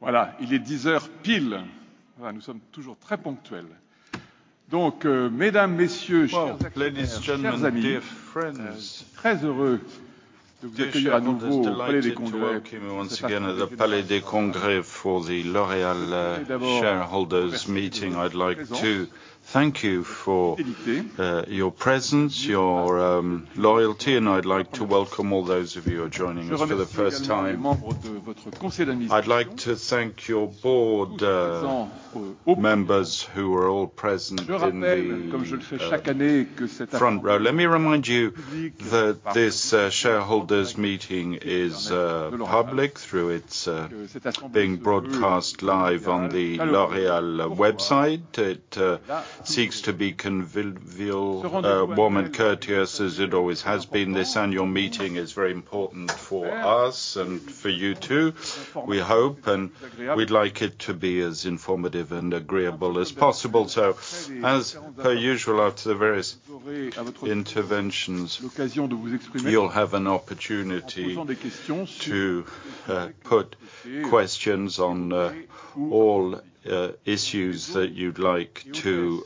Voilà. Il est 10:00 A.M. Voilà, nous sommes toujours très ponctuels. Mesdames, messieurs, chers actionnaires, chers amis. Très heureux de vous accueillir à nouveau au Palais des Congrès pour cette assemblée générale. D'abord, je vous remercie de votre présence. Je remercie également les membres de votre conseil d'administration tous présents au complet. Je rappelle, comme je le fais chaque année, que cette assemblée générale est publique et permet de l'enregistrer. Que cette assemblée se veut conviviale, chaleureuse. Se rendre aux voix. Voilà, je vous précise que la liste des actionnaires présents ou représentés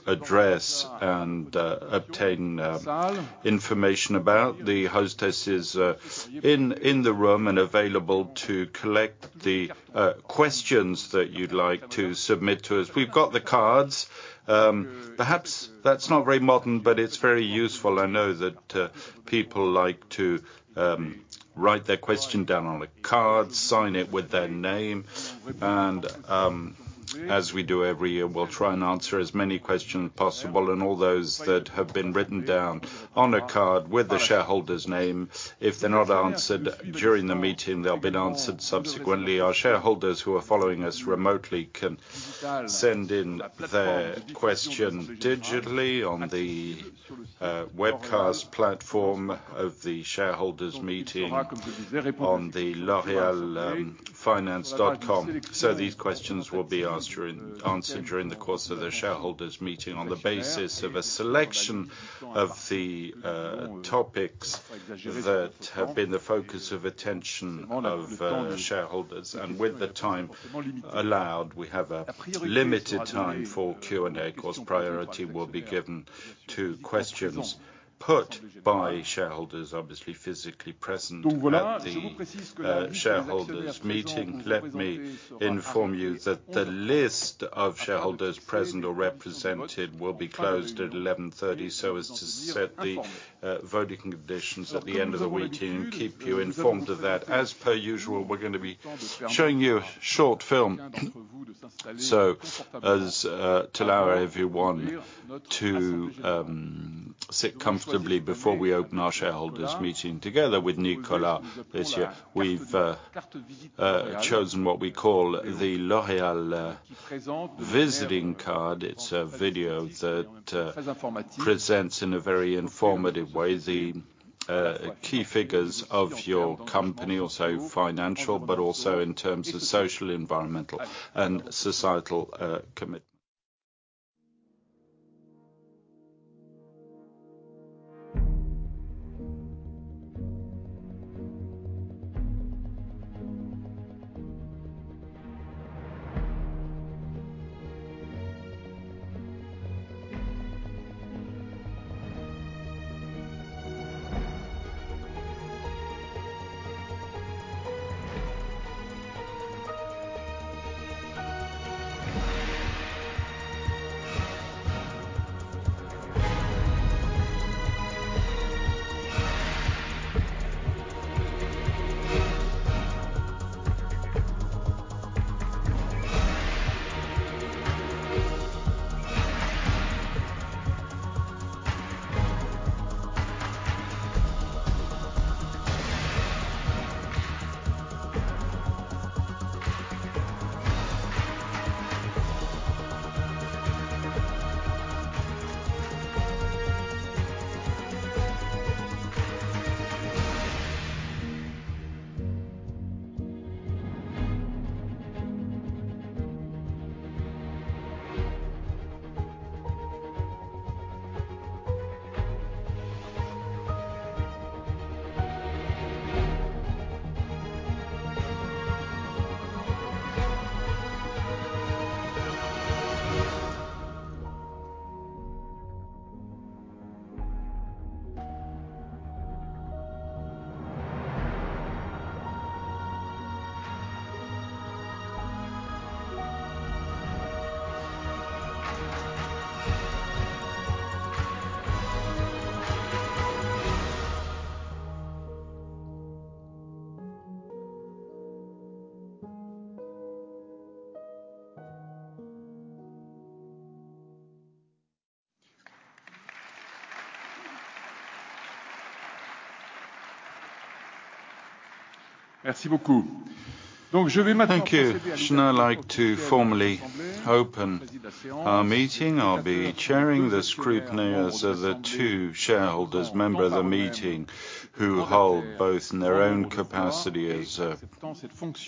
sera arrêtée à 11:30 A.M., de manière à pouvoir établir les conditions de vote. Alors que nous avons l'habitude, nous allons vous montrer un court film pour permettre à chacun d'entre vous de s'installer confortablement pour suivre notre assemblée générale. Je vous ai choisi, avec Nicolas, cette année, la carte de visite L'Oréal, qui présente de manière très synthétique et en même temps très informative les grands chiffres clés de votre compagnie, aussi financiers, mais aussi en termes d'engagement social, environnemental et sociétal. Merci beaucoup. Je vais maintenant procéder à l'ouverture officielle de l'assemblée. Who hold both in their own capacity as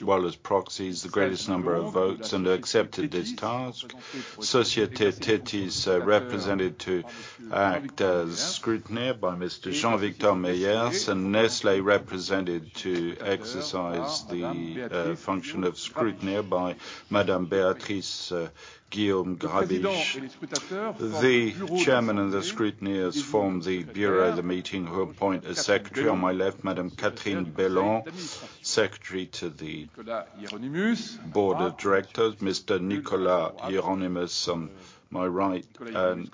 well as proxies the greatest number of votes and accepted this task. Société Générale is represented to act as scrutineer by Mr. Jean Victor Meyers and Nestlé represented to exercise the function of scrutineer by Madame Béatrice Guillaume-Grabisch. The chairman and the scrutineers form the bureau of the meeting who appoint a secretary. On my left, Madame Catherine Bellon, Secretary to the Board of Directors. Mr. Nicolas Hieronimus on my right and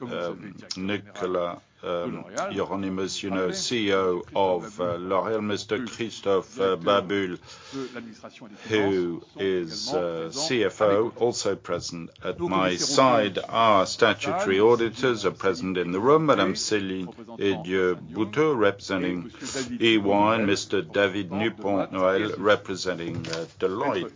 Nicolas Hieronimus, you know, CEO of L'Oréal. Mr. Christophe Babut, who is CFO also present. At my side, our statutory auditors are present in the room. Madame Céline Eydieu-Boutte representing EY and Mr. David Dupont-Noël representing Deloitte.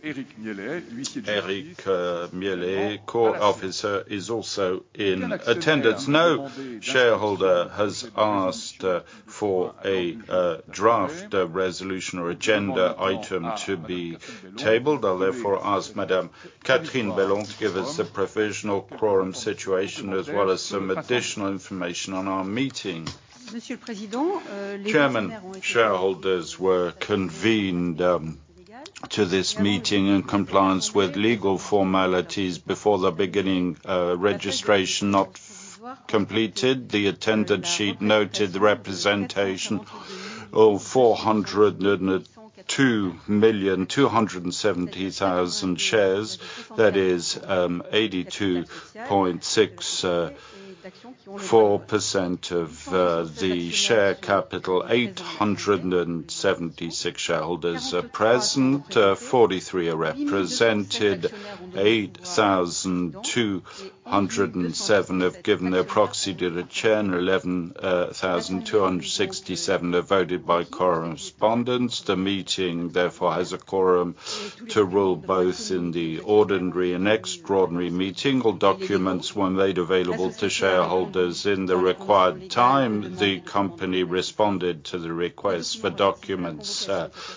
Eric Mellet, core officer is also in attendance. No shareholder has asked for a draft resolution or agenda item to be tabled. I'll therefore ask Madame Catherine Bellon to give us a provisional quorum situation as well as some additional information on our meeting. Mr. President. Chairman, shareholders were convened to this meeting in compliance with legal formalities before the beginning, registration of completed. The attendance sheet noted the representation of 402,270,000 shares. That is 82.64% of the share capital. 876 shareholders are present, 43 are represented. 8,207 have given their proxy to the chair, and 11,267 have voted by correspondence. The meeting, therefore, has a quorum to rule both in the ordinary and extraordinary meeting. All documents were made available to shareholders in the required time. The company responded to the request for documents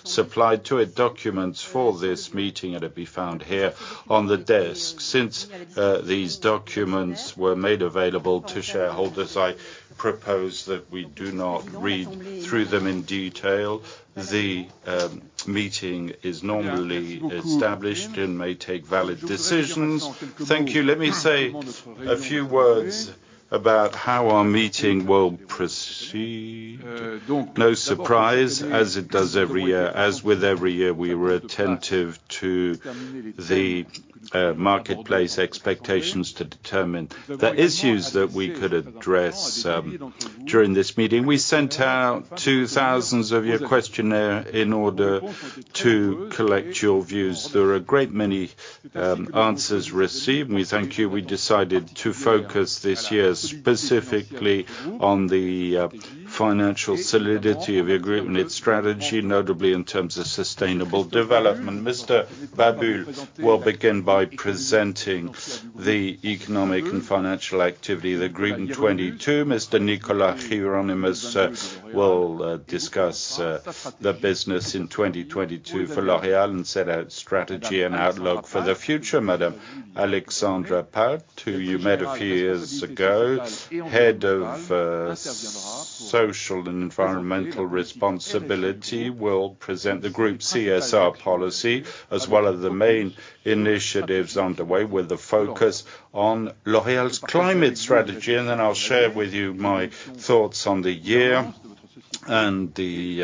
supplied to it. Documents for this meeting are to be found here on the desk. Since these documents were made available to shareholders, I propose that we do not read through them in detail. The meeting is normally established and may take valid decisions. Thank you. Let me say a few words about how our meeting will proceed. No surprise, as it does every year, as with every year, we were attentive to the marketplace expectations to determine the issues that we could address during this meeting. We sent out 2,000 of your questionnaire in order to collect your views. There are a great many answers received. We thank you. We decided to focus this year specifically on the financial solidity of your group and its strategy, notably in terms of sustainable development. Mr. Babut will begin by presenting the economic and financial activity of the group in 22. Mr. Nicolas Hieronimus will discuss the business in 2022 for L'Oréal and set out strategy and outlook for the future. Madame Alexandra Palt, who you met a few years ago, head of social and environmental responsibility, will present the group CSR policy, as well as the main initiatives underway with the focus on L'Oréal's climate strategy. I'll share with you my thoughts on the year and the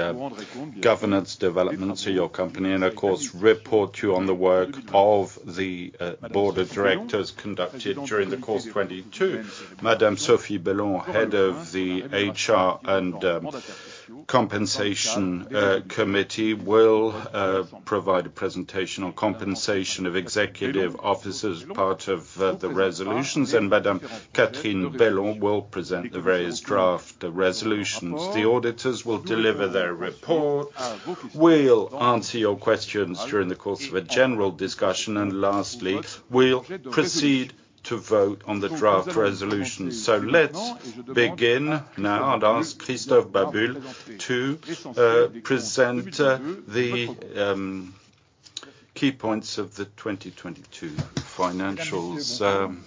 governance developments of your company, and of course, report to you on the work of the board of directors conducted during the course of 22. Madame Sophie Bellon, head of the HR and compensation committee will provide a presentation on compensation of executive officers, part of the resolutions. Madame Catherine Bellon will present the various draft resolutions. The auditors will deliver their report. We'll answer your questions during the course of a general discussion, and lastly, we'll proceed to vote on the draft resolution. Let's begin now and ask Christophe Babule to present the key points of the 2022 financials.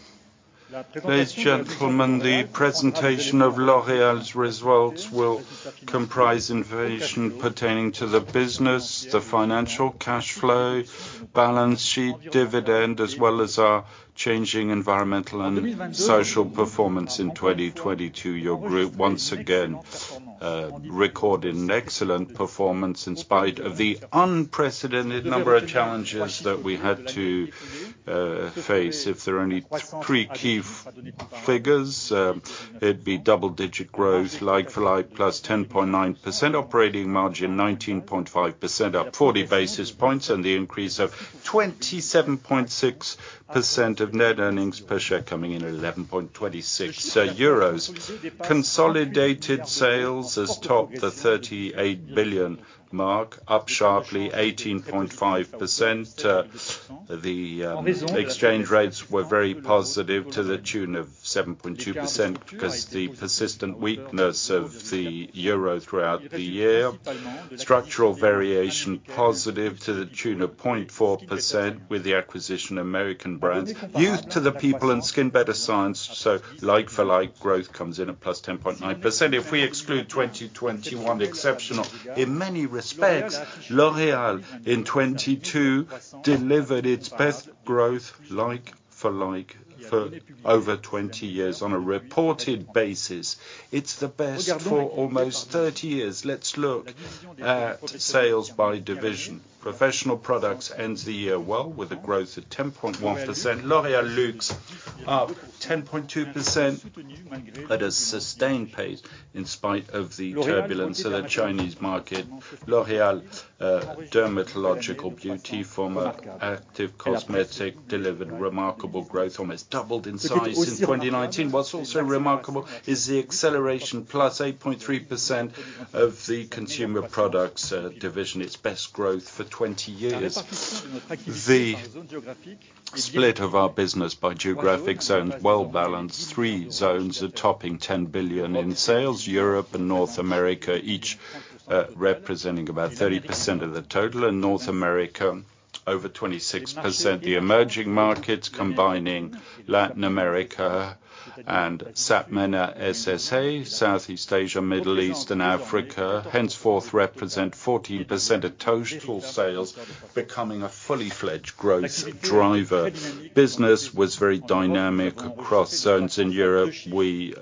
Ladies and gentlemen, the presentation of L'Oréal's results will comprise information pertaining to the business, the financial cash flow, balance sheet, dividend, as well as our changing environmental and social performance in 2022. Your group, once again, recorded an excellent performance in spite of the unprecedented number of challenges that we had to face. If there are any three key figures, it'd be double-digit growth, like for like, +10.9%, operating margin 19.5%, up 40 basis points, and the increase of 27.6% of net earnings per share coming in at 11.26 euros. Consolidated sales has topped the 38 billion mark, up sharply 18.5%. The exchange rates were very positive to the tune of 7.2% because the persistent weakness of the euro throughout the year. Structural variation positive to the tune of 0.4% with the acquisition of American brands, Youth to the People and SkinBetter Science. Like for like growth comes in at +10.9%. If we exclude 2021 exceptional, in many respects, L'Oréal in 2022 delivered its best growth like for like for over 20 years. On a reported basis, it's the best for almost 30 years. Let's look at sales by division. Professional products ends the year well with a growth of 10.1%. L'Oréal Luxe up 10.2% at a sustained pace in spite of the turbulence of the Chinese market. L'Oréal, Dermatological Beauty from Active Cosmetics delivered remarkable growth, almost doubled in size in 2019. What's also remarkable is the acceleration +8.3% of the consumer products division, its best growth for 20 years. The split of our business by geographic zones, well-balanced. Three zones are topping 10 billion in sales. Europe and North America each representing about 30% of the total. In North America over 26%. The emerging markets combining Latin America and SAPMENA SSA, Southeast Asia, Middle East, and Africa, henceforth represent 14% of total sales becoming a fully-fledged growth driver. Business was very dynamic across zones. In Europe, we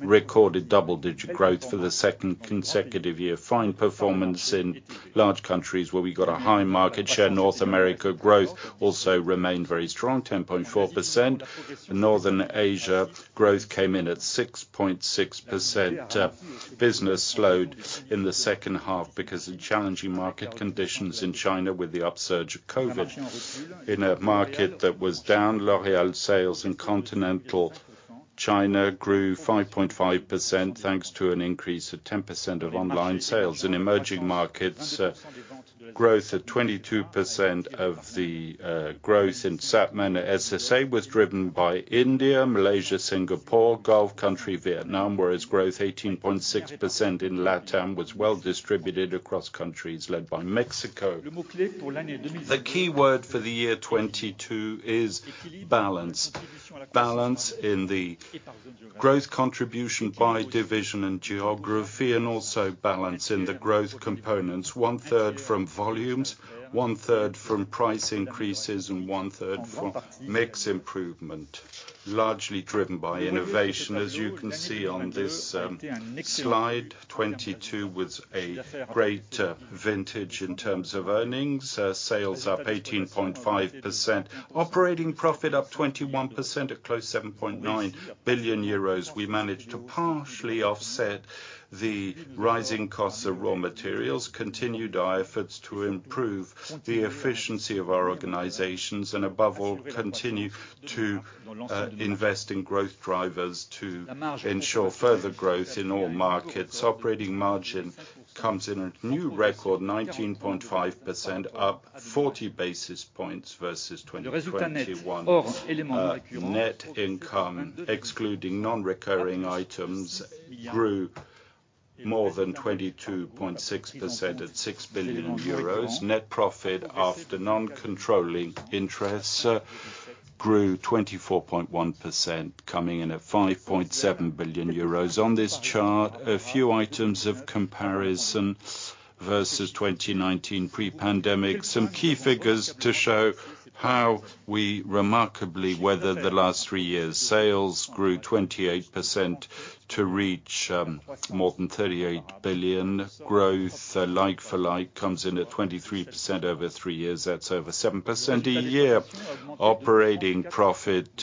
recorded double-digit growth for the second consecutive year. Fine performance in large countries where we got a high market share. North America growth also remained very strong, 10.4%. Northern Asia growth came in at 6.6%. Business slowed in the second half because of challenging market conditions in China with the upsurge of Covid. In a market that was down, L'Oréal sales in continental China grew 5.5% thanks to an increase of 10% of online sales. In emerging markets, growth at 22% of the growth in SAPMENA SSA was driven by India, Malaysia, Singapore, Gulf country, Vietnam, whereas growth 18.6% in Latam was well distributed across countries led by Mexico. The key word for the year 2022 is balance. Balance in the growth contribution by division and geography, and also balance in the growth components. One-third from volumes, one-third from price increases, and one-third from mix improvement, largely driven by innovation. As you can see on this slide, 2022 was a great vintage in terms of earnings. Sales up 18.5%, operating profit up 21% at close to 7.9 billion euros. We managed to partially offset the rising costs of raw materials, continued our efforts to improve the efficiency of our organizations and above all, continue to invest in growth drivers to ensure further growth in all markets. Operating margin comes in a new record 19.5% up 40 basis points versus 2021. Net income, excluding non-recurring items, grew more than 22.6% at 6 billion euros. Net profit after non-controlling interests grew 24.1% coming in at 5.7 billion euros. On this chart, a few items of comparison versus 2019 pre-pandemic. Some key figures to show how we remarkably weathered the last 3 years. Sales grew 28% to reach more than 38 billion. Growth like for like comes in at 23% over 3 years, that's over 7% a year. Operating profit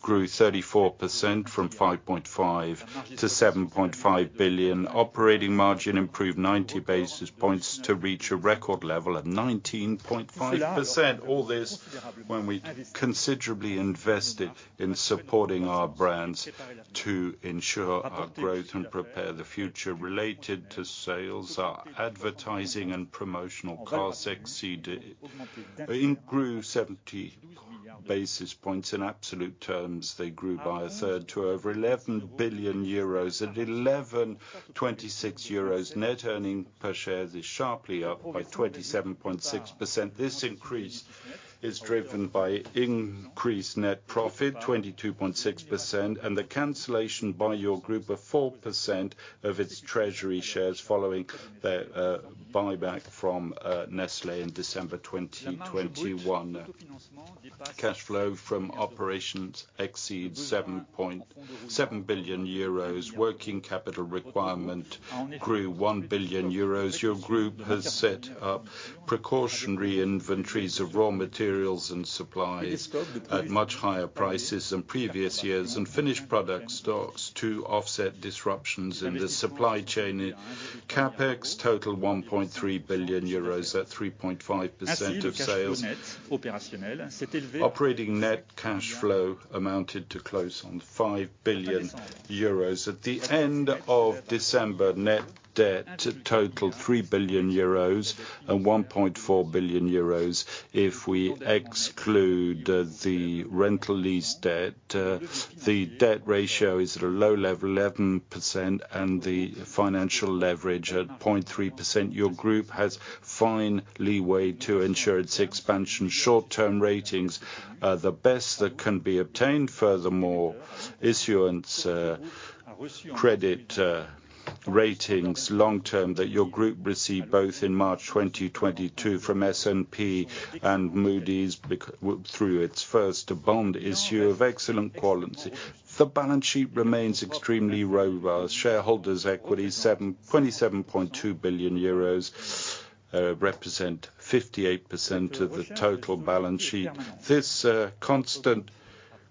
grew 34% from 5.5 billion-7.5 billion. Operating margin improved 90 basis points to reach a record level at 19.5%. All this when we considerably invested in supporting our brands to ensure our growth and prepare the future related to sales. Our advertising and promotional costs grew 70 basis points. In absolute terms, they grew by a third to over 11 billion euros. At 11.26 euros, net earning per share is sharply up by 27.6%. This increase is driven by increased net profit, 22.6%, and the cancellation by your group of 4% of its treasury shares following the buyback from Nestlé in December 2021. Cash flow from operations exceeds 7 billion euros. Working capital requirement grew 1 billion euros. Your group has set up precautionary inventories of raw materials and supplies at much higher prices than previous years and finished product stocks to offset disruptions in the supply chain. CapEx total 1.3 billion euros at 3.5% of sales. Operating net cash flow amounted to close on 5 billion euros. At the end of December, net debt totaled 3 billion euros and 1.4 billion euros if we exclude the rental lease debt. The debt ratio is at a low level, 11%, and the financial leverage at 0.3%. Your group has fine leeway to ensure its expansion. Short-term ratings are the best that can be obtained. Furthermore, issuance credit ratings long-term that your group received both in March 2022 from S&P and Moody's through its first bond issue of excellent quality. The balance sheet remains extremely robust. Shareholders' equity 27.2 billion euros represent 58% of the total balance sheet. This constant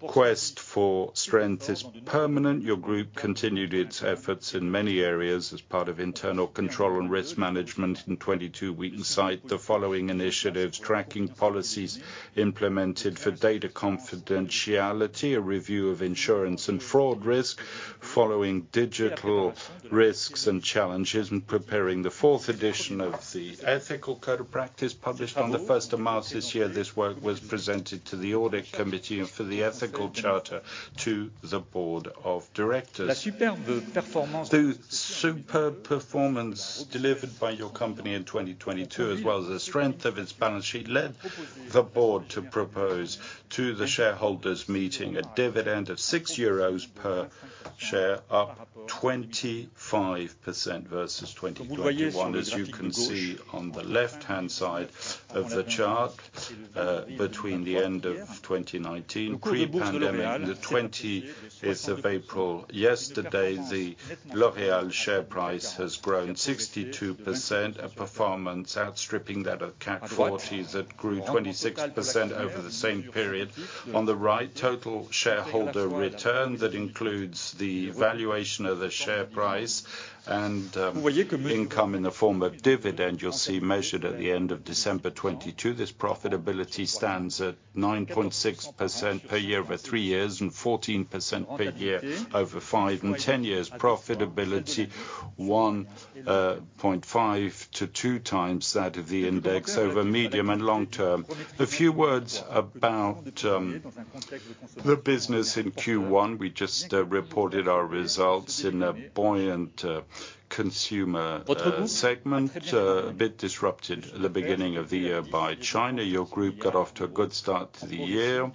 quest for strength is permanent. Your group continued its efforts in many areas as part of internal control and risk management. In 2022 we cite the following initiatives: tracking policies implemented for data confidentiality, a review of insurance and fraud risk following digital risks and challenges, and preparing the fourth edition of the ethical code of practice published on the first of March this year. This work was presented to the audit committee and for the ethical charter to the board of directors. The superb performance delivered by your company in 2022 as well as the strength of its balance sheet led the board to propose to the shareholders meeting a dividend of 6 euros per share, up 25% versus 2021. As you can see on the left-hand side of the chart, between the end of 2019 pre-pandemic and the 20th of April yesterday, the L'Oréal share price has grown 62%, a performance outstripping that of CAC 40 that grew 26% over the same period. On the right, total shareholder return that includes the valuation of the share price and income in the form of dividend you'll see measured at the end of December 2022. This profitability stands at 9.6% per year over 3 years and 14% per year over five and 10 years. Profitability 1.5 to 2 times that of the index over medium and long term. A few words about the business in Q1. We just reported our results in a buoyant consumer segment, a bit disrupted at the beginning of the year by China. Your group got off to a good start to the year.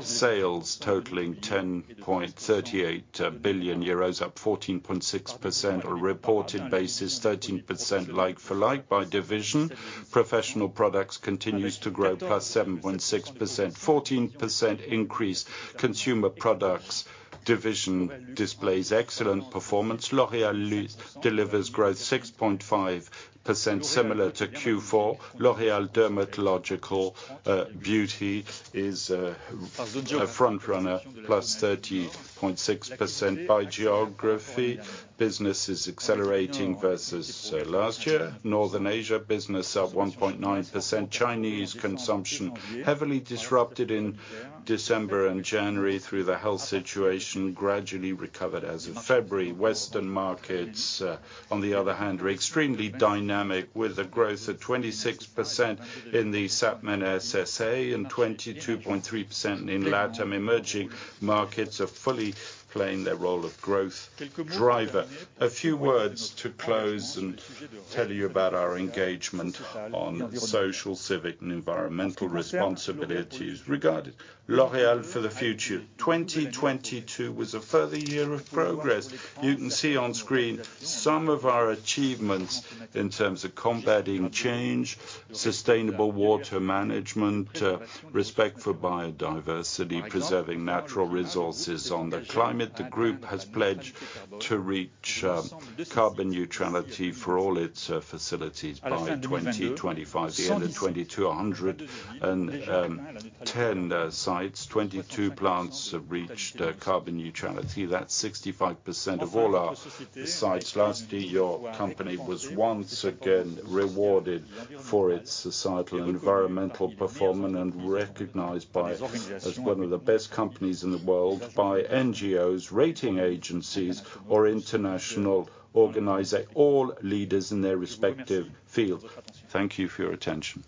Sales totaling 10.38 billion euros, +14.6%. On a reported basis, 13% LFL by division. Professional Products continues to grow +7.6%. 14% increase Consumer Products division displays excellent performance. L'Oréal Luxe delivers growth 6.5% similar to Q4. L'Oréal Dermatological Beauty is a frontrunner, +30.6%. By geography, business is accelerating versus last year. Northern Asia business +1.9%. Chinese consumption heavily disrupted in December and January through the health situation, gradually recovered as of February. Western markets, on the other hand, are extremely dynamic with a growth of 26% in the SAPMEN SSA and 22.3% in LATAM. Emerging markets are fully playing their role of growth driver. A few words to close and tell you about our engagement on social, civic, and environmental responsibilities. Regarding L'Oréal for the Future, 2022 was a further year of progress. You can see on screen some of our achievements in terms of combating change, sustainable water management, respect for biodiversity, preserving natural resources. On the climate, the group has pledged to reach carbon neutrality for all its facilities by 2025. The end of 2022, 110 sites, 22 plants have reached carbon neutrality. That's 65% of all our sites. Lastly, your company was once again rewarded for its societal environmental performance and recognized as one of the best companies in the world by NGOs, rating agencies or international all leaders in their respective fields. Thank you for your attention.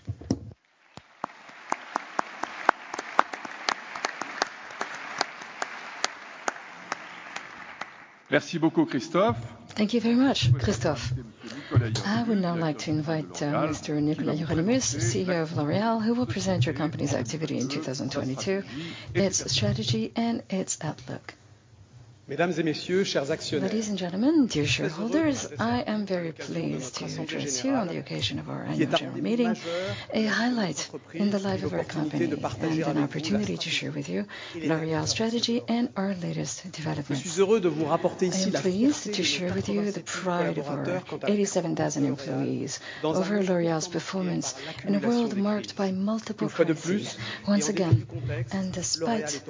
Thank you very much, Christophe. I would now like to invite, Mr. Nicolas Hieronimus, CEO of L'Oréal, who will present your company's activity in 2022, its strategy and its outlook. Ladies and gentlemen, dear shareholders, I am very pleased to address you on the occasion of our annual general meeting A highlight in the life of our company and an opportunity to share with you L'Oréal strategy and our latest developments. I am pleased to share with you the pride of our 87,000 employees over L'Oréal's performance in a world marked by multiple crises. Despite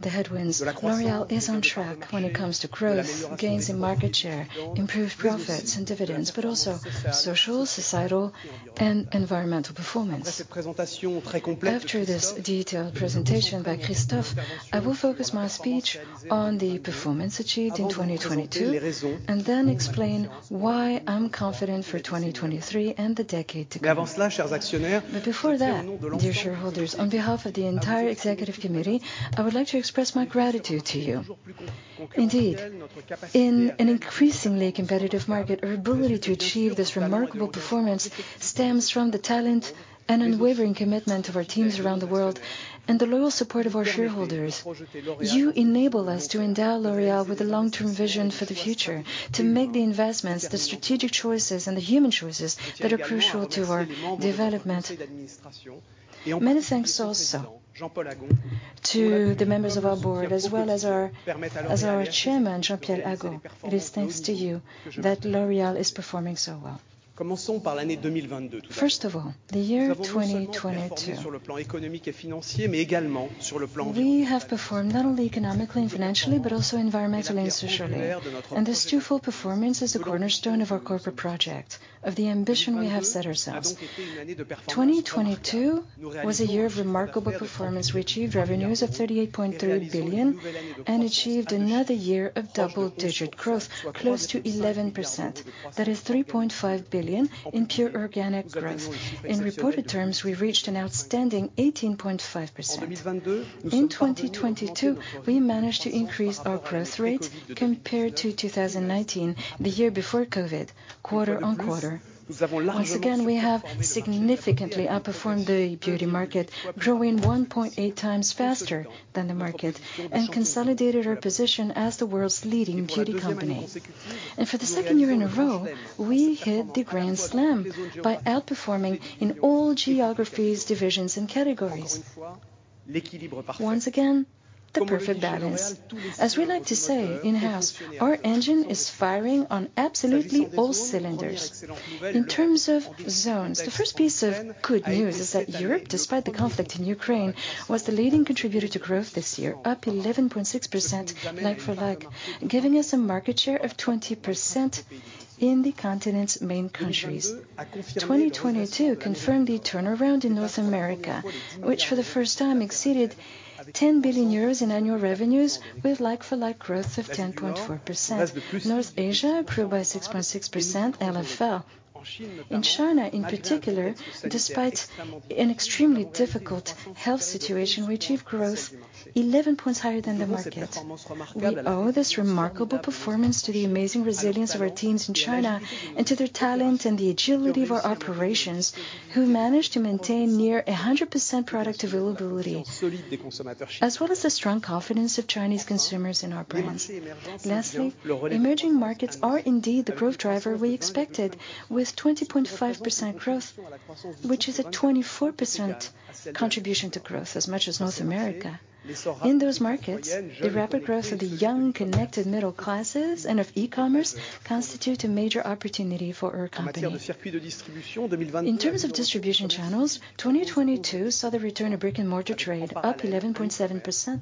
the headwinds, L'Oréal is on track when it comes to growth, gains in market share, improved profits and dividends, but also social, societal, and environmental performance. After this detailed presentation by Christophe, I will focus my speech on the performance achieved in 2022, then explain why I'm confident for 2023 and the decade to come. Before that, dear shareholders, on behalf of the entire executive committee, I would like to express my gratitude to you. Indeed, in an increasingly competitive market, our ability to achieve this remarkable performance stems from the talent and unwavering commitment of our teams around the world and the loyal support of our shareholders. You enable us to endow L'Oréal with a long-term vision for the future, to make the investments, the strategic choices, and the human choices that are crucial to our development. Many thanks also to the members of our board, as well as our chairman, Jean-Paul Agon. It is thanks to you that L'Oréal is performing so well. First of all, the year 2022. We have performed not only economically and financially, but also environmentally and socially. This twofold performance is a cornerstone of our corporate project, of the ambition we have set ourselves. 2022 was a year of remarkable performance. We achieved revenues of 38.3 billion and achieved another year of double-digit growth, close to 11%. That is 3.5 billion in pure organic growth. In reported terms, we reached an outstanding 18.5%. In 2022, we managed to increase our growth rate compared to 2019, the year before COVID, quarter-on-quarter. Once again, we have significantly outperformed the beauty market, growing 1.8 times faster than the market, and consolidated our position as the world's leading beauty company. For the second year in a row, we hit the Grand Slam by outperforming in all geographies, divisions, and categories. Once again, the perfect balance. As we like to say in-house, our engine is firing on absolutely all cylinders. In terms of zones, the first piece of good news is that Europe, despite the conflict in Ukraine, was the leading contributor to growth this year, up 11.6% like for like, giving us a market share of 20% in the continent's main countries. 2022 confirmed the turnaround in North America, which for the first time exceeded 10 billion euros in annual revenues with like for like growth of 10.4%. North Asia grew by 6.6% LFL. In China, in particular, despite an extremely difficult health situation, we achieved growth 11 points higher than the market. We owe this remarkable performance to the amazing resilience of our teams in China and to their talent and the agility of our operations, who managed to maintain near 100% product availability, as well as the strong confidence of Chinese consumers in our brands. Emerging markets are indeed the growth driver we expected with 20.5% growth, which is a 24% contribution to growth as much as North America. In those markets, the rapid growth of the young, connected middle classes and of e-commerce constitute a major opportunity for our company. In terms of distribution channels, 2022 saw the return of brick-and-mortar trade, up 11.7%,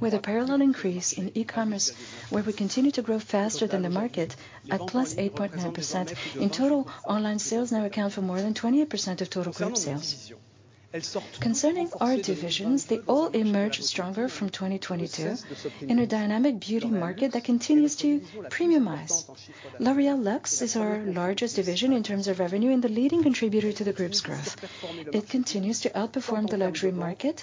with a parallel increase in e-commerce, where we continue to grow faster than the market at +8.9%. In total, online sales now account for more than 28% of total group sales. Concerning our divisions, they all emerged stronger from 2022 in a dynamic beauty market that continues to premiumize. L'Oréal Luxe is our largest division in terms of revenue and the leading contributor to the group's growth. It continues to outperform the luxury market,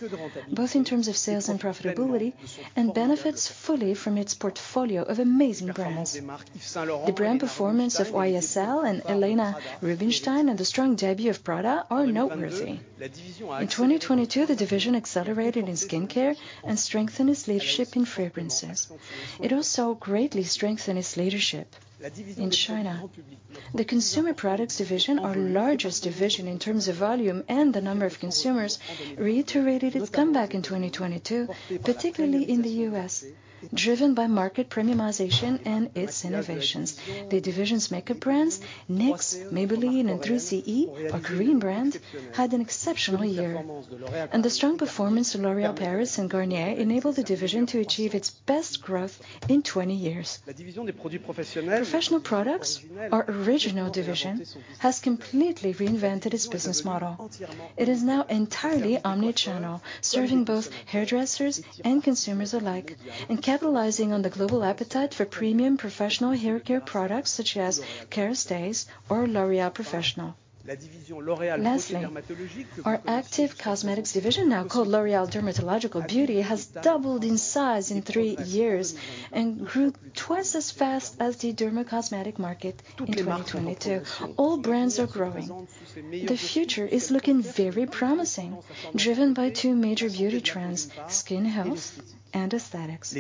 both in terms of sales and profitability, and benefits fully from its portfolio of amazing brands. The brand performance of YSL and Helena Rubinstein, and the strong debut of Prada are noteworthy. In 2022, the division accelerated in skincare and strengthened its leadership in fragrances. It also greatly strengthened its leadership in China. The Consumer Products division, our largest division in terms of volume and the number of consumers, reiterated its comeback in 2022, particularly in the U.S., driven by market premiumization and its innovations. The division's makeup brands, NYX, Maybelline, and 3CE, our Korean brand, had an exceptional year. The strong performance of L'Oréal Paris and Garnier enabled the division to achieve its best growth in 20 years. Professional products, our original division, has completely reinvented its business model. It is now entirely omni-channel, serving both hairdressers and consumers alike and capitalizing on the global appetite for premium professional hair care products such as Kérastase or L'Oréal Professionnel. Lastly, our active cosmetics division, now called L'Oréal Dermatological Beauty, has doubled in size in 3 years and grew twice as fast as the dermacosmetic market in 2022. All brands are growing. The future is looking very promising, driven by two major beauty trends: skin health and aesthetics.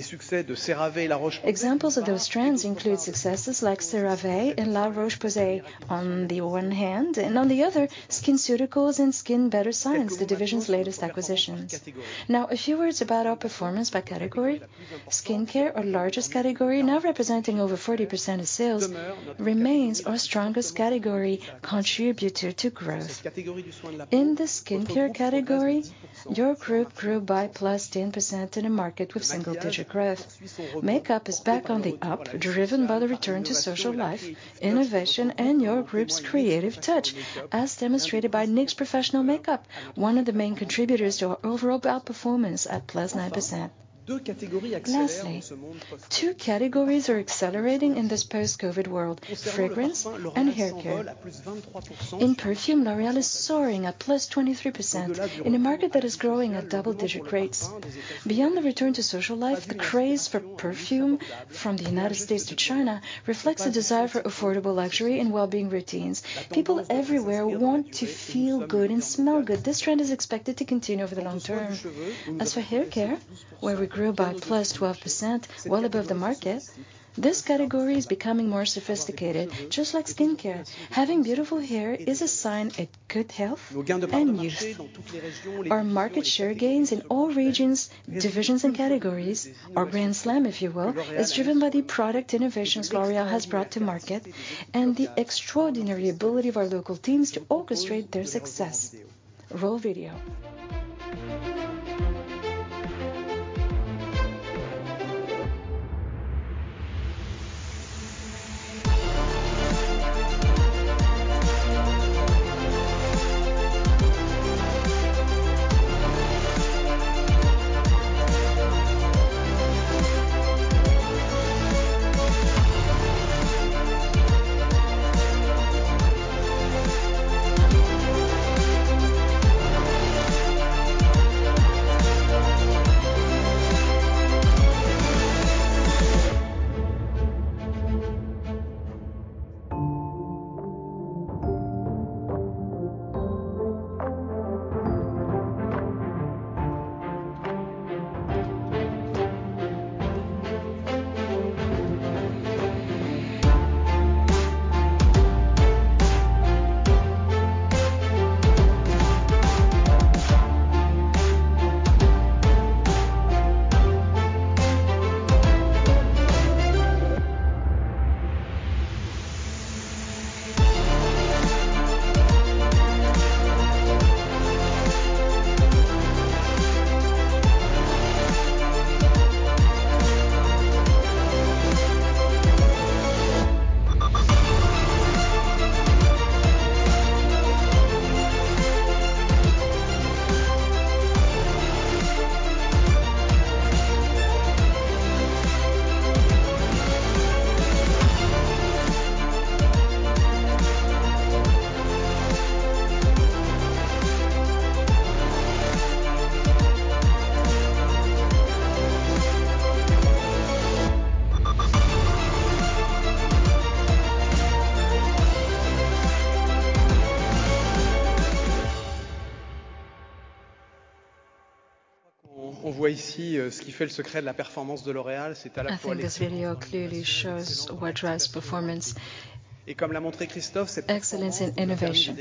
Examples of those trends include successes like CeraVe and La Roche-Posay on the one hand, and on the other, SkinCeuticals and SkinBetter Science, the division's latest acquisitions. A few words about our performance by category. Skincare, our largest category, now representing over 40% of sales, remains our strongest category contributor to growth. In the skincare category, your group grew by +10% in a market with single-digit growth. Makeup is back on the up, driven by the return to social life, innovation, and your group's creative touch, as demonstrated by NYX Professional Makeup, one of the main contributors to our overall outperformance at +9%. Two categories are accelerating in this post-COVID world: fragrance and hair care. In perfume, L'Oréal is soaring at +23% in a market that is growing at double-digit rates. Beyond the return to social life, the craze for perfume from the United States to China reflects a desire for affordable luxury and well-being routines. People everywhere want to feel good and smell good. This trend is expected to continue over the long term. As for hair care, where we grew by +12%, well above the market, this category is becoming more sophisticated, just like skincare. Having beautiful hair is a sign of good health and youth. Our market share gains in all regions, divisions, and categories, our Grand Slam, if you will, is driven by the product innovations L'Oréal has brought to market and the extraordinary ability of our local teams to orchestrate their success. Roll video. I think this video clearly shows what drives performance, excellence, and innovation.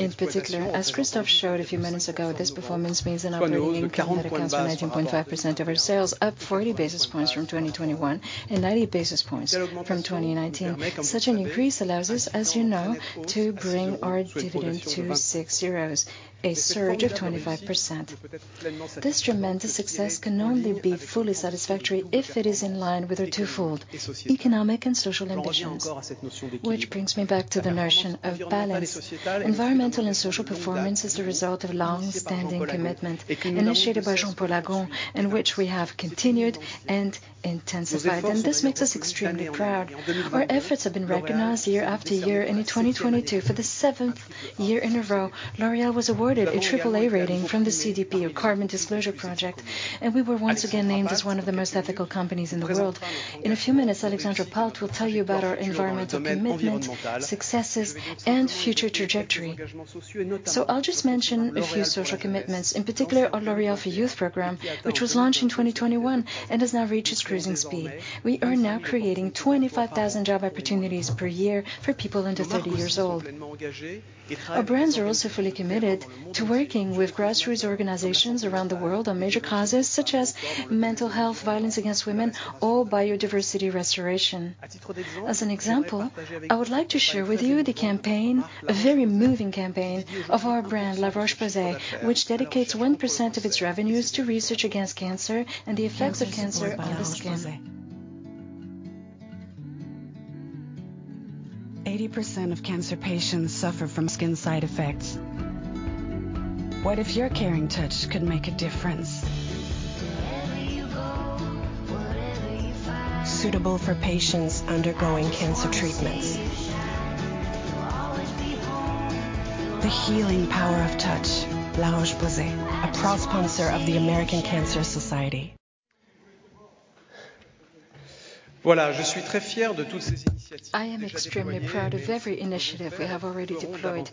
In particular, as Christophe showed a few minutes ago, this performance means an operating income that accounts for 19.5% of our sales, up 40 basis points from 2021 and 90 basis points from 2019. Such an increase allows us, as you know, to bring our dividend to 6 euros, a surge of 25%. This tremendous success can only be fully satisfactory if it is in line with our twofold economic and social ambitions. Which brings me back to the notion of balance. Environmental and social performance is the result of longstanding commitment initiated by Jean-Paul Agon, in which we have continued and intensified, and this makes us extremely proud. Our efforts have been recognized year after year. In 2022, for the seventh year in a row, L'Oréal was awarded a triple A rating from the CDP, or Carbon Disclosure Project, and we were once again named as one of the most ethical companies in the world. In a few minutes, Alexandra Palt will tell you about our environmental commitment, successes, and future trajectory. I'll just mention a few social commitments, in particular our L'Oréal for Youth program, which was launched in 2021 and has now reached its cruising speed. We are now creating 25,000 job opportunities per year for people under 30 years old. Our brands are also fully committed to working with grassroots organizations around the world on major causes such as mental health, violence against women, or biodiversity restoration. As an example, I would like to share with you the campaign, a very moving campaign, of our brand La Roche-Posay, which dedicates 1% of its revenues to research against cancer and the effects of cancer on the skin. 80% of cancer patients suffer from skin side effects. What if your caring touch could make a difference? Suitable for patients undergoing cancer treatments. The healing power of touch. La Roche-Posay, a proud sponsor of the American Cancer Society. I am extremely proud of every initiative we have already deployed,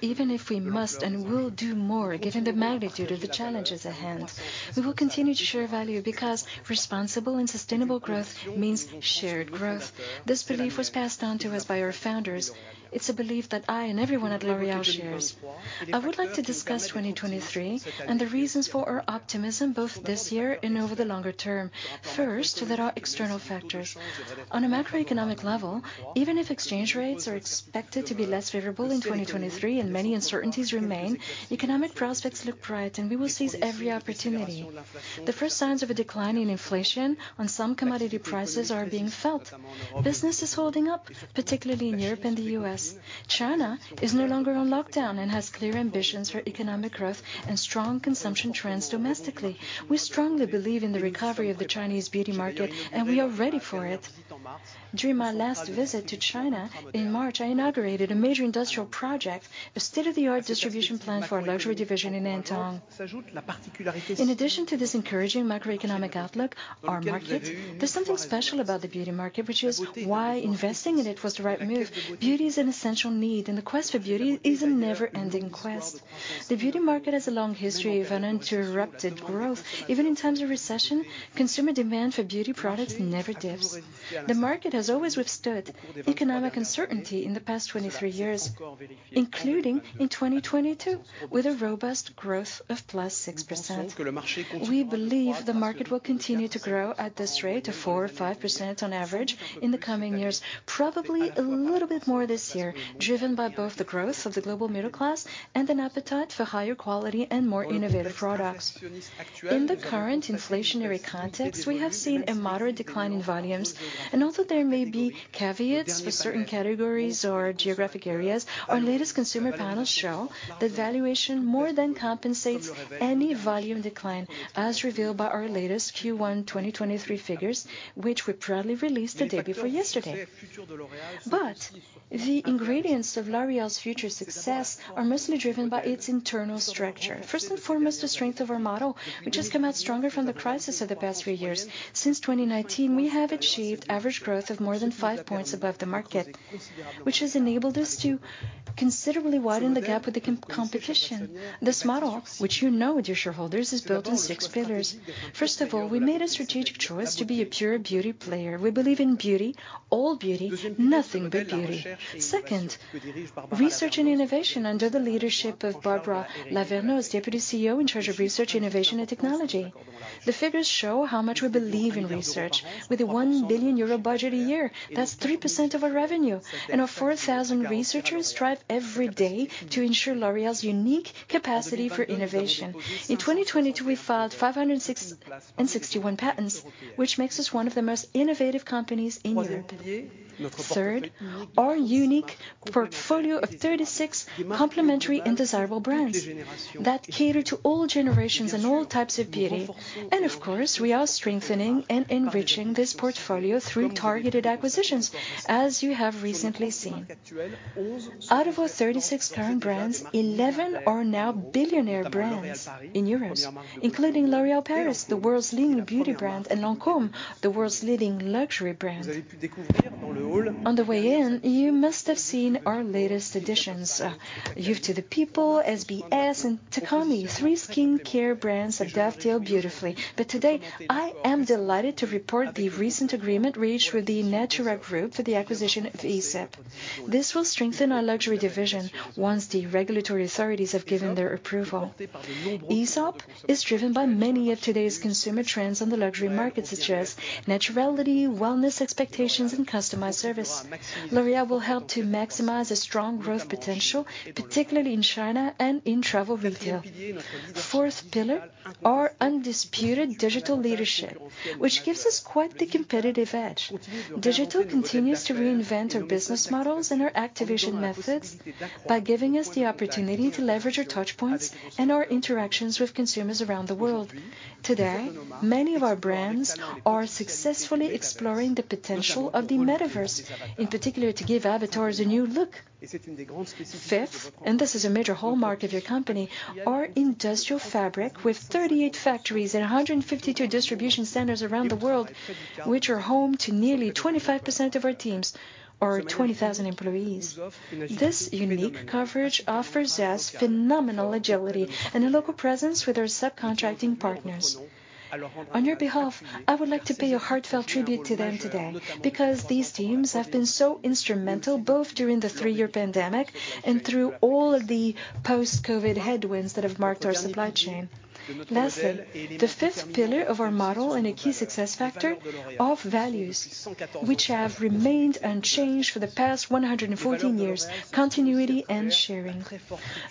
even if we must and will do more given the magnitude of the challenges at hand. We will continue to share value because responsible and sustainable growth means shared growth. This belief was passed on to us by our founders. It's a belief that I and everyone at L'Oréal shares. I would like to discuss 2023 and the reasons for our optimism both this year and over the longer term. First, there are external factors. On a macroeconomic level, even if exchange rates are expected to be less favorable in 2023 and many uncertainties remain, economic prospects look bright. We will seize every opportunity. The first signs of a decline in inflation on some commodity prices are being felt. Business is holding up, particularly in Europe and the U.S. China is no longer on lockdown and has clear ambitions for economic growth and strong consumption trends domestically. We strongly believe in the recovery of the Chinese beauty market, we are ready for it. During my last visit to China in March, I inaugurated a major industrial project, a state-of-the-art distribution plant for our luxury division in Nantong. In addition to this encouraging macroeconomic outlook, our market, there's something special about the beauty market, which is why investing in it was the right move. Beauty is an essential need, the quest for beauty is a never-ending quest. The beauty market has a long history of uninterrupted growth. Even in times of recession, consumer demand for beauty products never dips. The market has always withstood economic uncertainty in the past 23 years, including in 2022, with a robust growth of +6%. We believe the market will continue to grow at this rate of 4% or 5% on average in the coming years, probably a little bit more this year, driven by both the growth of the global middle class and an appetite for higher quality and more innovative products. In the current inflationary context, we have seen a moderate decline in volumes. Although there may be caveats for certain categories or geographic areas, our latest consumer panels show that valuation more than compensates any volume decline, as revealed by our latest Q1 2023 figures, which we proudly released the day before yesterday. The ingredients of L'Oréal's future success are mostly driven by its internal structure. First and foremost, the strength of our model, which has come out stronger from the crisis of the past few years. Since 2019, we have achieved average growth of more than 5 points above the market, which has enabled us to considerably widen the gap with the competition. This model, which you know, dear shareholders, is built on 6 pillars. First of all, we made a strategic choice to be a pure beauty player. We believe in beauty, all beauty, nothing but beauty. Second, research and innovation under the leadership of Barbara Lavernos, Deputy CEO in charge of Research, Innovation, and Technology. The figures show how much we believe in research. With a 1 billion euro budget a year, that's 3% of our revenue, and our 4,000 researchers strive every day to ensure L'Oréal's unique capacity for innovation. In 2022, we filed 561 patents, which makes us 1 of the most innovative companies in Europe. Third, our unique portfolio of 36 complementary and desirable brands that cater to all generations and all types of beauty. Of course, we are strengthening and enriching this portfolio through targeted acquisitions, as you have recently seen. Out of our 36 current brands, 11 are now billionaire brands in EUR, including L'Oréal Paris, the world's leading beauty brand, and Lancôme, the world's leading luxury brand. On the way in, you must have seen our latest additions, Youth to the People, SBS, and Takami, 3 skincare brands that dovetail beautifully. Today, I am delighted to report the recent agreement reached with the Natura group for the acquisition of Aesop. This will strengthen our luxury division once the regulatory authorities have given their approval. Aesop is driven by many of today's consumer trends on the luxury market, such as naturality, wellness expectations, and customized service. L'Oréal will help to maximize a strong growth potential, particularly in China and in travel retail. Fourth pillar, our undisputed digital leadership, which gives us quite the competitive edge. Digital continues to reinvent our business models and our activation methods by giving us the opportunity to leverage our touch points and our interactions with consumers around the world. Today, many of our brands are successfully exploring the potential of the metaverse, in particular, to give avatars a new look. Fifth, this is a major hallmark of your company, our industrial fabric with 38 factories and 152 distribution centers around the world, which are home to nearly 25% of our teams or 20,000 employees. This unique coverage offers us phenomenal agility and a local presence with our subcontracting partners. On your behalf, I would like to pay a heartfelt tribute to them today because these teams have been so instrumental, both during the 3-year pandemic and through all the post-COVID headwinds that have marked our supply chain. Lastly, the 5th pillar of our model and a key success factor, our values, which have remained unchanged for the past 114 years, continuity and sharing.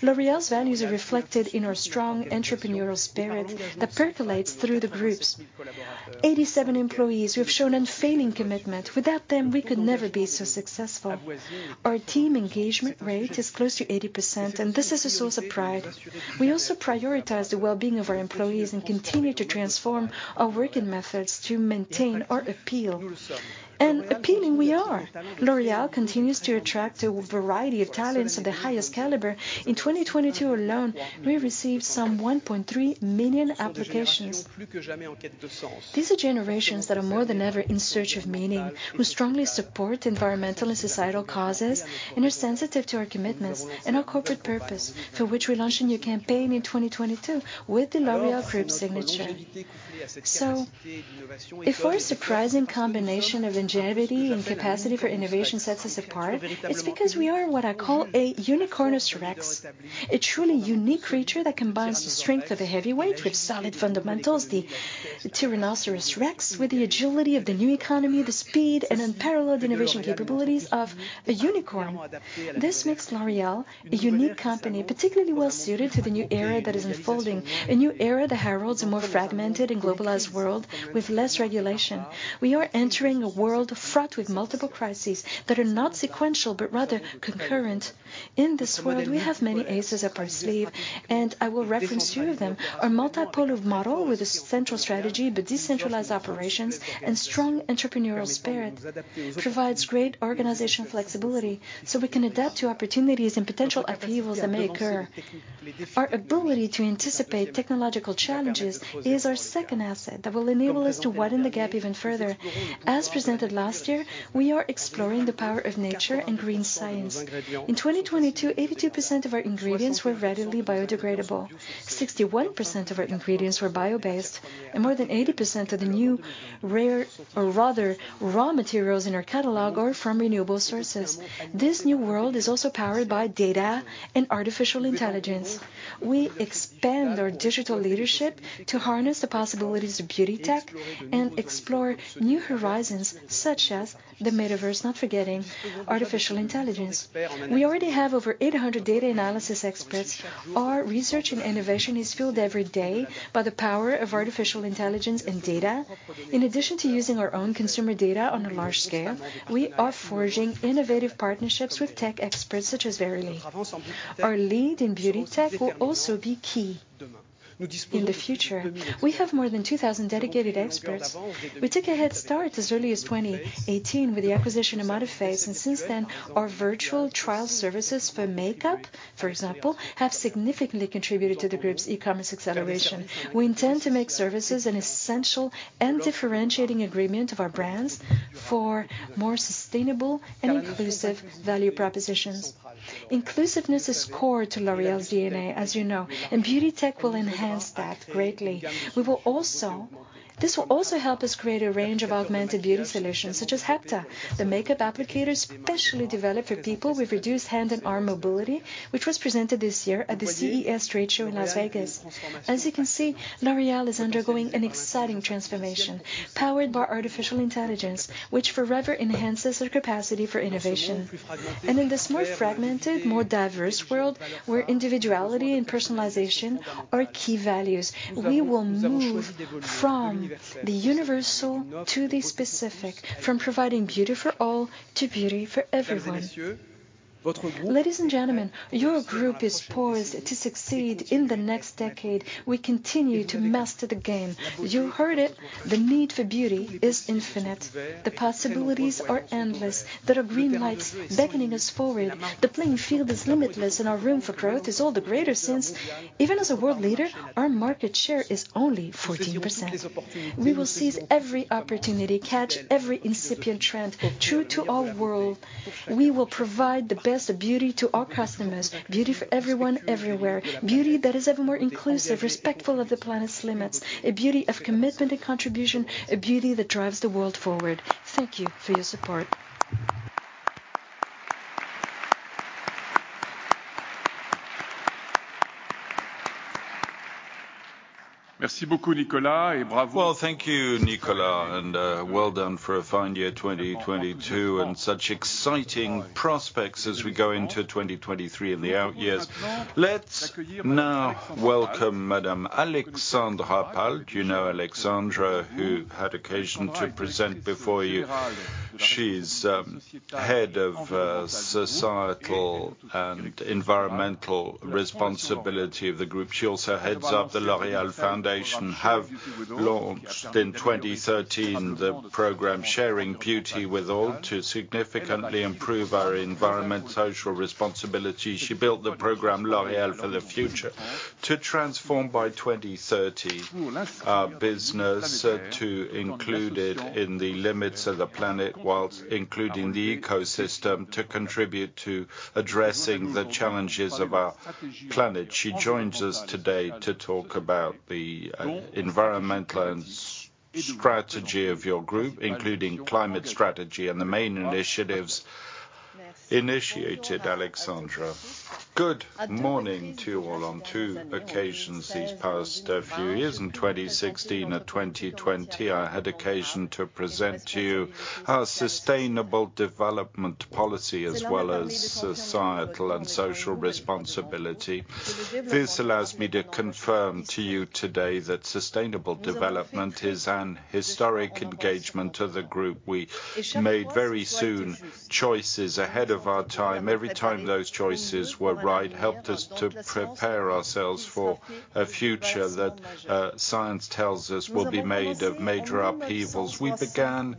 L'Oréal's values are reflected in our strong entrepreneurial spirit that percolates through the groups. 87 employees who have shown unfailing commitment. Without them, we could never be so successful. Our team engagement rate is close to 80%, and this is a source of pride. We also prioritize the well-being of our employees and continue to transform our working methods to maintain our appeal. L'Oréal continues to attract a variety of talents of the highest caliber. In 2022 alone, we received some 1.3 million applications. These are generations that are more than ever in search of meaning, who strongly support environmental and societal causes, and are sensitive to our commitments and our corporate purpose for which we launched a new campaign in 2022 with the L'Oréal Group signature. If our surprising combination of ingenuity and capacity for innovation sets us apart, it's because we are what I call a Unicornus Rex, a truly unique creature that combines the strength of a heavyweight with solid fundamentals, the Tyrannosaurus rex, with the agility of the new economy, the speed and unparalleled innovation capabilities of a unicorn. This makes L'Oréal a unique company, particularly well-suited to the new era that is unfolding. A new era that heralds a more fragmented and globalized world with less regulation. We are entering a world fraught with multiple crises that are not sequential, but rather concurrent. In this world, we have many aces up our sleeve, and I will reference two of them. Our multipolar model with a central strategy, but decentralized operations and strong entrepreneurial spirit provides great organizational flexibility, so we can adapt to opportunities and potential upheavals that may occur. Our ability to anticipate technological challenges is our second asset that will enable us to widen the gap even further. As presented last year, we are exploring the power of nature and green science. In 2022, 82% of our ingredients were readily biodegradable. 61% of our ingredients were bio-based, and more than 80% of the new rare, or rather raw materials in our catalog are from renewable sources. This new world is also powered by data and artificial intelligence. We expand our digital leadership to harness the possibilities of beauty tech and explore new horizons such as the metaverse, not forgetting artificial intelligence. We already have over 800 data analysis experts. Our research and innovation is fueled every day by the power of artificial intelligence and data. In addition to using our own consumer data on a large scale, we are forging innovative partnerships with tech experts such as Verily. Our lead in beauty tech will also be key in the future. We have more than 2,000 dedicated experts. We took a head start as early as 2018 with the acquisition of ModiFace, and since then, our virtual trial services for makeup, for example, have significantly contributed to the group's e-commerce acceleration. We intend to make services an essential and differentiating agreement of our brands for more sustainable and inclusive value propositions. Inclusiveness is core to L'Oréal's DNA, as you know, and beauty tech will enhance that greatly. This will also help us create a range of augmented beauty solutions, such as HAPTA, the makeup applicator specially developed for people with reduced hand and arm mobility, which was presented this year at the CES trade show in Las Vegas. As you can see, L'Oréal is undergoing an exciting transformation powered by artificial intelligence, which forever enhances our capacity for innovation. In this more fragmented, more diverse world where individuality and personalization are key values, we will move from the universal to the specific, from providing beauty for all to beauty for everyone. Ladies and gentlemen, your group is poised to succeed in the next decade. We continue to master the game. You heard it, the need for beauty is infinite. The possibilities are endless. There are green lights beckoning us forward. The playing field is limitless, our room for growth is all the greater since even as a world leader, our market share is only 14%. We will seize every opportunity, catch every incipient trend. True to our world, we will provide the best of beauty to our customers, beauty for everyone, everywhere. Beauty that is ever more inclusive, respectful of the planet's limits, a beauty of commitment and contribution, a beauty that drives the world forward. Thank you for your support. Thank you, Nicolas, and, well done for a fine year 2022 and such exciting prospects as we go into 2023 and the out years. Let's now welcome Madame Alexandra Palt. You know Alexandra, who had occasion to present before you. She's head of societal and environmental responsibility of the group. She also heads up the Fondation L'Oréal, have launched in 2013 the program Sharing Beauty With All to significantly improve our environment, social responsibility. She built the program L'Oréal for the Future to transform by 2030 our business to include it in the limits of the planet whilst including the ecosystem to contribute to addressing the challenges of our planet. She joins us today to talk about the environmental and s-strategy of your group, including climate strategy and the main initiatives initiated. Alexandra. Good morning to you all. On 2 occasions these past few years in 2016 and 2020, I had occasion to present to you our sustainable development policy as well as societal and social responsibility. This allows me to confirm to you today that sustainable development is an historic engagement of the group. We made very soon choices ahead of our time. Every time those choices were right helped us to prepare ourselves for a future that science tells us will be made of major upheavals. We began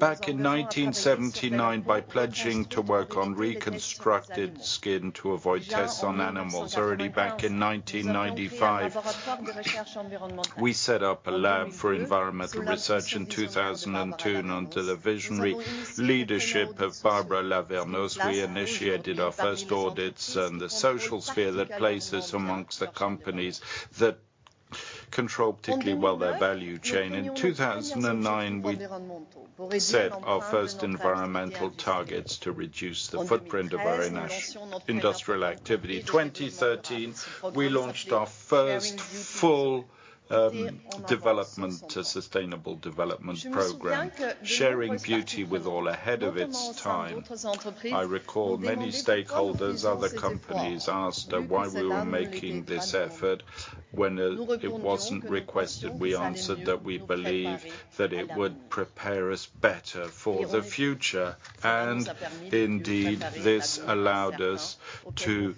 back in 1979 by pledging to work on reconstructed skin to avoid tests on animals. Already back in 1995, we set up a lab for environmental research. In 2002 and under the visionary leadership of Barbara Lavernos, we initiated our first audits in the social sphere that places amongst the companies that- Control particularly well their value chain. 2009, we set our first environmental targets to reduce the footprint of our nash industrial activity. 2013, we launched our first full development to sustainable development program, Sharing Beauty With All, ahead of its time. I recall many stakeholders, other companies asked why we were making this effort when it wasn't requested. We answered that we believe that it would prepare us better for the future. Indeed, this allowed us to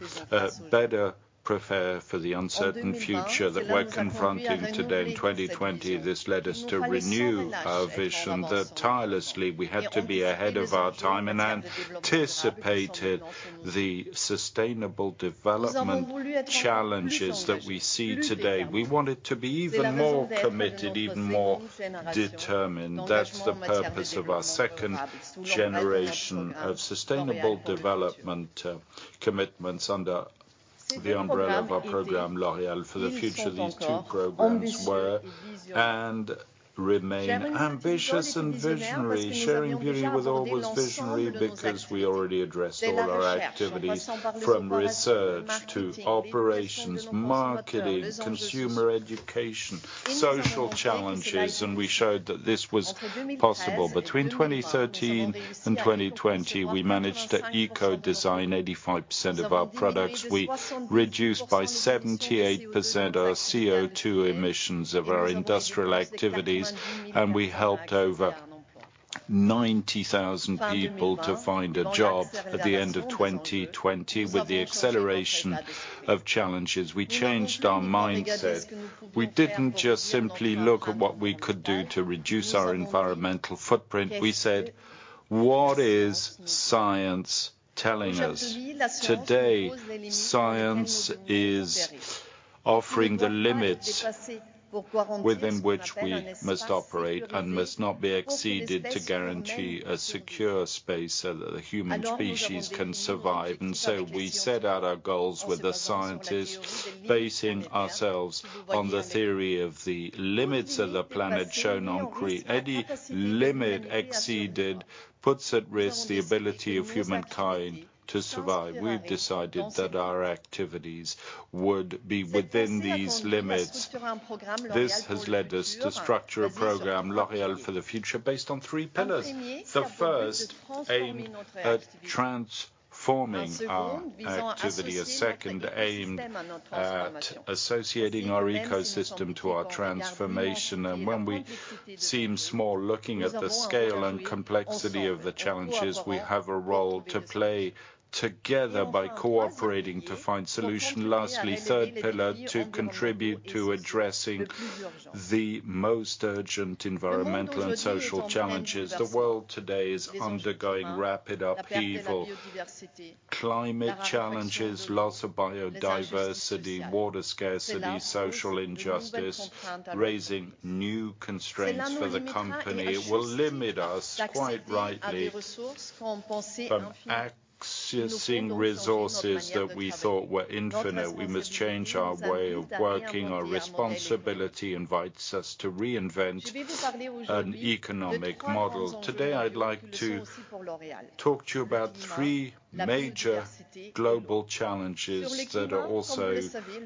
better prepare for the uncertain future that we're confronting today in 2020. This led us to renew our vision that tirelessly we had to be ahead of our time and anticipated the sustainable development challenges that we see today. We wanted to be even more committed, even more determined. That's the purpose of our second generation of sustainable development, commitments under the umbrella of our program, L'Oréal for the Future. These two programs were and remain ambitious and visionary. Sharing Beauty With All was visionary because we already addressed all our activities from research to operations, marketing, consumer education, social challenges. We showed that this was possible. Between 2013 and 2020, we managed to eco design 85% of our products. We reduced by 78% our CO₂ emissions of our industrial activities. We helped over 90,000 people to find a job at the end of 2020. With the acceleration of challenges, we changed our mindset. We didn't just simply look at what we could do to reduce our environmental footprint. We said, "What is science telling us?" Today, science is offering the limits within which we must operate and must not be exceeded to guarantee a secure space so that the human species can survive. We set out our goals with the scientists, basing ourselves on the theory of the limits of the planet shown on three. Any limit exceeded puts at risk the ability of humankind to survive. We've decided that our activities would be within these limits. This has led us to structure a program, L'Oréal For The Future, based on three pillars. The first aimed at transforming our activity. A second aimed at associating our ecosystem to our transformation. When we seem small, looking at the scale and complexity of the challenges, we have a role to play together by cooperating to find solution. Lastly, third pillar, to contribute to addressing the most urgent environmental and social challenges. The world today is undergoing rapid upheaval. Climate challenges, loss of biodiversity, water scarcity, social injustice, raising new constraints for the company will limit us, quite rightly, from accessing resources that we thought were infinite. We must change our way of working. Our responsibility invites us to reinvent an economic model. Today, I'd like to talk to you about three major global challenges that are also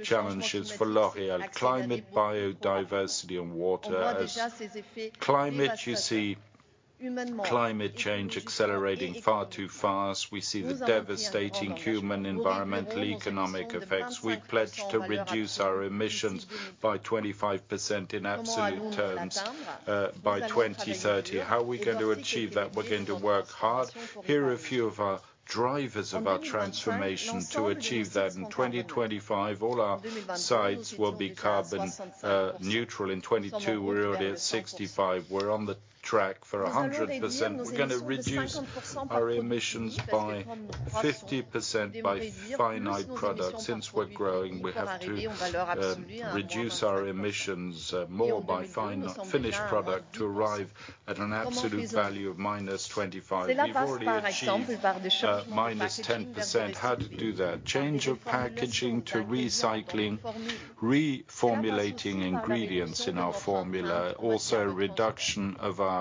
challenges for L'Oréal: climate, biodiversity, and water. As climate, you see climate change accelerating far too fast. We see the devastating human environmental economic effects. We pledge to reduce our emissions by 25% in absolute terms, by 2030. How are we going to achieve that? We're going to work hard. Here are a few of our drivers of our transformation to achieve that. In 2025, all our sites will be carbon neutral. In 2022, we're already at 65. We're on the track for 100%. We're gonna reduce our emissions by 50% by finished products. Since we're growing, we have to reduce our emissions more by finished product to arrive at an absolute value of -25. We've already achieved -10%. How to do that? Change of packaging to recycling, reformulating ingredients in our formula. Also, reduction of our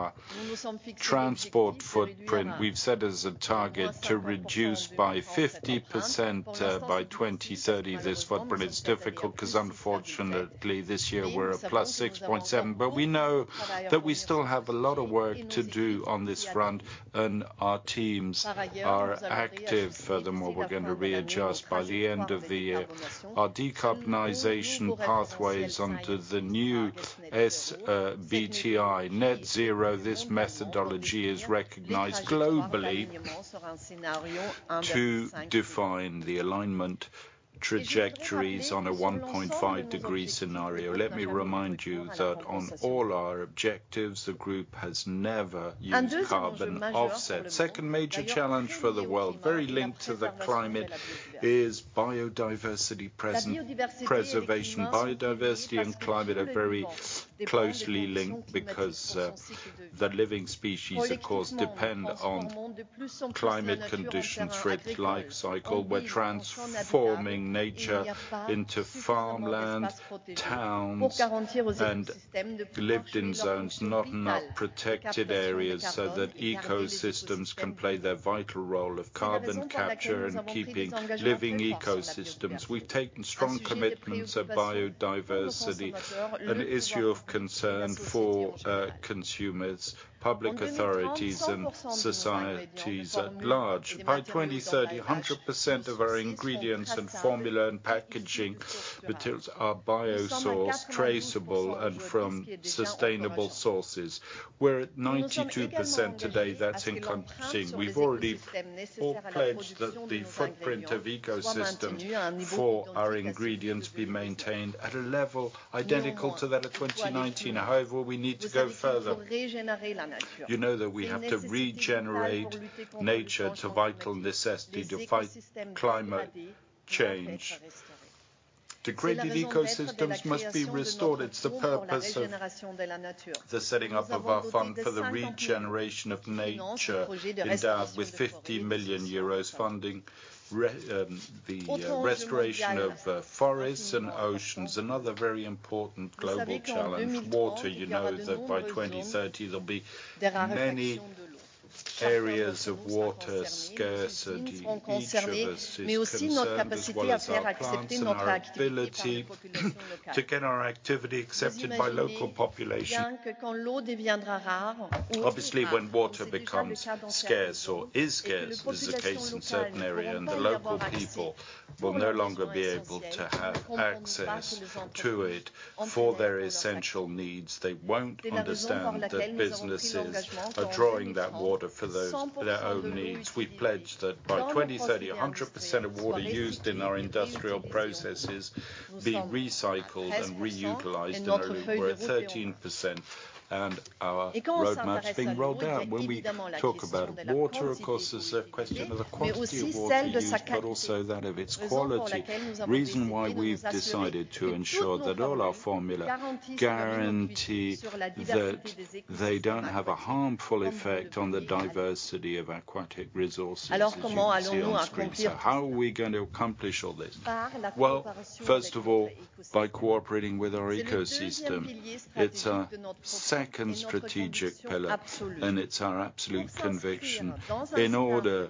transport footprint. We've set as a target to reduce by 50% by 2030 this footprint. It's difficult because unfortunately this year we're at +6.7. We know that we still have a lot of work to do on this front, and our teams are active. Furthermore, we're going to readjust by the end of the year our decarbonization pathways under the new SBTi Net-Zero. This methodology is recognized globally to define the alignment trajectories on a 1.5 degree scenario. Let me remind you that on all our objectives, the group has never used carbon offset. Second major challenge for the world, very linked to the climate, is biodiversity preservation. Biodiversity and climate are very closely linked because the living species of course depend on climate conditions for its life cycle. We're transforming nature into farmland, towns and lived-in zones, not in protected areas, so that ecosystems can play their vital role of carbon capture and keeping living ecosystems. We've taken strong commitments of biodiversity, an issue of concern for consumers, public authorities and societies at large. By 2030, 100% of our ingredients and formula and packaging materials are bio-sourced, traceable and from sustainable sources. We're at 92% today. That's encouraging. We've already forepledged that the footprint of ecosystem for our ingredients be maintained at a level identical to that of 2019. We need to go further. You know that we have to regenerate nature. It's a vital necessity to fight climate change. Degraded ecosystems must be restored. It's the purpose of the setting up of our fund for the regeneration of nature endowed with 50 million euros funding the restoration of forests and oceans. Another very important global challenge, water. You know that by 2030 there'll be many areas of water scarcity. Each of us is concerned, as well as our plants and our ability to get our activity accepted by local population. When water becomes scarce or is scarce, as is the case in certain areas, the local people will no longer be able to have access to it for their essential needs. They won't understand that businesses are drawing that water for their own needs. We've pledged that by 2030, 100% of water used in our industrial processes be recycled and reutilized, and we're at 13% and our roadmap's being rolled out. When we talk about water, of course, there's a question of the quantity of water used, but also that of its quality. Reason why we've decided to ensure that all our formula guarantee that they don't have a harmful effect on the diversity of aquatic resources, as you can see on screen. How are we going to accomplish all this? Well, first of all, by cooperating with our ecosystem. It's a second strategic pillar, and it's our absolute conviction. In order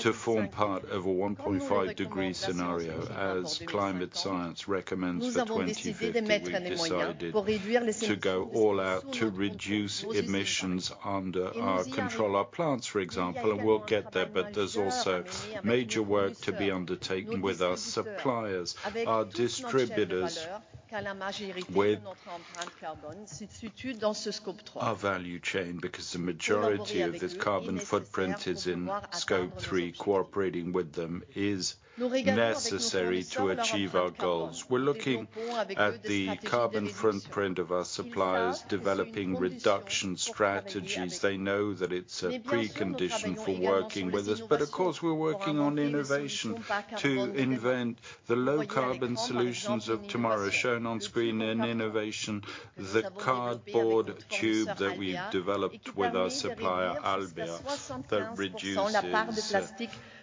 to form part of a 1.5 degree scenario, as climate science recommends for 2050, we've decided to go all out to reduce emissions under our control, our plants, for example, and we'll get there. There's also major work to be undertaken with our suppliers, our distributors, with our value chain, because the majority of the carbon footprint is in Scope 3. Cooperating with them is necessary to achieve our goals. We're looking at the carbon footprint of our suppliers, developing reduction strategies. They know that it's a precondition for working with us. Of course, we're working on innovation to invent the low carbon solutions of tomorrow. Shown on screen in innovation, the cardboard tube that we've developed with our supplier, Albéa, that reduces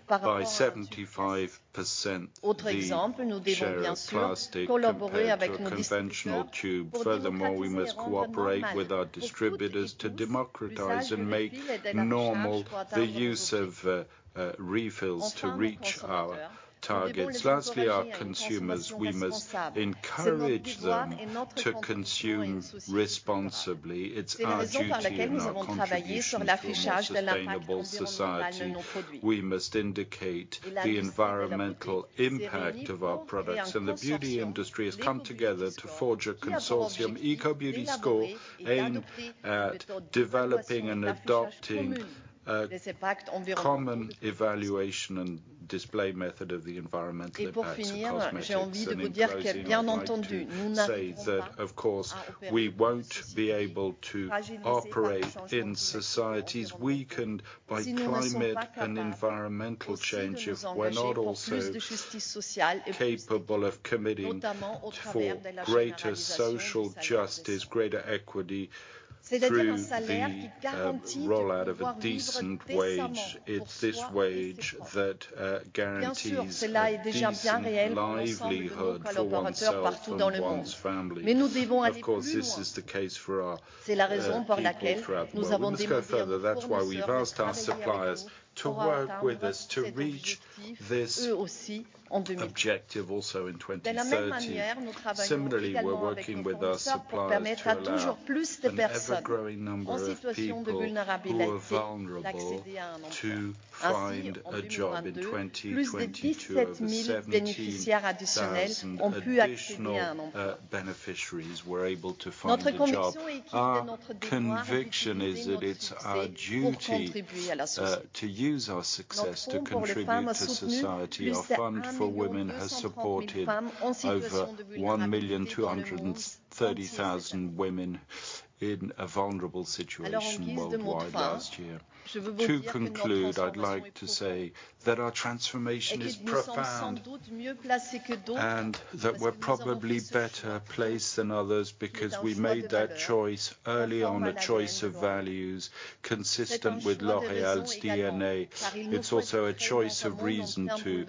by 75% the share of plastic compared to a conventional tube. Furthermore, we must cooperate with our distributors to democratize and make normal the use of refills to reach our targets. Our consumers, we must encourage them to consume responsibly. It's our duty and our contribution to a more sustainable society. We must indicate the environmental impact of our products. The beauty industry has come together to forge a consortium, EcoBeautyScore, aimed at developing and adopting a common evaluation and display method of the environmental impacts of cosmetics. In closing, I'd like to say that of course, we won't be able to operate in societies weakened by climate and environmental change if we're not also capable of committing for greater social justice, greater equity through the rollout of a decent wage. It's this wage that guarantees a decent livelihood for oneself and one's family. Of course, this is the case for our people throughout the world. We must go further. That's why we've asked our suppliers to work with us to reach this objective also in 2030. We're working with our suppliers to allow an ever-growing number of people who are vulnerable to find a job. In 2022 over 17,000 additional beneficiaries were able to find a job. Our conviction is that it's our duty to use our success to contribute to society. Our fund for women has supported over 1,230,000 women in a vulnerable situation worldwide last year. I'd like to say that our transformation is profound and that we're probably better placed than others because we made that choice early on, a choice of values consistent with L'Oréal's DNA. It's also a choice of reason, too,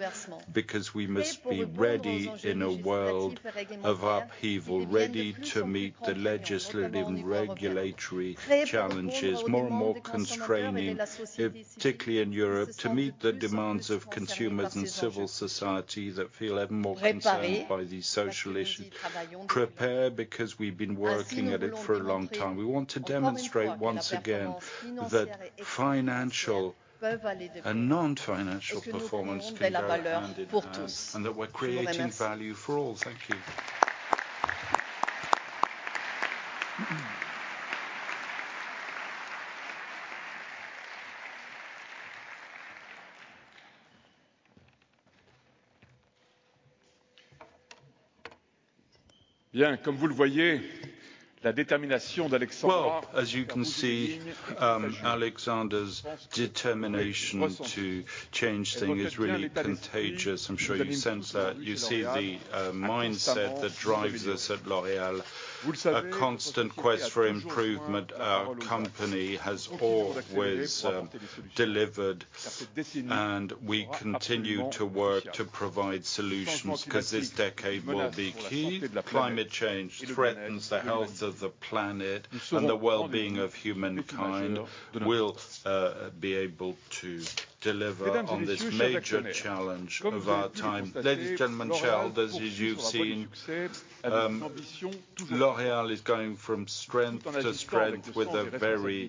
because we must be ready in a world of upheaval, ready to meet the legislative and regulatory challenges, more and more constraining, particularly in Europe. To meet the demands of consumers and civil society that feel even more concerned by these social issues. Prepare because we've been working at it for a long time. We want to demonstrate once again that financial and non-financial performance can go hand in hand, and that we're creating value for all. Thank you. Well, as you can see, Alexandra's determination to change things is really contagious. I'm sure you sense that. You see the mindset that drives us at L'Oréal. A constant quest for improvement. Our company has always delivered, and we continue to work to provide solutions because this decade will be key. Climate change threatens the health of the planet and the well-being of humankind. We'll be able to deliver on this major challenge of our time. Ladies and gentlemen, shareholders, as you've seen, L'Oréal is going from strength to strength with a very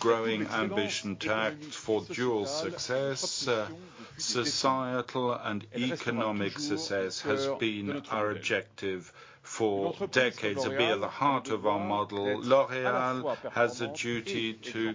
growing ambition to act for dual success. Societal and economic success has been our objective for decades and be at the heart of our model. L'Oréal has a duty to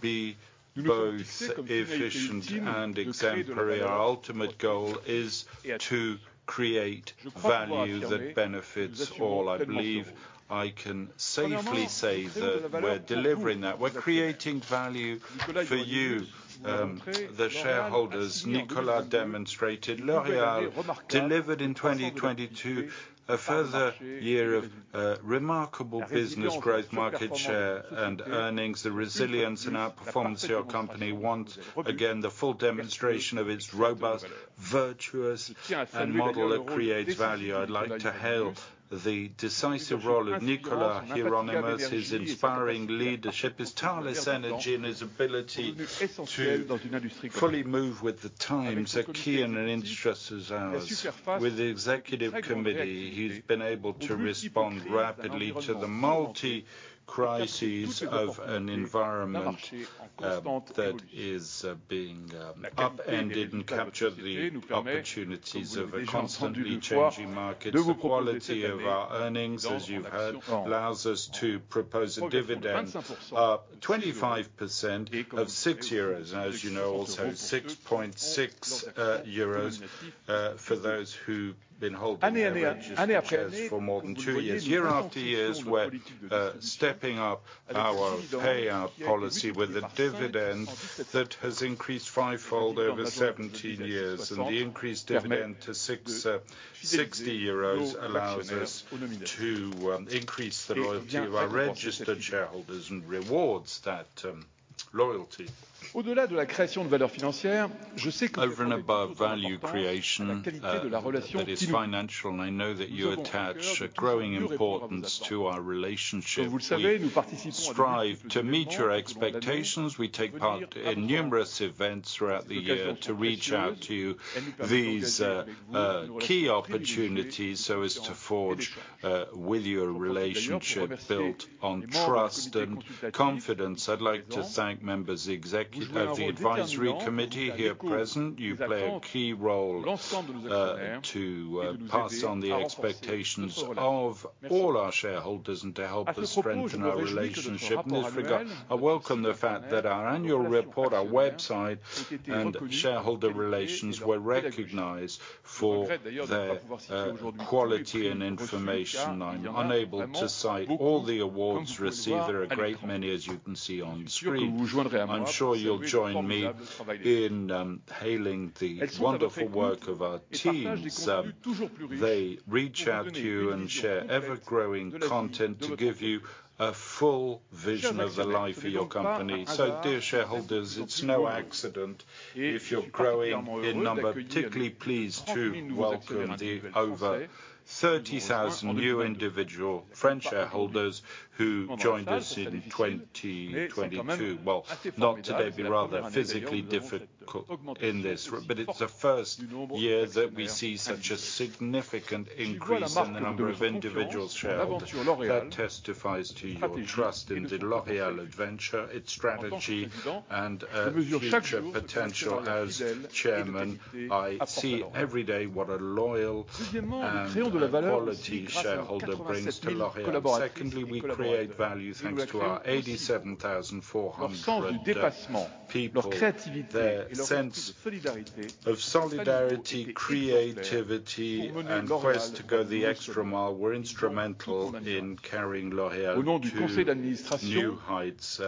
be both efficient and exemplary. Our ultimate goal is to create value that benefits all. I believe I can safely say that we're delivering that. We're creating value for you, the shareholders. Nicolas demonstrated L'Oréal delivered in 2022 a further year of remarkable business growth, market share and earnings. The resilience in our performance, your company once again, the full demonstration of its robust, virtuous and model that creates value. I'd like to hail the decisive role of Nicolas Hieronimus, his inspiring leadership, his tireless energy, and his ability to fully move with the times are key in an interest as ours. With the executive committee, he's been able to respond rapidly to the multi crises of an environment that is being upended and capture the opportunities of a constantly changing market. The quality of our earnings, as you've heard, allows us to propose a dividend of 25% of 6 euros. As you know, also 6.6 euros for those who've been holding our registered shares for more than 2 years. Year after year, we're stepping up our payout policy with a dividend that has increased fivefold over 17 years, the increased dividend to 6.60 euros allows us to increase the loyalty of our registered shareholders and rewards that loyalty. Over and above value creation that is financial, I know that you attach a growing importance to our relationship. We strive to meet your expectations. We take part in numerous events throughout the year to reach out to you. These key opportunities so as to forge with you a relationship built on trust and confidence. I'd like to thank members of the advisory committee here present. You play a key role to pass on the expectations of all our shareholders and to help us strengthen our relationship. In this regard, I welcome the fact that our annual report, our website and shareholder relations were recognized for their quality and information. I'm unable to cite all the awards received. There are a great many, as you can see on the screen. I'm sure you'll join me in hailing the wonderful work of our teams. They reach out to you and share ever-growing content to give you a full vision of the life of your company. Dear shareholders, it's no accident if you're growing in number. Particularly pleased to welcome the over 30,000 new individual French shareholders who joined us in 2022. Not today, it'd be rather physically difficult in this, but it's the first year that we see such a significant increase in the number of individual shareholders. That testifies to your trust in the L'Oréal adventure, its strategy and future potential. As chairman, I see every day what a loyal and quality shareholder brings to L'Oréal. We create value thanks to our 87,400 people. Their sense of solidarity, creativity, and quest to go the extra mile were instrumental in carrying L'Oréal to new heights.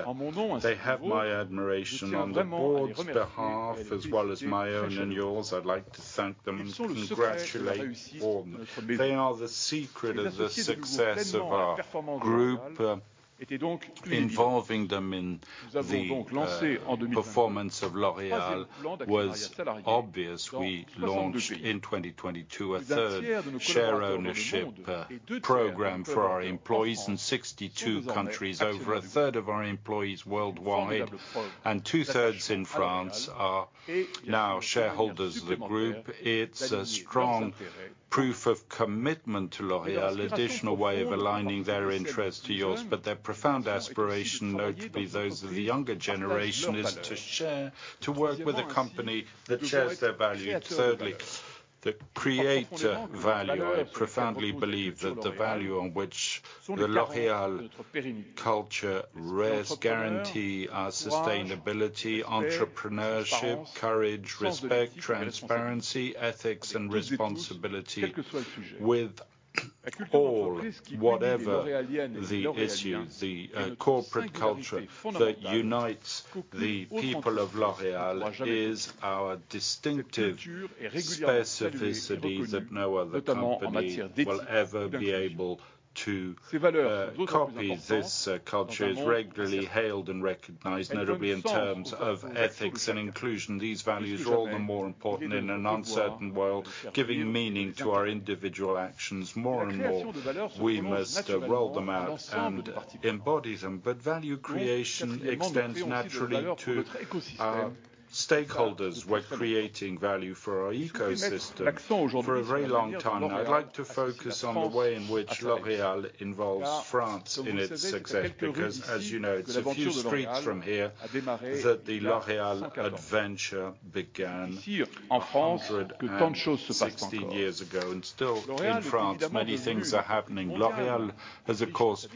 They have my admiration. On the board's behalf as well as my own and yours, I'd like to thank them and congratulate all. They are the secret of the success of our group. Involving them in the performance of L'Oréal was obvious. We launched in 2022 a third share ownership program for our employees. In 62 countries, over a third of our employees worldwide and two-thirds in France are now shareholders of the group. It's a strong proof of commitment to L'Oréal, additional way of aligning their interest to yours. Their profound aspiration, notably those of the younger generation, is to work with a company that shares their value. Thirdly, the creator value, I profoundly believe that the value on which the L'Oréal culture rests guarantee our sustainability, entrepreneurship, courage, respect, transparency, ethics and responsibility with all, whatever the issue, the corporate culture that unites the people of L'Oréal is our distinctive specificity that no other company will ever be able to copy. This culture is regularly hailed and recognized, notably in terms of ethics and inclusion. These values are all the more important in an uncertain world, giving meaning to our individual actions. More and more, we must roll them out and embody them. Value creation extends naturally to our stakeholders. We're creating value for our ecosystem for a very long time. I'd like to focus on the way in which L'Oréal involves France in its success, because as you know, it's a few streets from here that the L'Oréal adventure began 116 years ago. Still in France many things are happening. L'Oréal has of course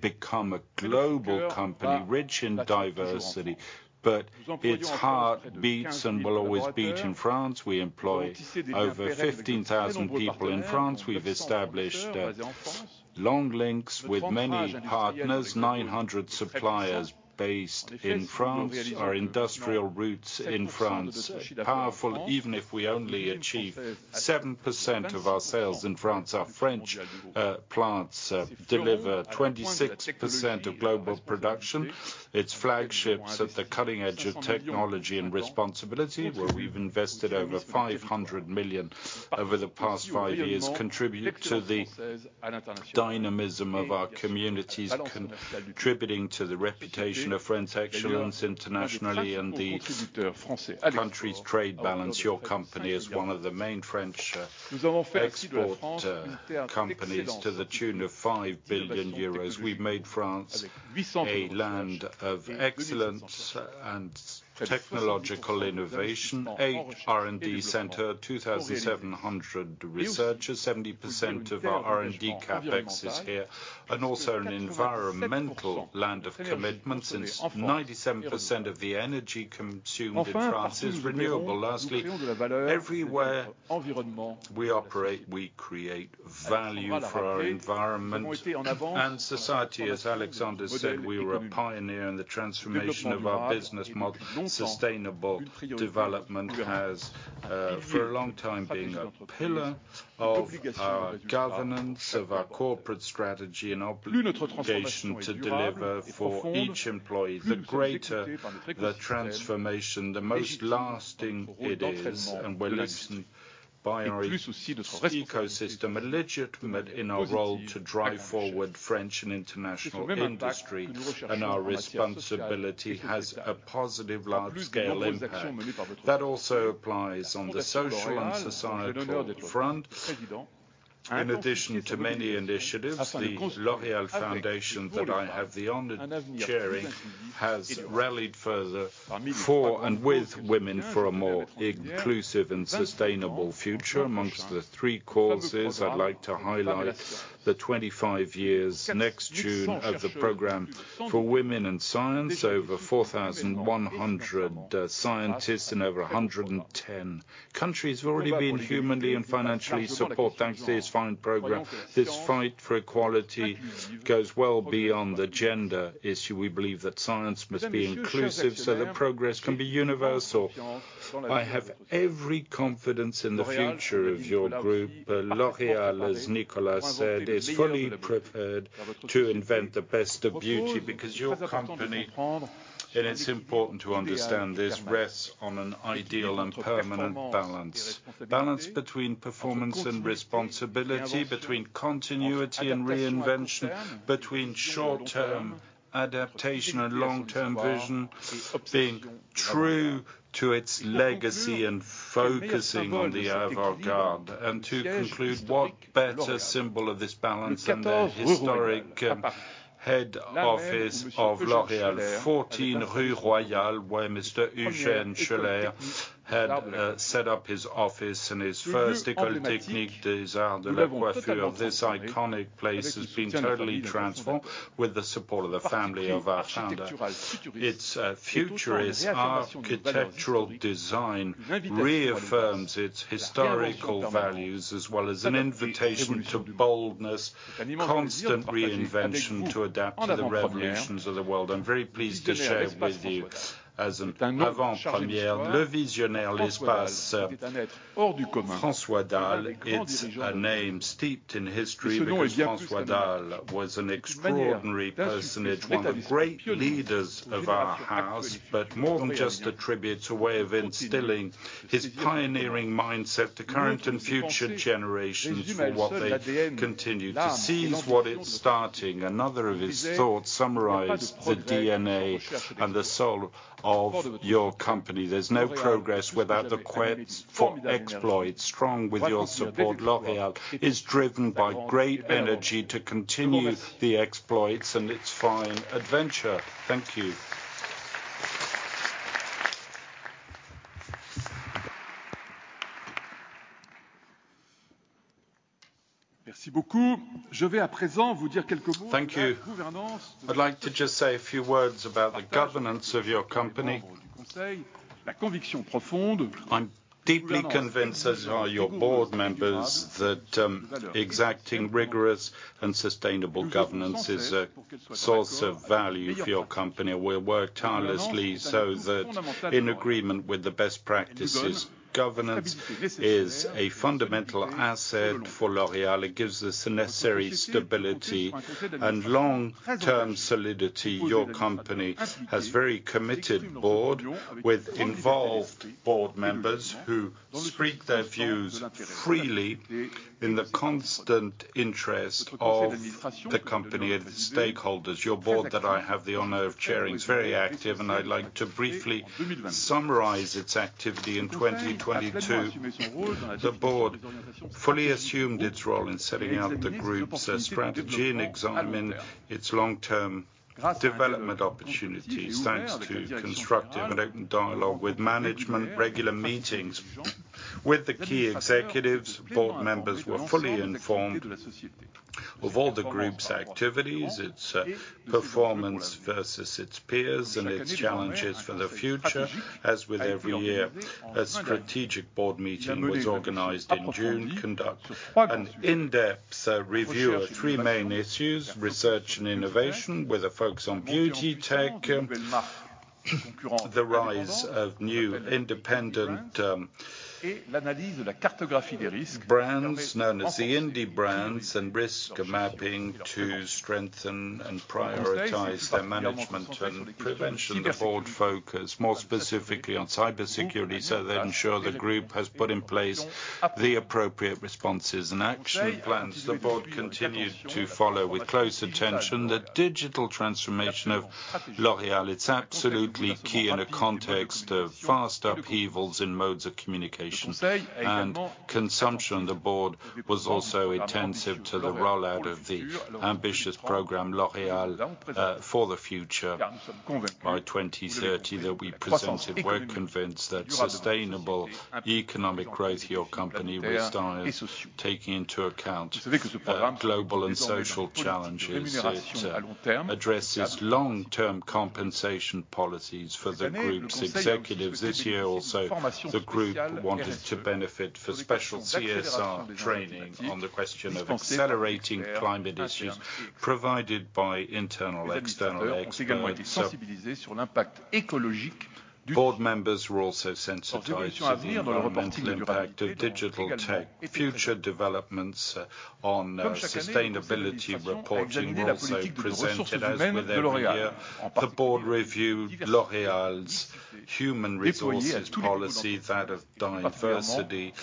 become a global company, rich in diversity, but its heart beats and will always beat in France. We employ over 15,000 people in France. We've established long links with many partners, 900 suppliers based in France. Our industrial roots in France, powerful even if we only achieve 7% of our sales in France. Our French plants deliver 26% of global production. Its flagships at the cutting edge of technology and responsibility, where we've invested over 500 million over the past five years, contribute to the dynamism of our communities, contributing to the reputation of French excellence internationally and the country's trade balance. Your company is one of the main French export companies to the tune of 5 billion euros. We've made France a land of excellence and technological innovation. Eight R&D center, 2,700 researchers, 70% of our R&D CapEx is here. Also an environmental land of commitment, since 97% of the energy consumed in France is renewable. Lastly, everywhere we operate, we create value for our environment and society. As Alexandra said, we were a pioneer in the transformation of our business model. Sustainable development has for a long time been a pillar of our governance, of our corporate strategy and obligation to deliver for each employee. The greater the transformation, the most lasting it is. We're listened by our ecosystem. A legitimate in our role to drive forward French and international industry. Our responsibility has a positive large scale impact that also applies on the social and societal front. In addition to many initiatives, the L'Oréal Foundation that I have the honor of chairing, has rallied further for and with women for a more inclusive and sustainable future. Amongst the three causes, I'd like to highlight the 25 years next June of the program for women in science. Over 4,100 scientists in over 110 countries have already been humanly and financially supported thanks to this fine program. This fight for equality goes well beyond the gender issue. We believe that science must be inclusive so that progress can be universal. I have every confidence in the future of your group. L'Oréal, as Nicolas said, is fully prepared to invent the best of beauty because your company, and it's important to understand this, rests on an ideal and permanent balance. Balance between performance and responsibility, between continuity and reinvention, between short-term adaptation and long-term vision, being true to its legacy and focusing on the avant-garde. To conclude, what better symbol of this balance than the historic head office of L'Oréal, 14 Rue Royale, where Mr. Eugène Schueller had set up his office and his first École technique des arts de la coiffure. This iconic place has been totally transformed with the support of the family of Archinda. Its futurist architectural design reaffirms its historical values as well as an invitation to boldness, constant reinvention to adapt to the revolutions of the world. I'm very pleased to share with you as an avant-première, Le Visionnaire, l'espace François Dalle. It's a name steeped in history because François Dalle was an extraordinary person and one of the great leaders of our house, but more than just a tribute, it's a way of instilling his pioneering mindset to current and future generations for what they continue to seize what is starting. Another of his thoughts summarized the DNA and the soul of your company. There's no progress without the quest for exploits. Strong with your support, L'Oréal is driven by great energy to continue the exploits and its fine adventure. Thank you. Merci beaucoup. Je vais à présent vous dire quelques mots. Thank you. -de la gouvernance- I'd like to just say a few words about the governance of your company. du conseil, la conviction profonde I'm deeply convinced, as are your Board members, that exacting, rigorous and sustainable governance is a source of value for your company. We work tirelessly so that in agreement with the best practices, governance is a fundamental asset for L'Oréal. It gives us the necessary stability and long-term solidity. Your company has very committed Board with involved Board members who speak their views freely in the constant interest of the company and stakeholders. Your Board that I have the honor of chairing is very active and I'd like to briefly summarize its activity in 2022. The Board fully assumed its role in setting out the group's strategy and examine its long-term development opportunities. Thanks to constructive direct dialogue with management, regular meetings with the key executives, Board members were fully informed of all the group's activities, its performance versus its peers, and its challenges for the future. As with every year, a strategic board meeting was organized in June to conduct an in-depth review of 3 main issues: research and innovation with a focus on beauty tech, the rise of new independent brands known as the indie brands, and risk mapping to strengthen and prioritize their management and prevention. The board focus more specifically on cybersecurity so they ensure the group has put in place the appropriate responses and action plans. The board continued to follow with close attention the digital transformation of L'Oréal. It's absolutely key in a context of vast upheavals in modes of communication and consumption. The board was also attentive to the rollout of the ambitious program L'Oréal for the Future. By 2030, We're convinced that sustainable economic growth your company will start taking into account global and social challenges. It addresses long-term compensation policies for the group's executives. This year, the group wanted to benefit for special CSR training on the question of accelerating climate issues provided by internal external experts. Board members were also sensitized to the environmental impact of digital tech, future developments on sustainability reporting also presented. As with every year, the board reviewed L'Oréal's human resources policy, that of diversity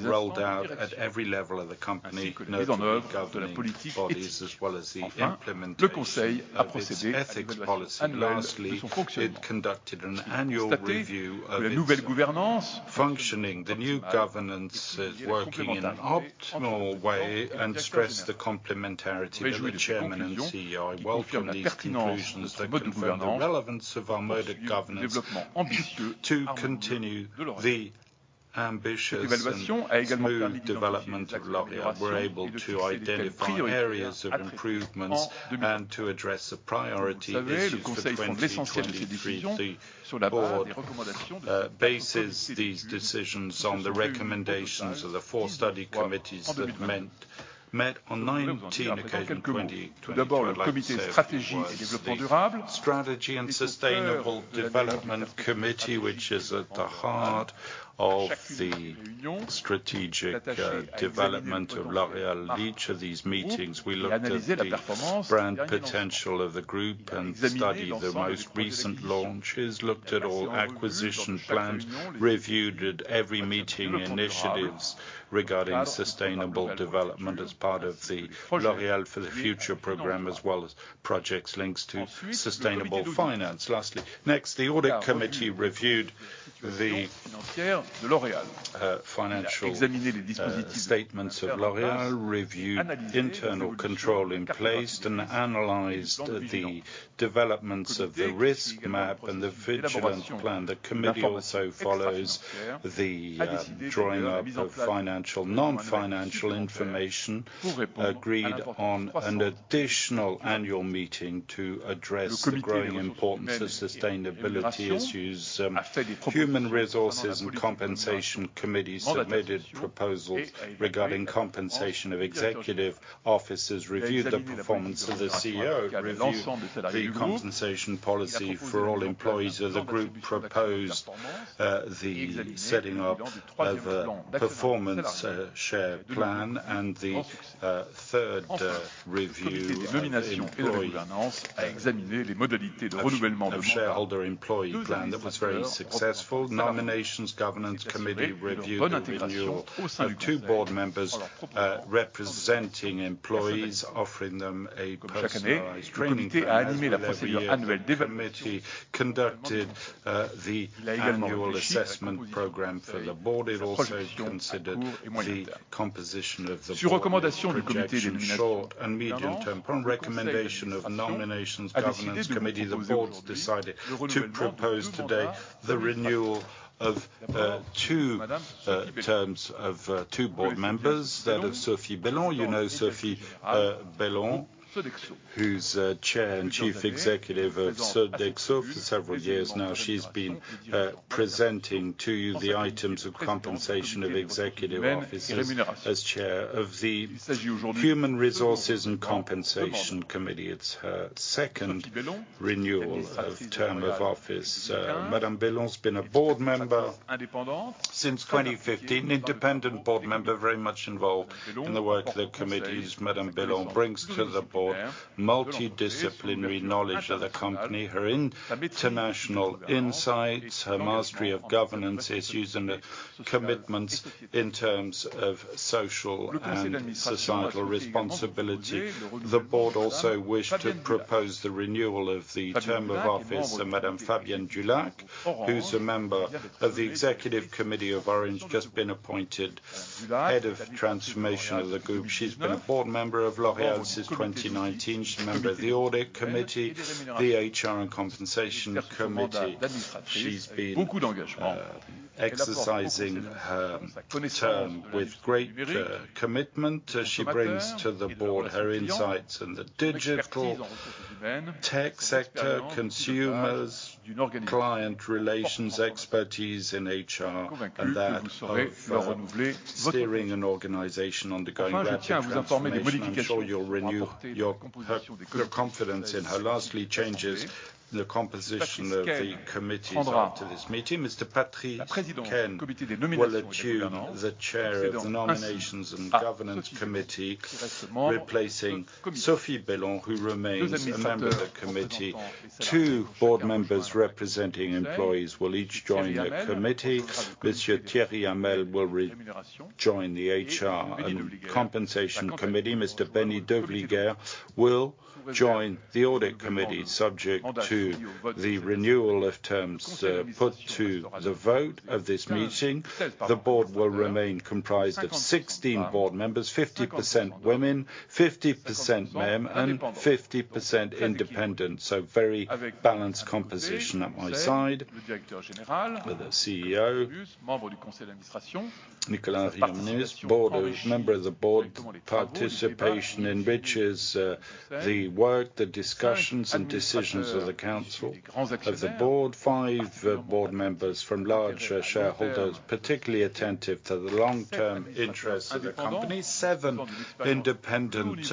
rolled out at every level of the company, notably governing bodies, as well as the implementation of its ethics policy. Lastly, it conducted an annual review of its functioning. The new governance is working in an optimal way and stressed the complementarity of the chairman and CEO. I welcome these conclusions that confirm the relevance of our mode of governance to continue the ambitious and smooth development of L'Oréal. We're able to identify areas of improvements and to address the priority issues for 2023. The board bases these decisions on the recommendations of the four study committees that met on 19 occasions 2020. Like I said, it was the Strategy and Sustainable Development Committee, which is at the heart of the strategic development of L'Oréal. Each of these meetings, we looked at the brand potential of the group and studied the most recent launches, looked at all acquisition plans, reviewed at every meeting initiatives regarding sustainable development as part of the L'Oréal for the Future program, as well as projects links to sustainable finance. Next, the Audit Committee reviewed the financial statements of L'Oréal, reviewed internal control in place, and analyzed the developments of the risk map and the vigilant plan. The committee also follows the drawing up of financial, non-financial information, agreed on an additional annual meeting to address growing importance of sustainability issues. Human Resources and Compensation Committee submitted proposals regarding compensation of executive officers, reviewed the performance of the CEO, reviewed the compensation policy for all employees of the group, proposed the setting up of a performance share plan and the third review of shareholder employee plan that was very successful. Nominations Governance Committee reviewed the renewal of two board members, representing employees, offering them a personalized training plan. The Leadership Committee conducted the annual assessment program for the board. It also considered the composition of the board projection short- and medium-term. On recommendation of Nominations and Governance Committee, the boards decided to propose today the renewal of 2 terms of 2 board members, that of Sophie Bellon. You know Sophie Bellon, who's Chair and Chief Executive of Sodexo. For several years now, she's been presenting to you the items of compensation of executive officers as Chair of the Human Resources and Compensation Committee. Her second renewal of term of office. Madame Bellon's been a board member since 2015. Independent board member very much involved in the work of the committees. Madame Bellon brings to the board multidisciplinary knowledge of the company. Her international insights, her mastery of governance issues, and commitments in terms of social and societal responsibility. The board also wished to propose the renewal of the term of office to Madame Fabienne Dulac, who's a member of the executive committee of Orange, just been appointed head of transformation of the group. She's been a board member of L'Oréal since 2019. She's a member of the audit committee, the HR and compensation committee. She's been exercising her term with great commitment. She brings to the board her insights in the digital tech sector, consumers, client relations, expertise in HR, and that of steering an organization undergoing rapid transformation. I'm sure you'll renew your confidence in her. Lastly, changes in the composition of the committees after this meeting. Mr. Patrice Caine will assume the chair of the Nominations and Governance Committee, replacing Sophie Bellon, who remains a member of the committee. Two board members representing employees will each join the committee. Monsieur Thierry Hamel will join the HR and Compensation Committee. Mr. Benny de Vlieger will join the Audit Committee. Subject to the renewal of terms, put to the vote of this meeting, the board will remain comprised of 16 board members, 50% women, 50% men, and 50% independent, so very balanced composition. At my side, the CEO, Nicolas Hieronimus. Member of the board. Participation enriches the work, the discussions, and decisions of the council. Of the board, 5 board members from large shareholders, particularly attentive to the long-term interests of the company. 7 independent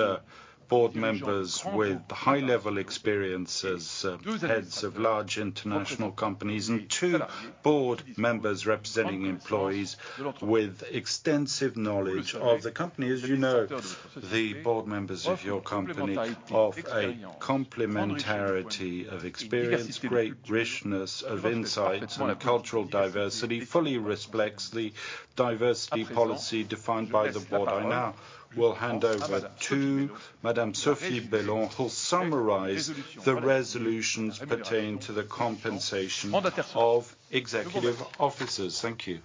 board members with high-level experience as heads of large international companies, and 2 board members representing employees with extensive knowledge of the company. As you know, the board members of your company offer a complementarity of experience, great richness of insights, and a cultural diversity fully reflects the diversity policy defined by the board. I now will hand over to Madame Sophie Bellon, who'll summarize the resolutions pertaining to the compensation of executive officers. Thank you.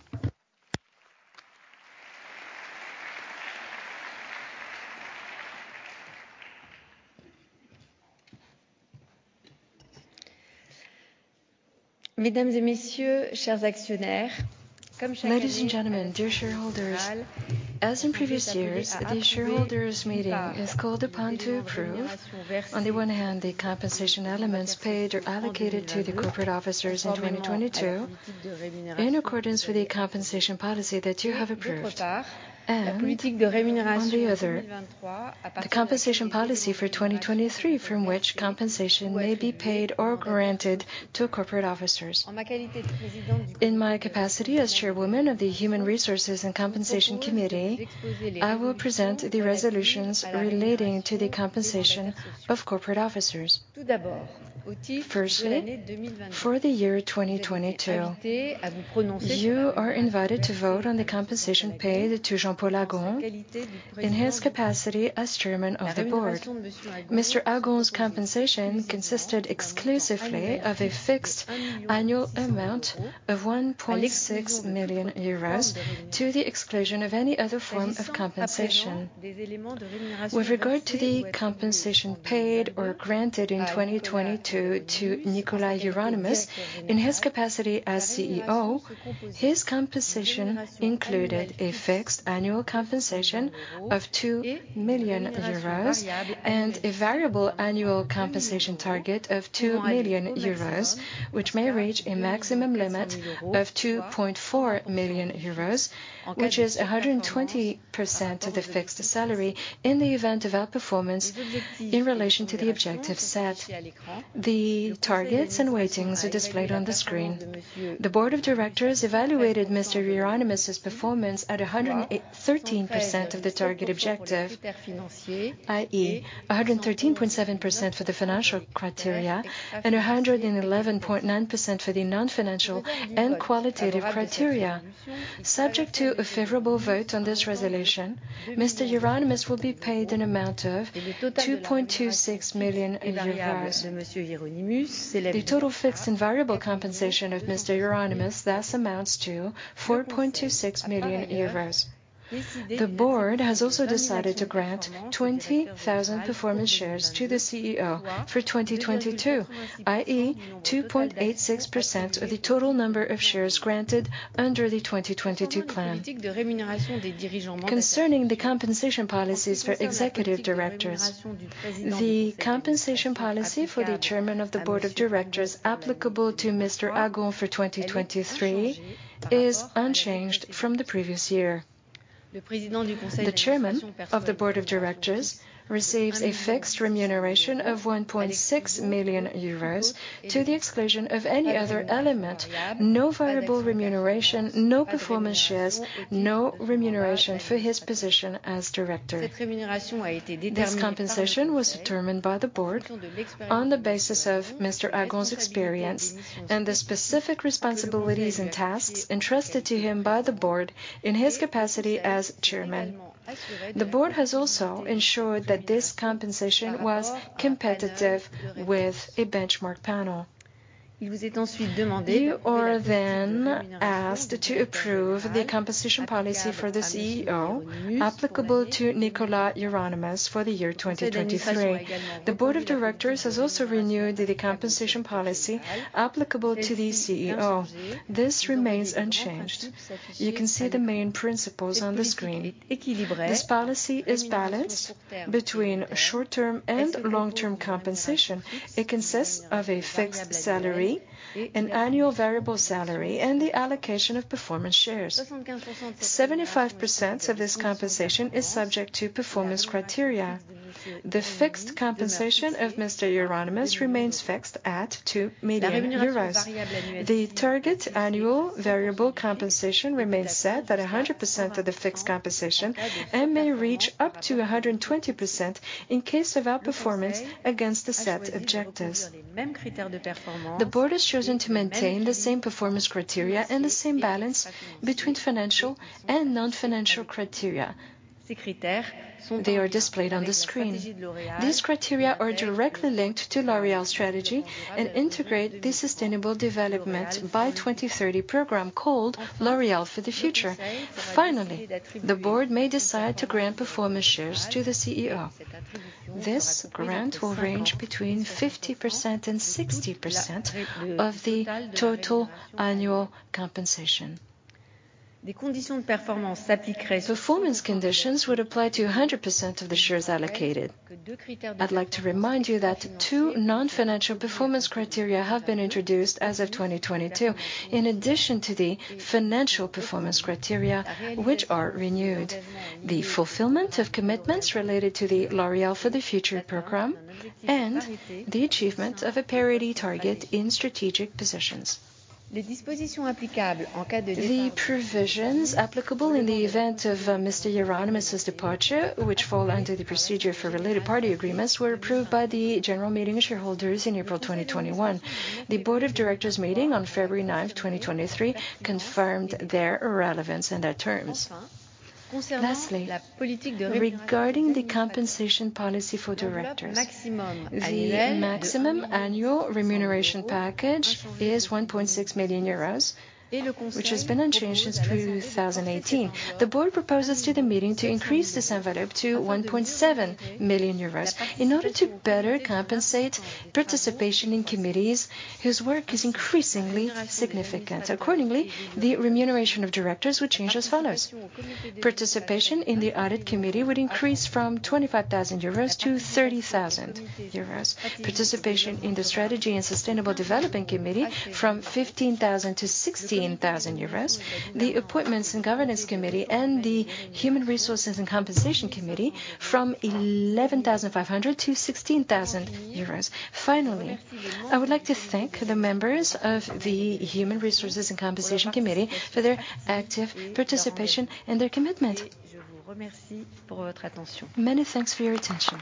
Mesdames et messieurs, chers actionnaires. Ladies and gentlemen, dear shareholders, as in previous years, the shareholders' meeting is called upon to approve, on the one hand, the compensation elements paid or allocated to the corporate officers in 2022 in accordance with the compensation policy that you have approved. On the other, the compensation policy for 2023 from which compensation may be paid or granted to corporate officers. In my capacity as chairwoman of the Human Resources and Compensation Committee, I will present the resolutions relating to the compensation of corporate officers. Firstly, for the year 2022, you are invited to vote on the compensation paid to Jean-Paul Agon in his capacity as chairman of the board. Mr. Agon's compensation consisted exclusively of a fixed annual amount of 1.6 million euros to the exclusion of any other form of compensation. With regard to the compensation paid or granted in 2022 to Nicolas Hieronimus in his capacity as CEO, his compensation included a fixed annual compensation of 2 million euros and a variable annual compensation target of 2 million euros, which may reach a maximum limit of 2.4 million euros, which is 120% of the fixed salary in the event of outperformance in relation to the objectives set. The targets and weightings are displayed on the screen. The board of directors evaluated Mr. Hieronimus' performance at 113% of the target objective, i.e., 113.7% for the financial criteria and 111.9% for the non-financial and qualitative criteria. Subject to a favorable vote on this resolution, Mr. Hieronimus will be paid an amount of 2.26 million euros. The total fixed and variable compensation of Mr. Hieronimus thus amounts to 4.26 million euros. The Board has also decided to grant 20,000 performance shares to the CEO for 2022, i.e., 2.86% of the total number of shares granted under the 2022 plan. Concerning the compensation policies for executive directors, the compensation policy for the Chairman of the Board of Directors applicable to Mr. Agon for 2023 is unchanged from the previous year. The Chairman of the Board of Directors receives a fixed remuneration of 1.6 million euros to the exclusion of any other element, no variable remuneration, no performance shares, no remuneration for his position as director. This compensation was determined by the Board on the basis of Mr. Agon's experience and the specific responsibilities and tasks entrusted to him by the Board in his capacity as chairman. The board has also ensured that this compensation was competitive with a benchmark panel. You are asked to approve the compensation policy for the CEO applicable to Nicolas Hieronimus for the year 2023. The board of directors has also renewed the compensation policy applicable to the CEO. This remains unchanged. You can see the main principles on the screen. This policy is balanced between short-term and long-term compensation. It consists of a fixed salary, an annual variable salary, and the allocation of performance shares. 75% of this compensation is subject to performance criteria. The fixed compensation of Mr. Hieronimus remains fixed at 2 million euros. The target annual variable compensation remains set at 100% of the fixed compensation and may reach up to 120% in case of outperformance against the set objectives. The board has chosen to maintain the same performance criteria and the same balance between financial and non-financial criteria. They are displayed on the screen. These criteria are directly linked to L'Oréal strategy and integrate the sustainable development by 2030 program called L'Oréal For The Future. Finally, the board may decide to grant performance shares to the CEO. This grant will range between 50% and 60% of the total annual compensation. Performance conditions would apply to 100% of the shares allocated. I'd like to remind you that two non-financial performance criteria have been introduced as of 2022, in addition to the financial performance criteria which are renewed. The fulfillment of commitments related to the L'Oréal For The Future program and the achievement of a parity target in strategic positions. The provisions applicable in the event of Mr. Hieronimus' departure, which fall under the procedure for related party agreements, were approved by the general meeting of shareholders in April 2021. The board of directors meeting on February 9th, 2023 confirmed their relevance and their terms. Lastly, regarding the compensation policy for directors, the maximum annual remuneration package is 1.6 million euros, which has been unchanged since 2018. The board proposes to the meeting to increase this envelope to 1.7 million euros in order to better compensate participation in committees whose work is increasingly significant. Accordingly, the remuneration of directors would change as follows: Participation in the audit committee would increase from 25,000 euros to 30,000 euros. Participation in the strategy and sustainable development committee from 15,000 to 16,000 euros. The appointments in governance committee and the human resources and compensation committee from 11,500 to 16,000 euros. I would like to thank the members of the Human Resources and Compensation Committee for their active participation and their commitment. Many thanks for your attention.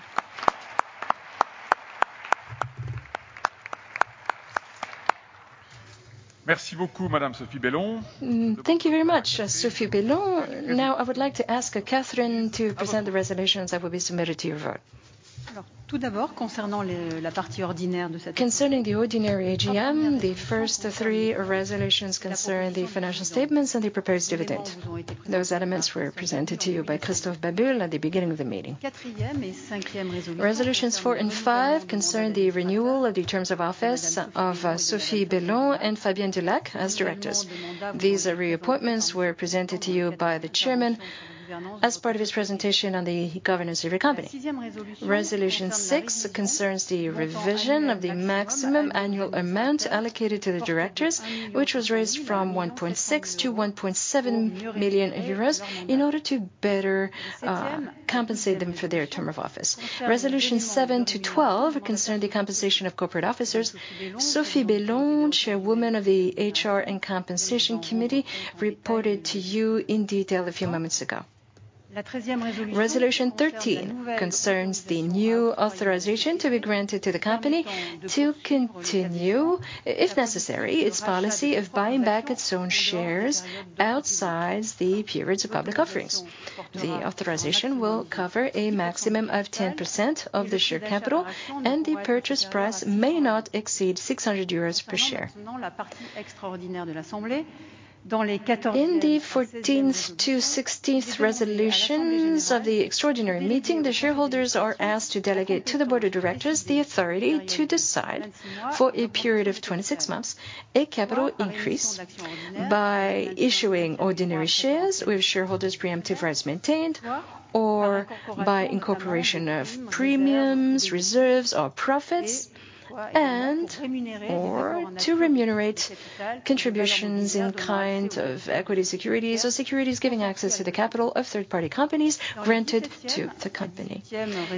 Thank you very much, Sophie Bellon. I would like to ask Catherine Bellon to present the resolutions that will be submitted to your vote. Concerning the ordinary AGM, the first of 3 resolutions concern the financial statements and the proposed dividend. Those elements were presented to you by Christophe Babule at the beginning of the meeting. Resolutions four and five concern the renewal of the terms of office of Sophie Bellon and Fabienne Dulac as directors. These reappointments were presented to you by the chairman as part of his presentation on the governance of the company. Resolution six concerns the revision of the maximum annual amount allocated to the directors, which was raised from 1.6 million-1.7 million euros in order to better compensate them for their term of office. Resolution 7 to 12 concern the compensation of corporate officers. Sophie Bellon, Chairwoman of the HR and Compensation Committee, reported to you in detail a few moments ago. Resolution 13 concerns the new authorization to be granted to the company to continue, if necessary, its policy of buying back its own shares outside the periods of public offerings. The authorization will cover a maximum of 10% of the share capital, and the purchase price may not exceed 600 euros per share. In the 14th to 16th resolutions of the extraordinary meeting, the shareholders are asked to delegate to the Board of Directors the authority to decide, for a period of 26 months, a capital increase by issuing ordinary shares with shareholders' preemptive rights maintained or by incorporation of premiums, reserves or profits, or to remunerate contributions in kind of equity securities or securities giving access to the capital of third-party companies granted to the company.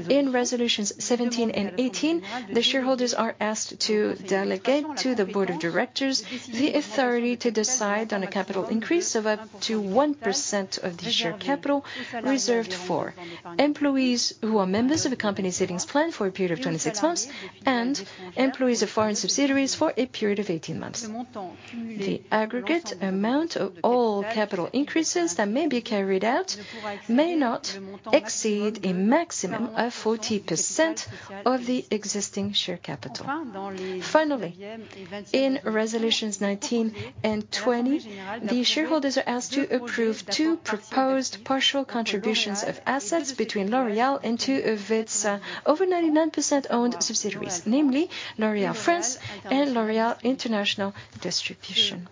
In resolutions 17 and 18, the shareholders are asked to delegate to the Board of Directors the authority to decide on a capital increase of up to 1% of the share capital reserved for employees who are members of a company savings plan for a period of 26 months and employees of foreign subsidiaries for a period of 18 months. The aggregate amount of all capital increases that may be carried out may not exceed a maximum of 40% of the existing share capital. In resolutions 19 and 20, the shareholders are asked to approve two proposed partial contributions of assets between L'Oréal and two of its over 99% owned subsidiaries, namely L'Oréal France and L'Oréal International Distribution.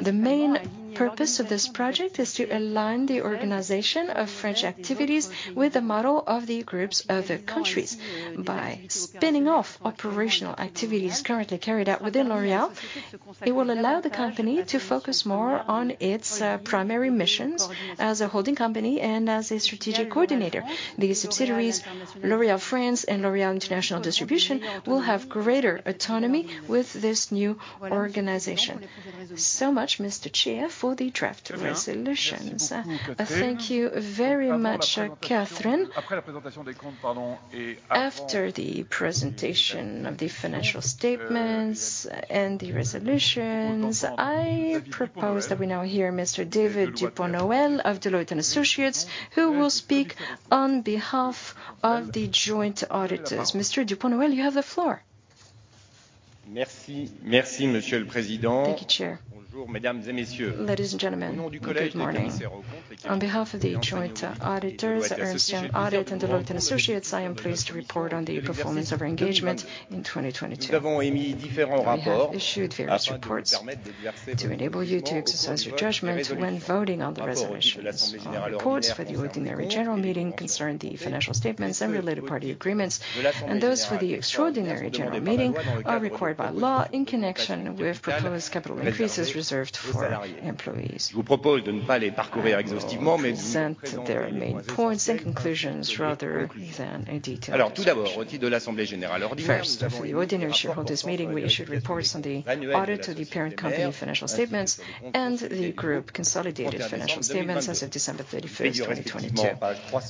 The main purpose of this project is to align the organization of French activities with the model of the group's other countries. By spinning off operational activities currently carried out within L'Oréal, it will allow the company to focus more on its primary missions as a holding company and as a strategic coordinator. The subsidiaries L'Oréal France and L'Oréal International Distribution will have greater autonomy with this new organization. Much, Mr. Chair, for the draft resolutions. Thank you very much, Catherine. After the presentation of the financial statements and the resolutions, I propose that we now hear Mr. David Dupont-Noël of Deloitte & Associés, who will speak on behalf of the joint auditors. Mr. Dupont-Noël, you have the floor. Thank you, Chair. Ladies and gentlemen, good morning. On behalf of the joint auditors, Ernst & Young Audit and Deloitte & Associés, I am pleased to report on the performance of our engagement in 2022. We have issued various reports to enable you to exercise your judgment when voting on the resolutions. Our reports for the ordinary general meeting concern the financial statements and related party agreements, and those for the extraordinary general meeting are required by law in connection with proposed capital increases reserved for employees. I will present their main points and conclusions rather than a detailed account. First, for the ordinary shareholders meeting, we issued reports on the audit of the parent company financial statements and the Group consolidated financial statements as of December 31, 2022.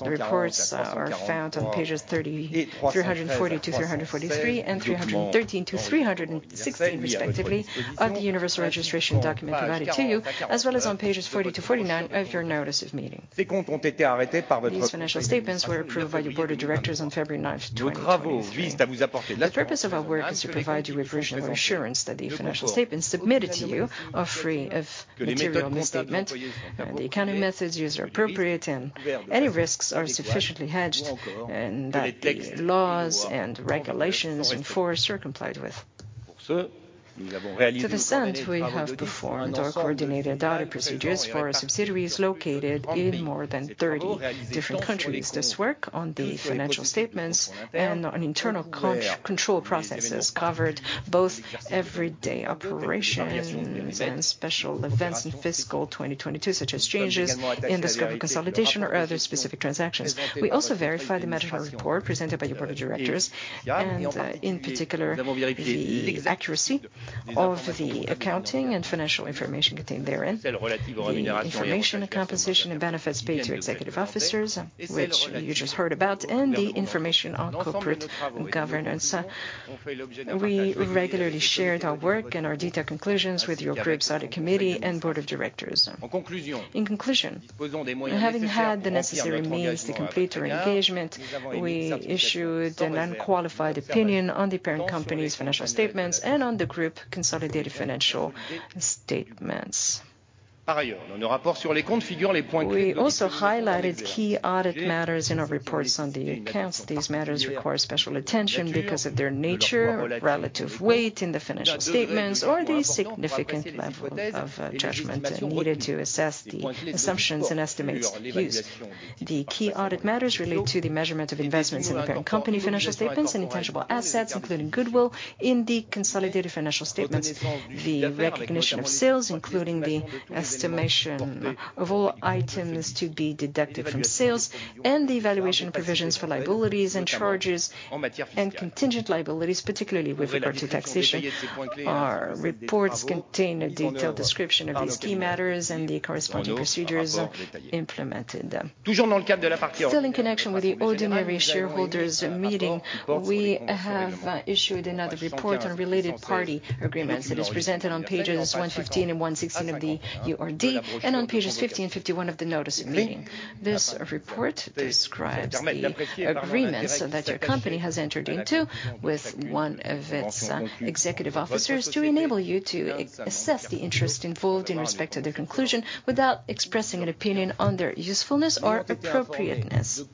The reports are found on pages 340-343 and 313-316, respectively, of the universal registration document provided to you, as well as on pages 40-49 of your notice of meeting. These financial statements were approved by your Board of Directors on February 9, 2023. The purpose of our work is to provide you with reasonable assurance that the financial statements submitted to you are free of material misstatement, and the accounting methods used are appropriate and any risks are sufficiently hedged, and that the laws and regulations in force are complied with. To this end, we have performed our coordinated audit procedures for our subsidiaries located in more than 30 different countries. This work on the financial statements and on internal control processes covered both everyday operations and special events in fiscal 2022, such as changes in the scope of consolidation or other specific transactions. We also verified the management report presented by your Board of Directors and, in particular, the accuracy of the accounting and financial information contained therein, the information and compensation and benefits paid to executive officers, which you just heard about, and the information on corporate governance. We regularly shared our work and our detailed conclusions with your Group's Audit Committee and Board of Directors. In conclusion, having had the necessary means to complete our engagement, we issued an unqualified opinion on the parent company's financial statements and on the Group consolidated financial statements. We also highlighted key audit matters in our reports on the accounts. These matters require special attention because of their nature, relative weight in the financial statements, or the significant level of judgment needed to assess the assumptions and estimates used. The key audit matters relate to the measurement of investments in the parent company financial statements and intangible assets, including goodwill in the consolidated financial statements, the recognition of sales, including the estimation of all items to be deducted from sales, and the evaluation provisions for liabilities and charges and contingent liabilities, particularly with regard to taxation. Our reports contain a detailed description of these key matters and the corresponding procedures implemented. Still in connection with the ordinary shareholders meeting, we have issued another report on related party agreements that is presented on pages 115 and 116 of the URD and on pages 50 and 51 of the notice of meeting. This report describes the agreements that your company has entered into with one of its executive officers to enable you to assess the interest involved in respect to their conclusion without expressing an opinion on their usefulness or appropriateness.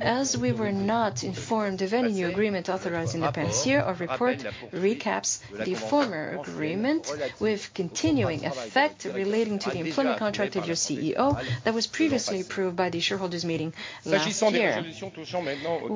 As we were not informed of any new agreement authorized in the past year, our report recaps the former agreement with continuing effect relating to the employment contract of your CEO that was previously approved by the shareholders meeting last year.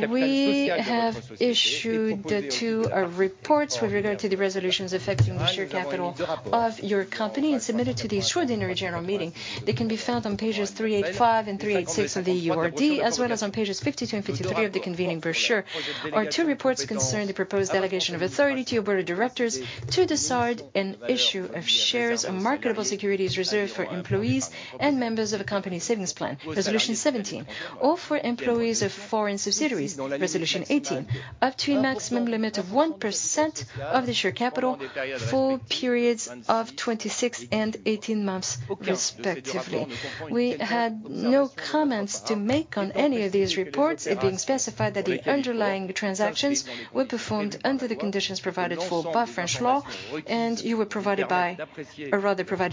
We have issued the 2 reports with regard to the resolutions affecting the share capital of your company and submitted to the extraordinary general meeting. They can be found on pages 385 and 386 of the URD, as well as on pages 52 and 53 of the convening brochure. Our two reports concern the proposed delegation of authority to your Board of Directors to decide an issue of shares of marketable securities reserved for employees and members of a company savings plan, Resolution 17, or for employees of foreign subsidiaries, Resolution 18, up to a maximum limit of 1% of the share capital for periods of 26 and 18 months, respectively. We had no comments to make on any of these reports, it being specified that the underlying transactions were performed under the conditions provided for by French law, and you were provided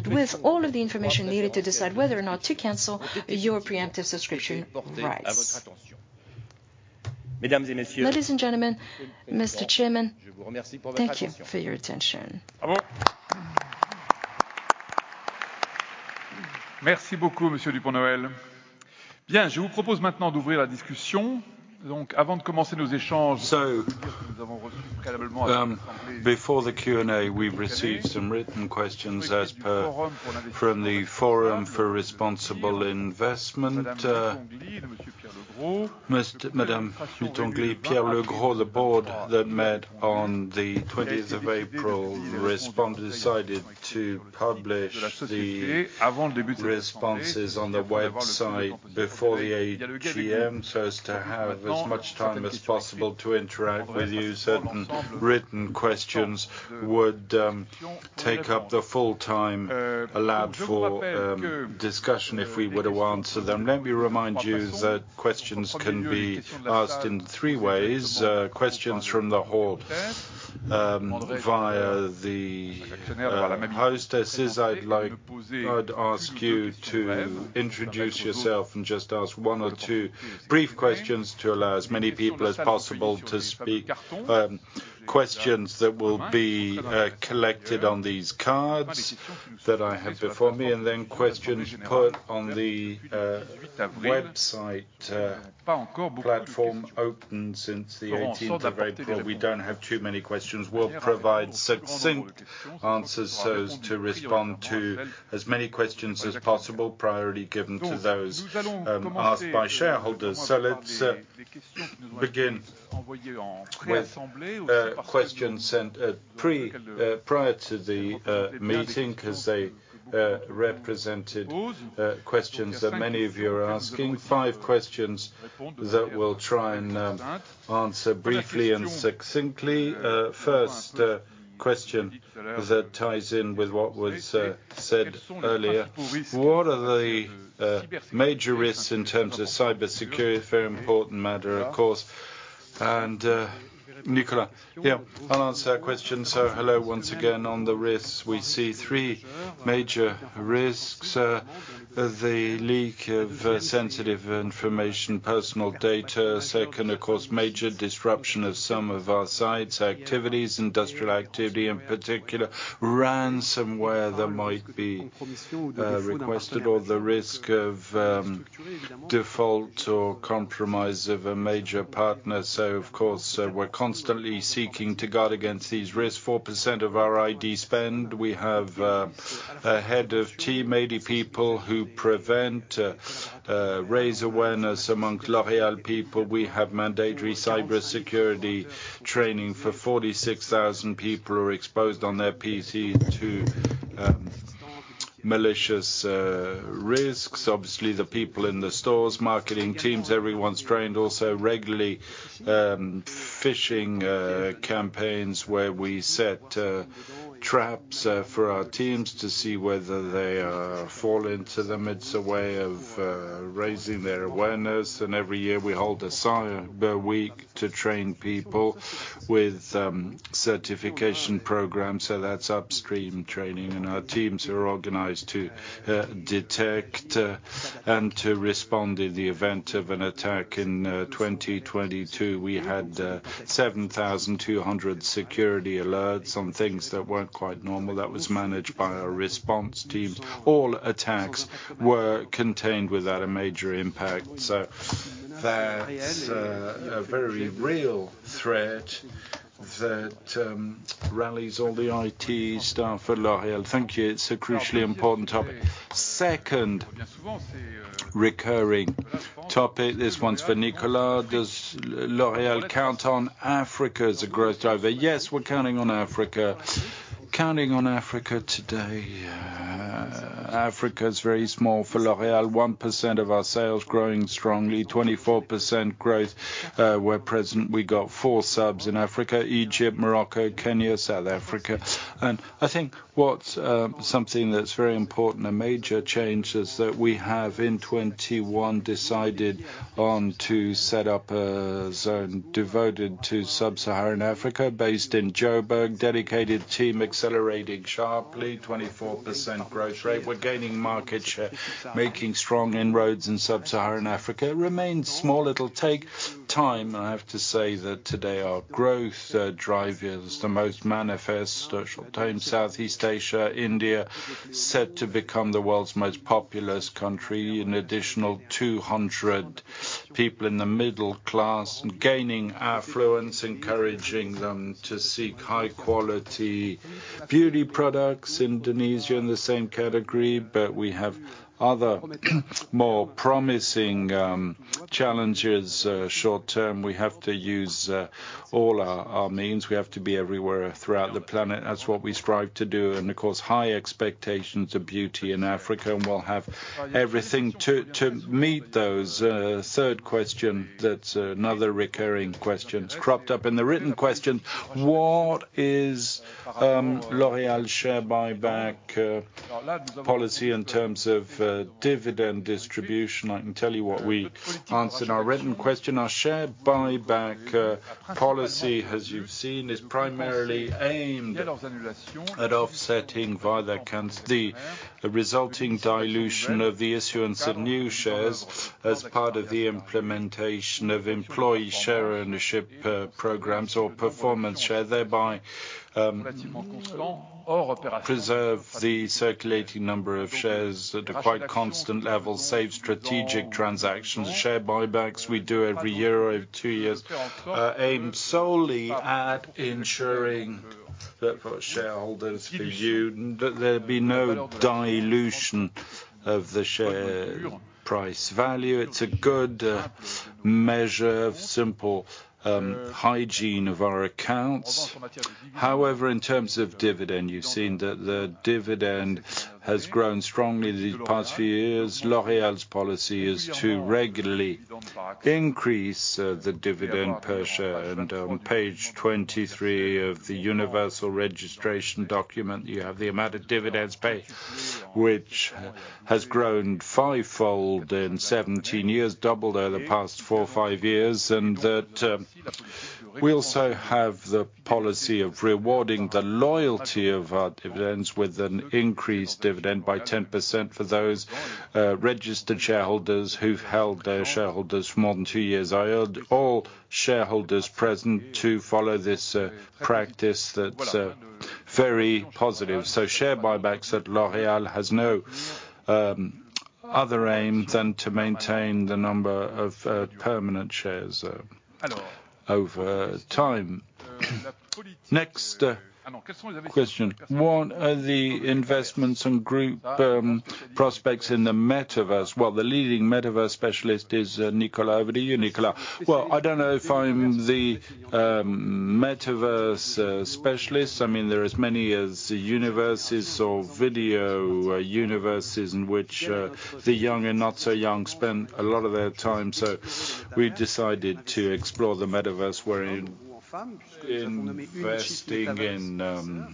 with all of the information needed to decide whether or not to cancel your preemptive subscription rights. Ladies and gentlemen. Chairman, thank you for your attention. Merci beaucoup, Monsieur Dupont-Noël. Bien, je vous propose maintenant d'ouvrir la discussion. Avant de commencer nos échanges... Before the Q&A, we've received some written questions as per from the Forum for Responsible Investment. Most Madame Hutongli, Pierre Legros, the board that met on the twentieth of April responded decided to publish the responses on the website before the AGM so as to have as much time as possible to interact with you. Certain written questions would take up the full time allowed for discussion if we were to answer them. Let me remind you that questions can be asked in three ways, questions from the hall, via the hostesses. I'd ask you to introduce yourself and just ask one or two brief questions to allow as many people as possible to speak. Questions that will be collected on these cards that I have before me, and then questions put on the website platform opened since the 18th of April. We don't have too many questions. We'll provide succinct answers so as to respond to as many questions as possible, priority given to those asked by shareholders. Let's begin with questions sent prior to the meeting 'cause they represented questions that many of you are asking. Five questions that we'll try and answer briefly and succinctly. First question that ties in with what was said earlier, what are the major risks in terms of cybersecurity? A very important matter, of course. Nicolas. Yeah, I'll answer that question. Hello once again. On the risks, we see three major risks. The leak of sensitive information, personal data. Second, of course, major disruption of some of our sites, activities, industrial activity, in particular, ransomware that might be requested or the risk of default or compromise of a major partner. Of course, we're constantly seeking to guard against these risks. 4% of our ID spend, we have a head of team, 80 people who prevent, raise awareness among L'Oréal people. We have mandatory cybersecurity training for 46,000 people who are exposed on their PC to malicious risks. Obviously, the people in the stores, marketing teams, everyone's trained. Also, regularly, phishing campaigns where we set traps for our teams to see whether they fall into them. It's a way of raising their awareness. Every year we hold a cyber week to train people with certification programs, so that's upstream training. Our teams are organized to detect and to respond in the event of an attack. In 2022, we had 7,200 security alerts on things that weren't quite normal. That was managed by our response teams. All attacks were contained without a major impact. That's a very real threat that rallies all the IT staff at L'Oréal. Thank you. It's a crucially important topic. Second recurring topic, this one's for Nicolas. Does L'Oréal count on Africa as a growth driver? Yes, we're counting on Africa. Counting on Africa today, Africa is very small for L'Oréal. 1% of our sales growing strongly, 24% growth, we're present. We got 4 subs in Africa, Egypt, Morocco, Kenya, South Africa. I think what's something that's very important, a major change is that we have in 21 decided on to set up a zone devoted to Sub-Saharan Africa based in Joburg, dedicated team accelerating sharply, 24% growth rate. We're gaining market share, making strong inroads in Sub-Saharan Africa. Remains small. It'll take time. I have to say that today our growth driver is the most manifest short-term, Southeast Asia, India, set to become the world's most populous country, an additional 200 people in the middle class gaining affluence, encouraging them to seek high-quality beauty products. Indonesia in the same category, but we have other more promising challenges. Short-term, we have to use all our means. We have to be everywhere throughout the planet. That's what we strive to do. Of course, high expectations of beauty in Africa, we'll have everything to meet those. 3rd question, that's another recurring question. It's cropped up in the written question. What is L'Oréal share buyback policy in terms of dividend distribution? I can tell you what we answered our written question. Our share buyback policy, as you've seen, is primarily aimed at offsetting via the resulting dilution of the issuance of new shares. As part of the implementation of employee share ownership programs or performance share, thereby preserve the circulating number of shares at a quite constant level, save strategic transactions. The share buybacks we do every year or 2 years aim solely at ensuring that for shareholders for you that there'll be no dilution of the share price value. It's a good measure of simple hygiene of our accounts. However, in terms of dividend, you've seen that the dividend has grown strongly these past few years. L'Oréal's policy is to regularly increase the dividend per share. On page 23 of the universal registration document, you have the amount of dividends paid, which has grown fivefold in 17 years, doubled over the past 4 or 5 years. That, we also have the policy of rewarding the loyalty of our dividends with an increased dividend by 10% for those registered shareholders who've held their shareholders more than 2 years. I urge all shareholders present to follow this practice that's very positive. Share buybacks at L'Oréal has no other aim than to maintain the number of permanent shares over time. Next question. What are the investments and group prospects in the metaverse? Well, the leading metaverse specialist is Nicolas. Over to you, Nicolas. Well, I don't know if I'm the metaverse specialist. I mean, there are as many as universes or video universes in which the young and not so young spend a lot of their time, so we've decided to explore the metaverse. We're investing in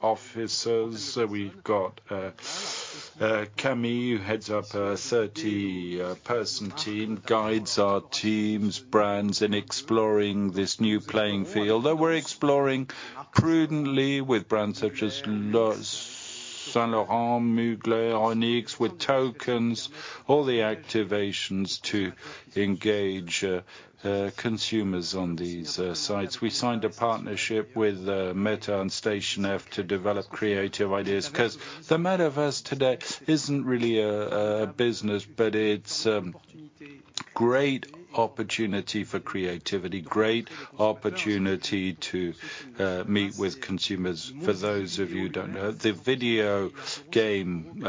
officers. We've got Camille, who heads up a 30-person team, guides our teams, brands in exploring this new playing field that we're exploring prudently with brands such as Saint Laurent, Mugler, Onyx, with tokens, all the activations to engage consumers on these sites. We signed a partnership with Meta and Station F to develop creative ideas 'cause the metaverse today isn't really a business, but it's great opportunity for creativity, great opportunity to meet with consumers. For those of you who don't know, the video game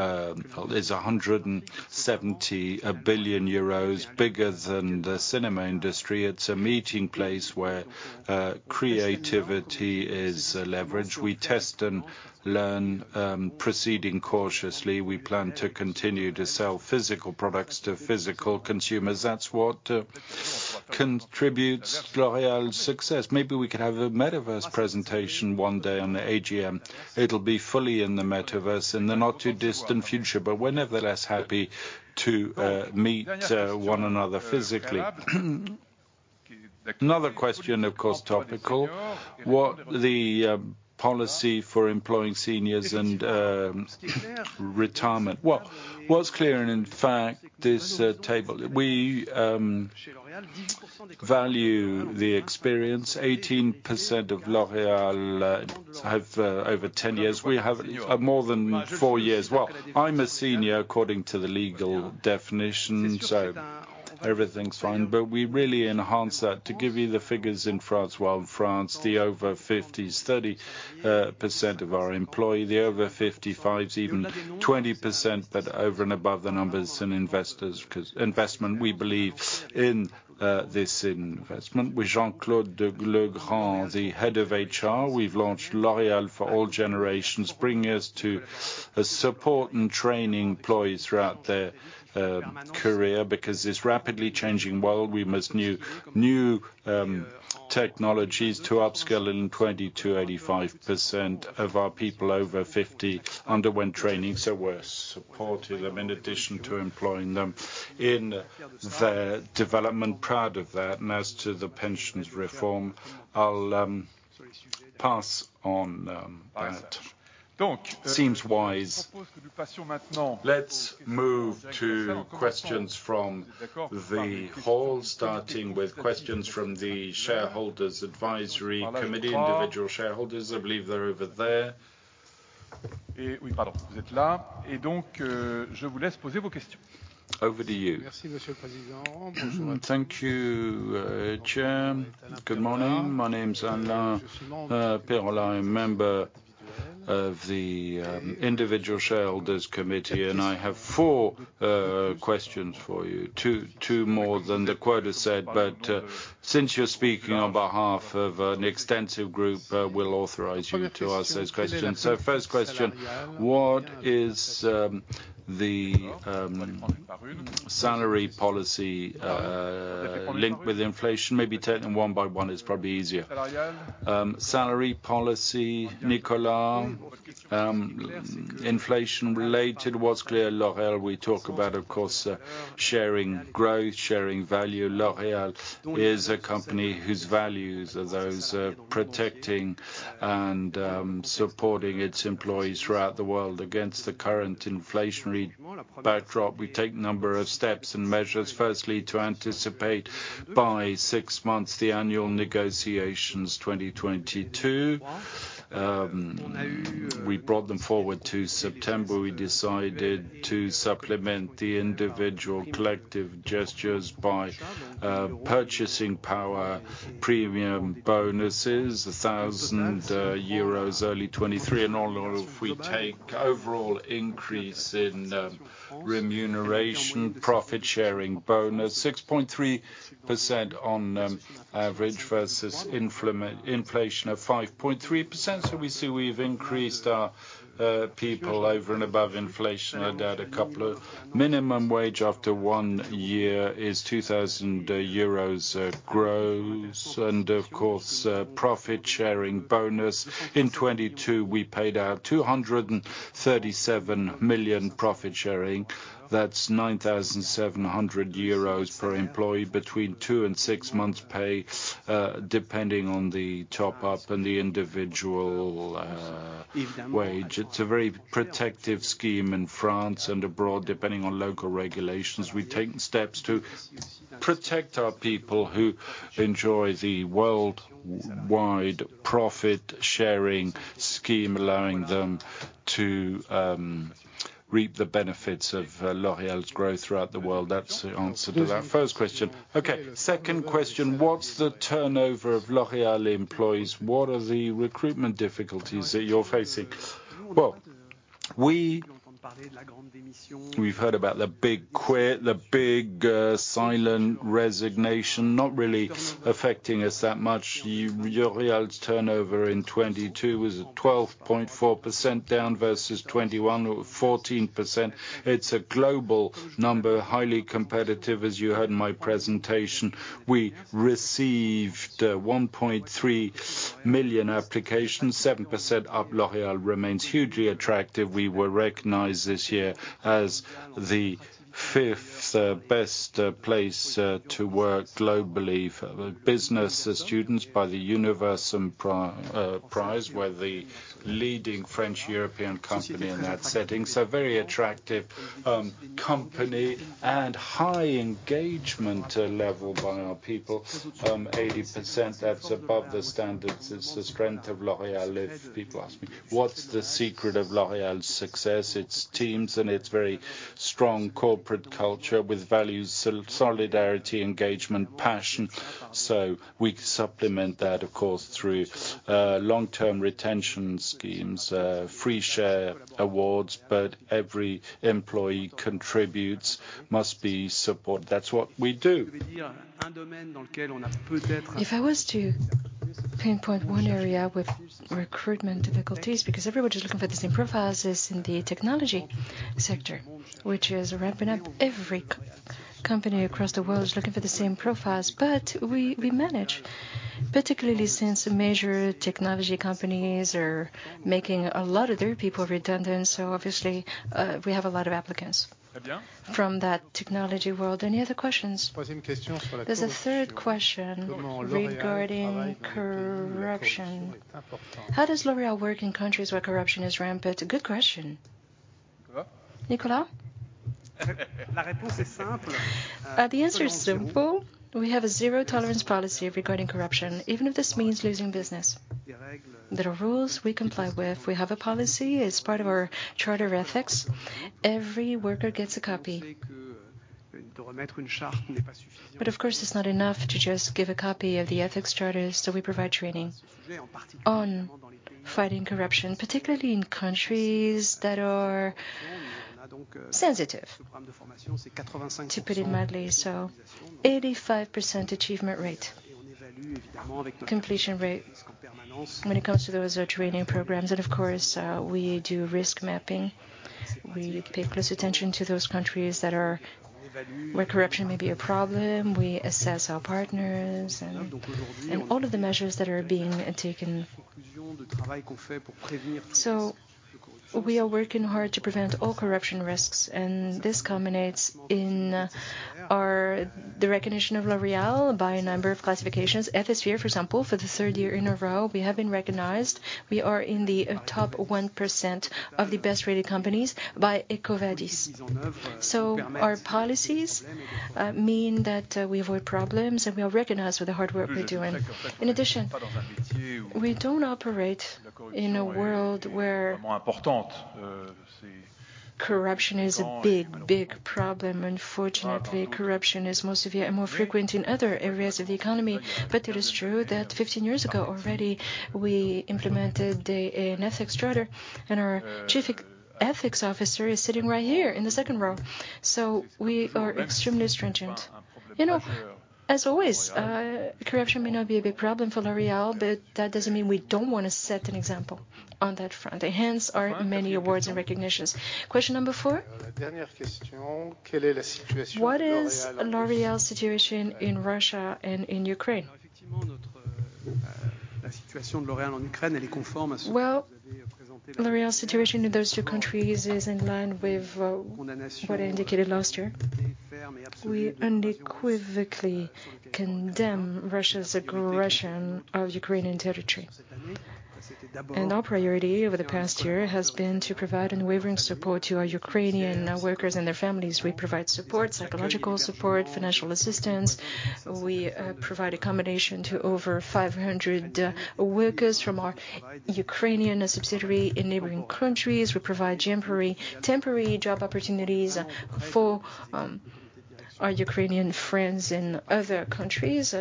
is 170 billion euros bigger than the cinema industry. It's a meeting place where creativity is leveraged. We test and learn, proceeding cautiously. We plan to continue to sell physical products to physical consumers. That's what contributes L'Oréal's success. Maybe we could have a Metaverse presentation one day on the AGM. It'll be fully in the Metaverse in the not too distant future. We're nevertheless happy to meet one another physically. Another question, of course, topical. What the policy for employing seniors and retirement? What's clear, and in fact, this table, we value the experience. 18% of L'Oréal have over 10 years. We have more than 4 years. I'm a senior according to the legal definition, so everything's fine. We really enhance that. To give you the figures in France, well, in France, the over 50s, 30% of our employee, the over 55s, even 20%, but over and above the numbers in investors, 'cause investment, we believe in this investment. With Jean-Claude Legrand, the head of HR, we've launched L'Oréal for All Generations, bringing us to support and train employees throughout their career. This rapidly changing world, we must new technologies to upskill and 20%-85% of our people over 50 underwent training, so we're supporting them in addition to employing them in their development. Proud of that. As to the pensions reform, I'll pass on that. Seems wise. Let's move to questions from the hall, starting with questions from the shareholders' advisory committee, individual shareholders. I believe they're over there. Over to you. Thank you, Chair. Good morning. My name's Alain Perrollaz. I'm member of the Individual Shareholders Committee, and I have 4 questions for you. 2 more than the quota said, but since you're speaking on behalf of an extensive group, we'll authorize you to ask those questions. First question, what is the salary policy linked with inflation? Maybe take them 1 by 1. It's probably easier. Salary policy, Nicolas? Inflation related was clear. L'Oréal, we talk about, of course, sharing growth, sharing value. L'Oréal is a company whose values are those protecting and supporting its employees throughout the world against the current inflationary backdrop. We take number of steps and measures. Firstly, to anticipate by 6 months the annual negotiations 2022. We brought them forward to September. We decided to supplement the individual collective gestures by purchasing power premium bonuses, EUR 1,000 early 2023. Overall increase in remuneration, profit sharing bonus, 6.3% on average versus inflation of 5.3%. We see we've increased our people over and above inflation and add a couple of minimum wage after one year is 2,000 euros gross. Of course, profit sharing bonus. In 2022, we paid out 237 million profit sharing. That's 9,700 euros per employee between two and six months pay, depending on the top up and the individual wage. It's a very protective scheme in France and abroad, depending on local regulations. We've taken steps to protect our people who enjoy the worldwide profit-sharing scheme, allowing them to reap the benefits of L'Oréal's growth throughout the world. That's the answer to that first question. Second question. What's the turnover of L'Oréal employees? What are the recruitment difficulties that you're facing? We've heard about the big quit, the big silent resignation, not really affecting us that much. L'Oréal's turnover in 2022 was at 12.4% down versus 2021 or 14%. It's a global number, highly competitive. As you heard in my presentation, we received 1.3 million applications, 7% up. L'Oréal remains hugely attractive. We were recognized this year as the fifth best place to work globally for business students by the Universum Prize, we're the leading French European company in that setting. Very attractive company and high engagement level by our people. 80%, that's above the standards. It's the strength of L'Oréal. If people ask me, what's the secret of L'Oréal's success? It's teams, and it's very strong corporate culture with values, solidarity, engagement, passion. We supplement that, of course, through long-term retention schemes, free share awards. Every employee contributes, must be supported. That's what we do. If I was to pinpoint one area with recruitment difficulties, because everyone is looking for the same profiles, is in the technology sector, which is wrapping up. Every company across the world is looking for the same profiles. We manage, particularly since major technology companies are making a lot of their people redundant. Obviously, we have a lot of applicants from that technology world. Any other questions? There's a third question regarding corruption. How does L'Oréal work in countries where corruption is rampant? Good question. Nicolas? The answer is simple. We have a zero tolerance policy regarding corruption, even if this means losing business. There are rules we comply with. We have a policy as part of our charter of ethics. Every worker gets a copy. Of course, it's not enough to just give a copy of the ethics charter, so we provide training on fighting corruption, particularly in countries that are sensitive, to put it mildly. 85% achievement rate, completion rate when it comes to those training programs. Of course, we do risk mapping. We pay close attention to those countries that are where corruption may be a problem. We assess our partners and all of the measures that are being taken. We are working hard to prevent all corruption risks, and this culminates in our the recognition of L'Oréal by a number of classifications. Ethisphere, for example, for the third year in a row, we have been recognized. We are in the top 1% of the best-rated companies by EcoVadis. Our policies mean that we avoid problems, and we are recognized for the hard work we're doing. In addition, we don't operate in a world where corruption is a big, big problem. Unfortunately, corruption is more severe, more frequent in other areas of the economy. It is true that 15 years ago already, we implemented an ethics charter, and our chief e-ethics officer is sitting right here in the second row. We are extremely stringent. You know, as always, corruption may not be a big problem for L'Oréal, but that doesn't mean we don't want to set an example on that front, and hence our many awards and recognitions. Question number four. What is L'Oréal's situation in Russia and in Ukraine? L'Oréal's situation in those two countries is in line with what I indicated last year. We unequivocally condemn Russia's aggression of Ukrainian territory. Our priority over the past year has been to provide unwavering support to our Ukrainian workers and their families. We provide support, psychological support, financial assistance. We provide accommodation to over 500 workers from our Ukrainian subsidiary in neighboring countries. We provide temporary job opportunities for our Ukrainian friends in other countries.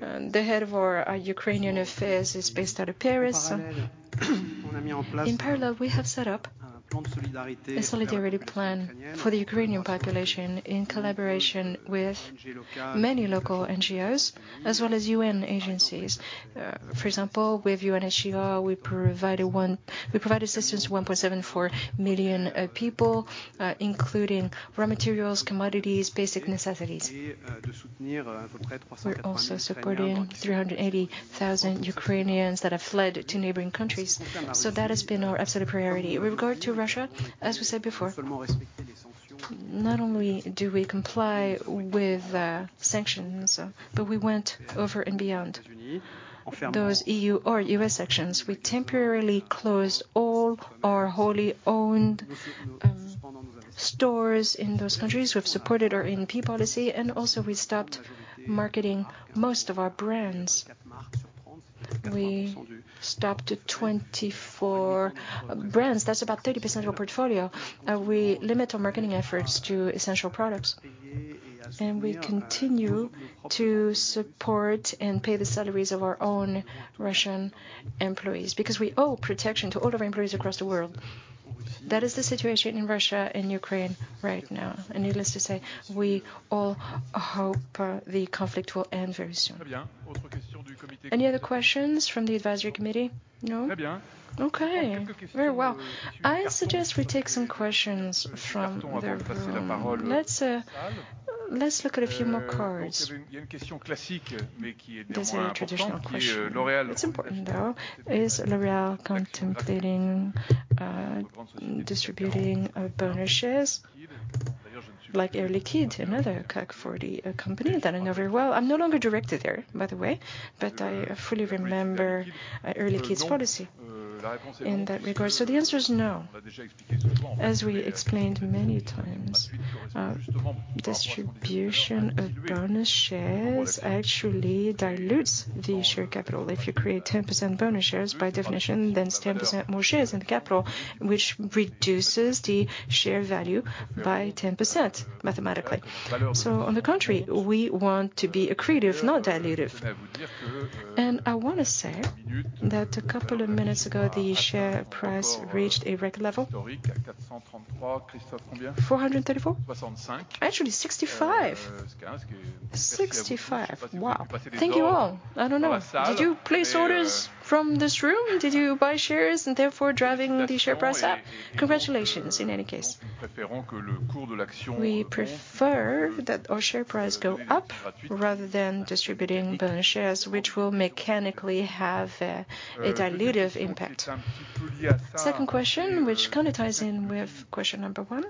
The head of our Ukrainian affairs is based out of Paris. In parallel, we have set up a solidarity plan for the Ukrainian population in collaboration with many local NGOs as well as UN agencies. For example, with UNHCR we provided assistance to 1.74 million people, including raw materials, commodities, basic necessities. We're also supporting 380,000 Ukrainians that have fled to neighboring countries. That has been our absolute priority. With regard to Russia, as we said before, not only do we comply with sanctions, but we went over and beyond those EU or US sanctions. We temporarily closed all our wholly owned stores in those countries. We've supported our INP policy, and also we stopped marketing most of our brands. We stopped 24 brands. That's about 30% of our portfolio. We limit our marketing efforts to essential products, and we continue to support and pay the salaries of our own Russian employees, because we owe protection to all of our employees across the world. That is the situation in Russia and Ukraine right now. Needless to say, we all hope the conflict will end very soon. Any other questions from the advisory committee? No? Okay. Very well. I suggest we take some questions from the room. Let's look at a few more cards. There's a traditional question. It's important, though. Is L'Oréal contemplating distributing bonus shares like Air Liquide, another CAC 40 company that I know very well? I'm no longer director there, by the way. I fully remember Air Liquide's policy in that regard. The answer is no. As we explained many times, distribution of bonus shares actually dilutes the share capital. If you create 10% bonus shares, by definition, then it's 10% more shares in the capital, which reduces the share value by 10%, mathematically. On the contrary, we want to be accretive, not dilutive. I wanna say that a couple of minutes ago, the share price reached a record level. 434? Actually 65. 65. Wow. Thank you all. I don't know. Did you place orders from this room? Did you buy shares and therefore driving the share price up? Congratulations, in any case. We prefer that our share price go up rather than distributing bonus shares, which will mechanically have a dilutive impact. Second question, which kind of ties in with question number 1.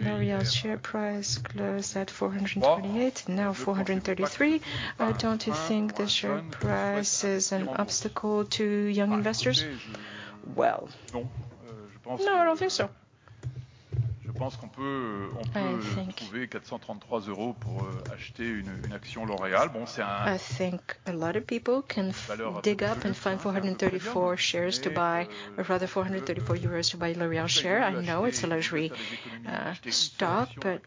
L'Oréal's share price closed at 428, now 433. Don't you think the share price is an obstacle to young investors? Well, no, I don't think so. I think a lot of people can dig up and find 434 shares to buy, or rather 434 euros to buy L'Oréal share. I know it's a luxury, stock, but,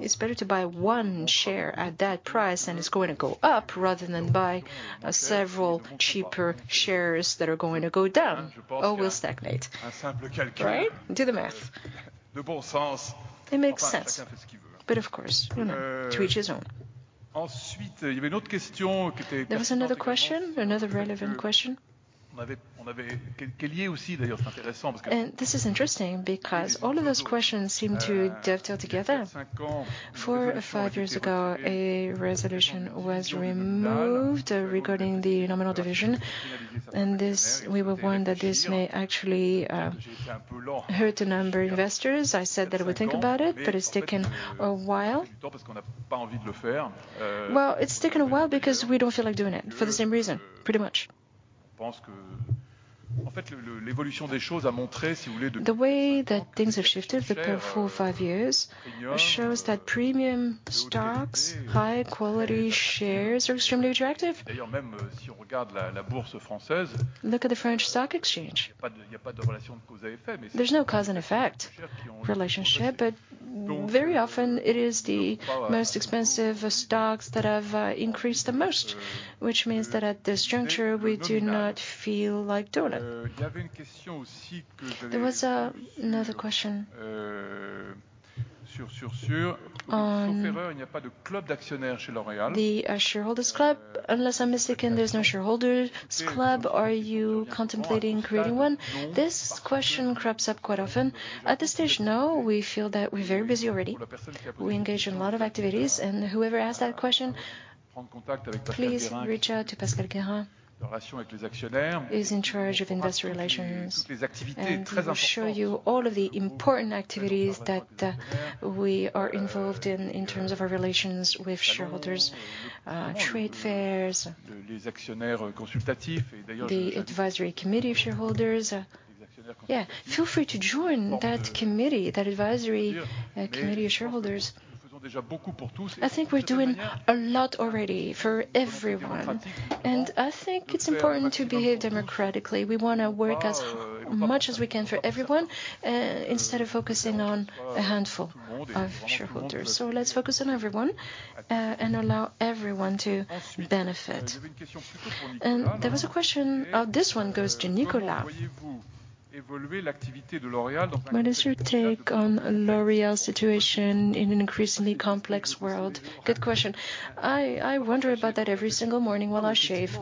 it's better to buy 1 share at that price, and it's going to go up rather than buy several cheaper shares that are going to go down or will stagnate. Right? Do the math. It makes sense. Of course, you know, to each his own. There was another question, another relevant question. This is interesting because all of those questions seem to dovetail together. 4 or 5 years ago, a resolution was removed regarding the nominal division, and we were warned that this may actually, hurt a number of investors. I said that I would think about it, but it's taken a while. Well, it's taken a while because we don't feel like doing it, for the same reason, pretty much. The way that things have shifted over four or five years shows that premium stocks, high-quality shares are extremely attractive. Look at the French stock exchange. There's no cause-and-effect relationship, but very often it is the most expensive stocks that have increased the most, which means that at this juncture, we do not feel like doing it. There was another question. On the shareholders club. Unless I'm mistaken, there's no shareholders club. Are you contemplating creating one? This question crops up quite often. At this stage, no. We feel that we're very busy already. We engage in a lot of activities, and whoever asked that question Please reach out to Pascale Guérin. He's in charge of investor relations, and he will show you all of the important activities that we are involved in in terms of our relations with shareholders, trade fairs, the advisory committee of shareholders. Yeah. Feel free to join that committee, that advisory committee of shareholders. I think we're doing a lot already for everyone, and I think it's important to behave democratically. We wanna work as much as we can for everyone, instead of focusing on a handful of shareholders. Let's focus on everyone, and allow everyone to benefit. There was a question... Oh, this one goes to Nicolas. What is your take on L'Oréal's situation in an increasingly complex world? Good question. I wonder about that every single morning while I shave.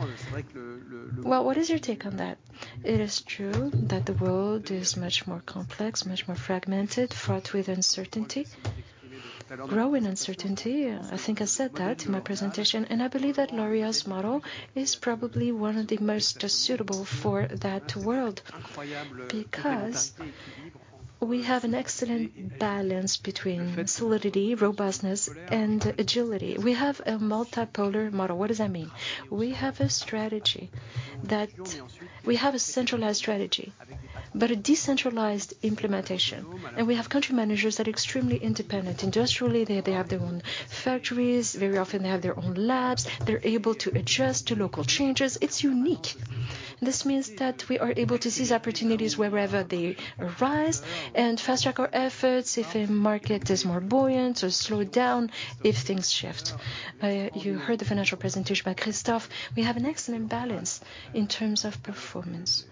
Well, what is your take on that? It is true that the world is much more complex, much more fragmented, fraught with uncertainty, growing uncertainty. I think I said that in my presentation. I believe that L'Oréal's model is probably one of the most suitable for that world because we have an excellent balance between solidity, robustness, and agility. We have a multipolar model. What does that mean? We have a strategy. We have a centralized strategy but a decentralized implementation. We have country managers that are extremely independent. Industrially, they have their own factories. Very often, they have their own labs. They're able to adjust to local changes. It's unique. This means that we are able to seize opportunities wherever they arise and fast-track our efforts if a market is more buoyant or slow it down if things shift. You heard the financial presentation by Christophe. We have an excellent balance in terms of performance,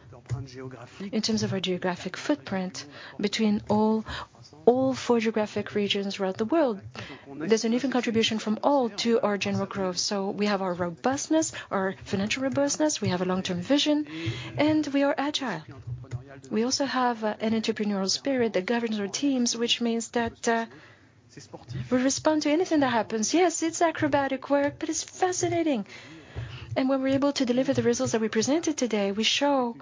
in terms of our geographic footprint between all four geographic regions throughout the world. There's an even contribution from all to our general growth. We have our robustness, our financial robustness. We have a long-term vision, we are agile. We also have an entrepreneurial spirit that governs our teams, which means that we respond to anything that happens. Yes, it's acrobatic work, it's fascinating. When we're able to deliver the results that we presented today, we show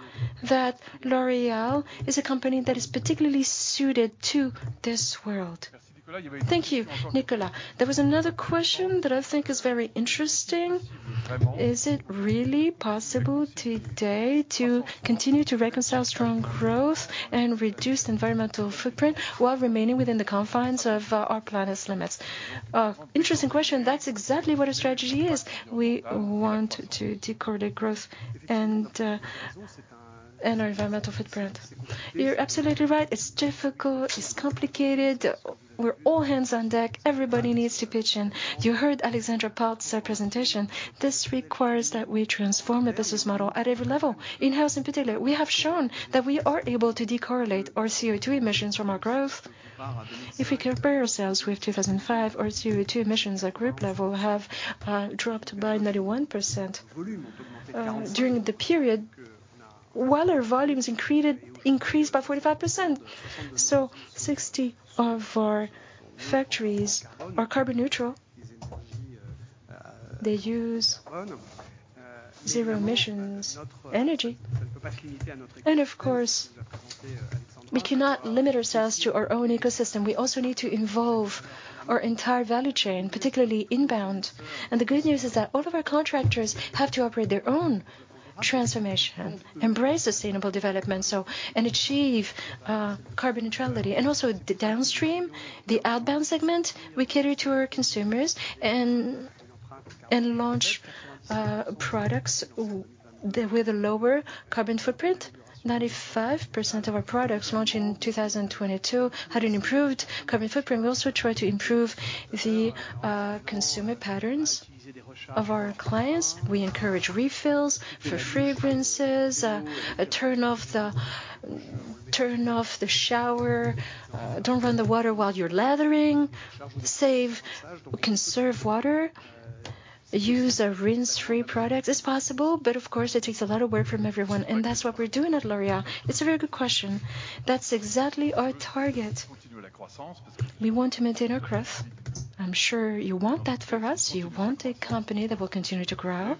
that L'Oréal is a company that is particularly suited to this world. Thank you, Nicolas. There was another question that I think is very interesting. Is it really possible today to continue to reconcile strong growth and reduce environmental footprint while remaining within the confines of our planet's limits? Interesting question. That's exactly what our strategy is. We want to decorrelate growth and our environmental footprint. You're absolutely right. It's difficult. It's complicated. We're all hands on deck. Everybody needs to pitch in. You heard Alexandra Palt's presentation. This requires that we transform the business model at every level, in-house in particular. We have shown that we are able to decorrelate our CO2 emissions from our growth. If we compare ourselves with 2005, our CO2 emissions at group level have dropped by 91% during the period while our volumes increased by 45%. 60 of our factories are carbon neutral. They use zero emissions energy. Of course, we cannot limit ourselves to our own ecosystem. We also need to involve our entire value chain, particularly inbound. The good news is that all of our contractors have to operate their own transformation, embrace sustainable development, and achieve carbon neutrality. Also the downstream, the outbound segment, we cater to our consumers and launch products with a lower carbon footprint. 95% of our products launched in 2022 had an improved carbon footprint. We also try to improve the consumer patterns of our clients. We encourage refills for fragrances, turn off the shower, don't run the water while you're lathering, conserve water, use a rinse-free product. It's possible, but of course, it takes a lot of work from everyone, and that's what we're doing at L'Oréal. It's a very good question. That's exactly our target. We want to maintain our growth. I'm sure you want that for us. You want a company that will continue to grow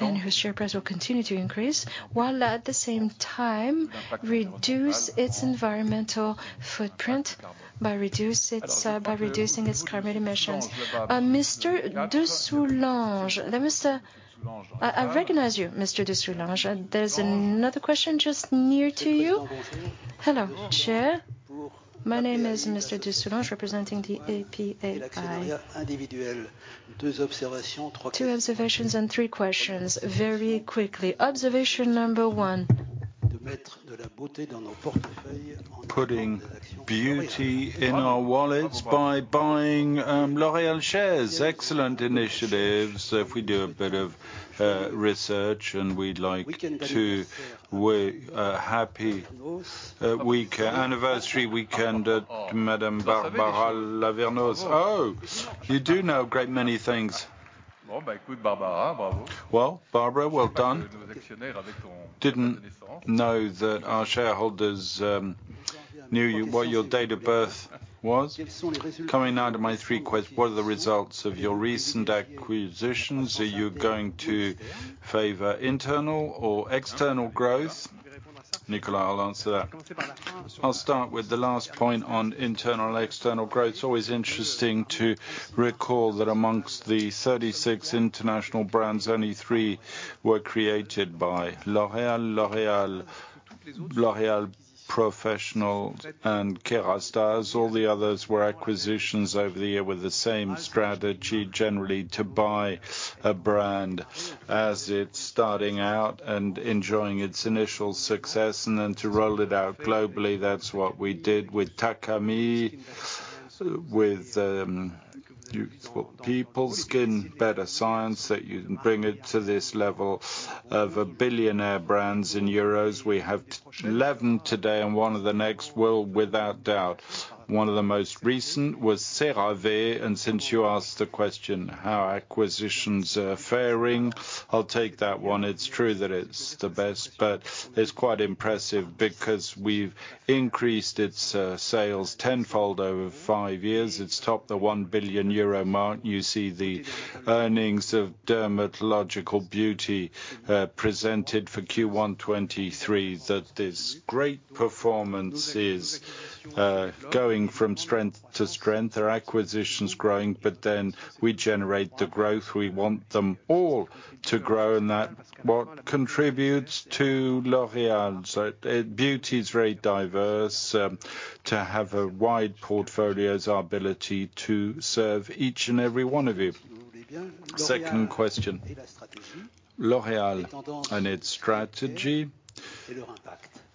and whose share price will continue to increase while at the same time reduce its environmental footprint by reducing its carbon emissions. Mr. de Soulanges. I recognize you, Mr. de Soulanges. There's another question just near to you. Hello, Chair. My name is Mr. de Soulanges, representing the APAPI. Two observations and three questions very quickly. Observation number one, putting beauty in our wallets by buying L'Oréal shares, excellent initiatives. If we do a bit of research, and we'd like to... We happy anniversary weekend at Madame Barbara Lavernos. Oh, you do know a great many things. Well, Barbara, well done. Didn't know that our shareholders Knew you-- what your date of birth was. Coming now to my three ques-- what are the results of your recent acquisitions? Are you going to favor internal or external growth? Nicolas will answer that. I'll start with the last point on internal and external growth. It's always interesting to recall that amongst the 36 international brands, only three were created by L'Oréal: L'Oréal Professionnel, and Kérastase. All the others were acquisitions over the year with the same strategy, generally to buy a brand as it's starting out and enjoying its initial success, and then to roll it out globally. That's what we did with Takami, with People Skin, Better Science, that you can bring it to this level of a billionaire brands. In EUR, we have 11 today, and one of the next will without doubt. One of the most recent was CeraVe, and since you asked the question how acquisitions are faring, I'll take that one. It's true that it's the best, but it's quite impressive because we've increased its sales 10-fold over five years. It's topped the 1 billion euro mark. You see the earnings of L'Oréal Dermatological Beauty presented for Q1 2023, that this great performance is going from strength to strength. Our acquisition's growing, we generate the growth. We want them all to grow, and that what contributes to L'Oréal. Beauty is very diverse, to have a wide portfolio is our ability to serve each and every one of you. Second question. L'Oréal and its strategy,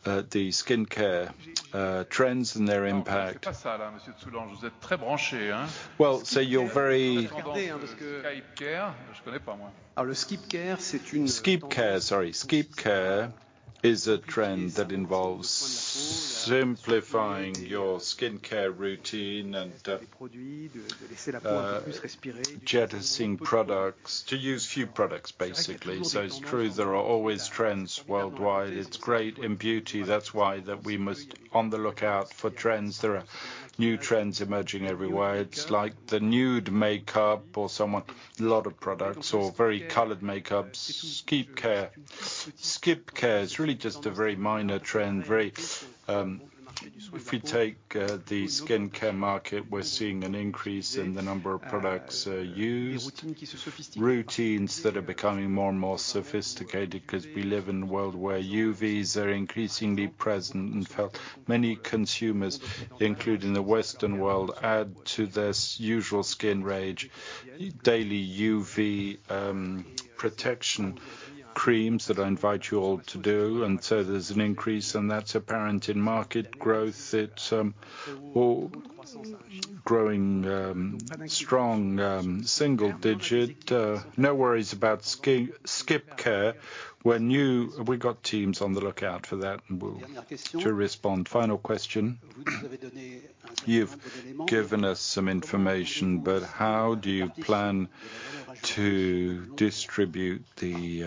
the skincare trends and their impact. Well, you're very- Skip-care, sorry. Skip-care is a trend that involves simplifying your skincare routine and jettisoning products. To use few products, basically. It's true, there are always trends worldwide. It's great in beauty. That's why that we must on the lookout for trends. There are new trends emerging everywhere. It's like the nude makeup or lot of products or very colored makeups. Skip-care. Skip-care is really just a very minor trend. If we take the skincare market, we're seeing an increase in the number of products used. Routines that are becoming more and more sophisticated because we live in a world where UVs are increasingly present. In fact, many consumers, including the Western world, add to their usual skin range, daily UV protection creams, that I invite you all to do. There's an increase, and that's apparent in market growth. It's all growing, strong, single digit. No worries about skip-care. We're new. We've got teams on the lookout for that, to respond. Final question. You've given us some information, how do you plan to distribute the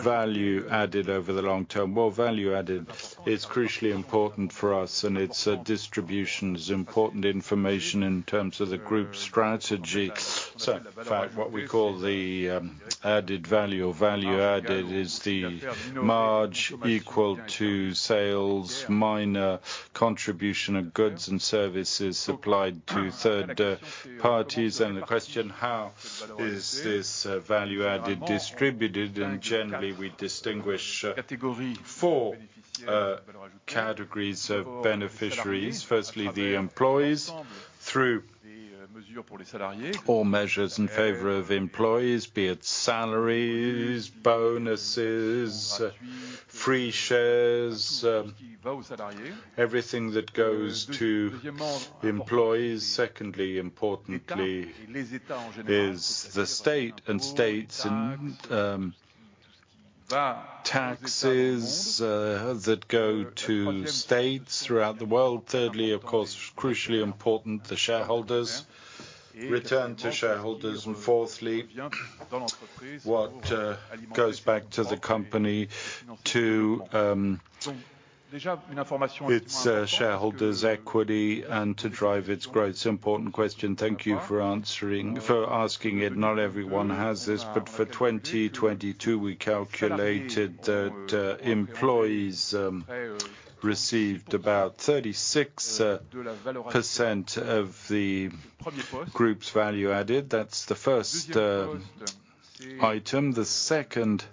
value added over the long term? Well, value added is crucially important for us, and its distribution is important information in terms of the group strategy. In fact, what we call the added value or value added is the marge equal to sales, minor contribution of goods and services supplied to third parties. The question, how is this value added distributed? Generally, we distinguish 4 categories of beneficiaries. Firstly, the employees through all measures in favor of employees, be it salaries, bonuses, free shares, everything that goes to employees. Secondly, importantly is the state and states and taxes that go to states throughout the world. Thirdly, of course, crucially important, the shareholders. Return to shareholders. Fourthly, what goes back to the company to its shareholders' equity and to drive its growth. It's an important question. Thank you for asking it. Not everyone has this, but for 2022, we calculated that employees received about 36% of the group's value added. That's the first item. The second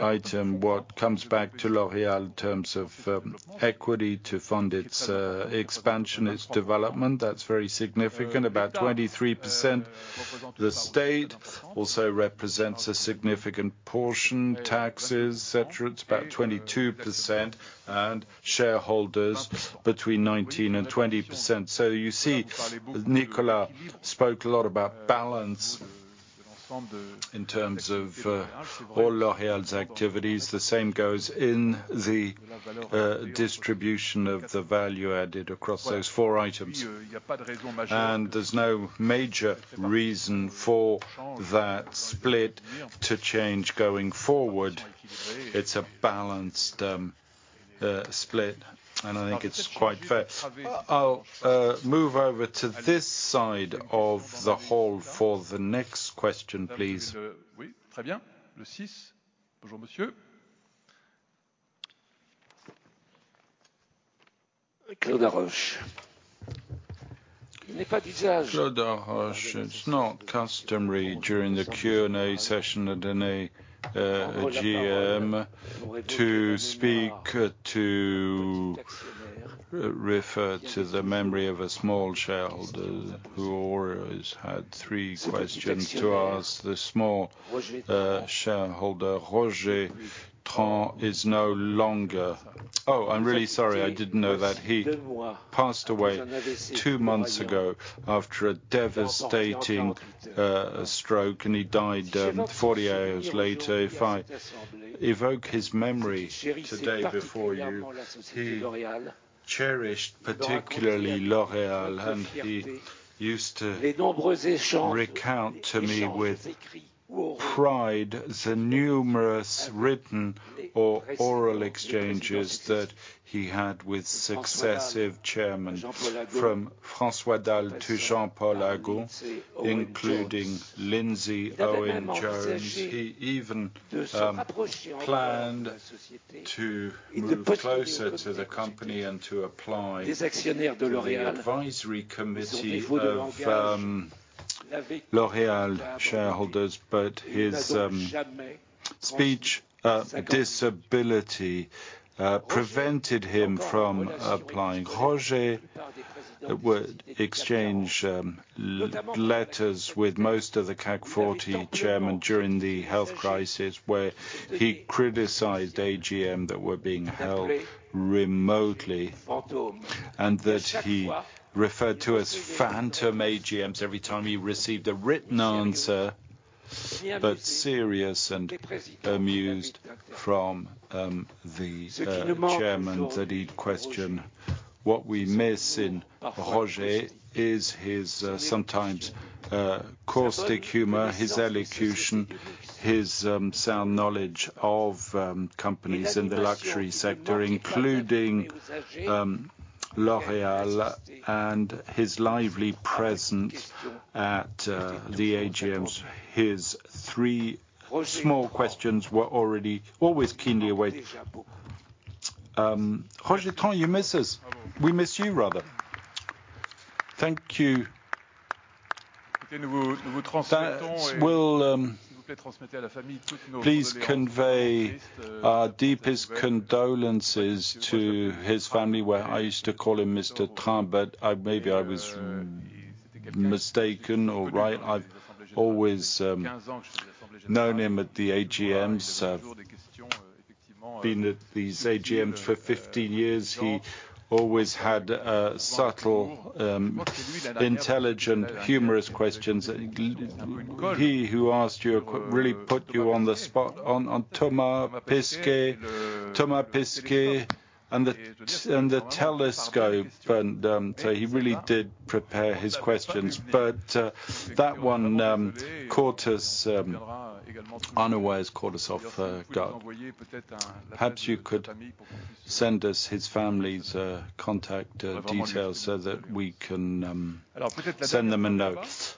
item, what comes back to L'Oréal in terms of equity to fund its expansion, its development. That's very significant. About 23%, the state also represents a significant portion, taxes, et cetera. It's about 22%. Shareholders between 19% and 20%. You see, Nicolas spoke a lot about balance in terms of all L'Oréal's activities. The same goes in the distribution of the value added across those 4 items. There's no major reason for that split to change going forward. It's a balanced split, and I think it's quite fair. I'll move over to this side of the hall for the next question, please. It's not customary during the Q&A session at any GM to speak to refer to the memory of a small shareholder who always had 3 questions to ask the small shareholder, Roger Tran, is no longer... Oh, I'm really sorry, I didn't know that. He passed away 2 months ago after a devastating stroke, and he died 40 hours later. If I evoke his memory today before you, he cherished particularly L'Oréal. He used to recount to me with pride the numerous written or oral exchanges that he had with successive chairmen, from François Dalle to Jean-Paul Agon, including Lindsay Owen-Jones. He even planned to move closer to the company and to apply to the advisory committee of L'Oréal shareholders. His speech disability prevented him from applying. Roger would exchange letters with most of the CAC 40 chairman during the health crisis, where he criticized AGM that were being held remotely, and that he referred to as phantom AGMs every time he received a written answer, but serious and amused from the chairman that he'd question. What we miss in Roger is his sometimes caustic humor, his elocution, his sound knowledge of companies in the luxury sector, including L'Oréal, and his lively presence at the AGMs. His 3 small questions were already always keenly awaited. Roger Tran, you miss us. We miss you, rather. Thank you. Please convey our deepest condolences to his family, where I used to call him Mr. Tran, but maybe I was mistaken or right. I've always known him at the AGMs. I've been at these AGMs for 15 years. He always had subtle, intelligent, humorous questions. He who asked you, really put you on the spot on Thomas Pesquet and the telescope. He really did prepare his questions. That one caught us unawares, caught us off guard. Perhaps you could send us his family's contact details so that we can send them a note.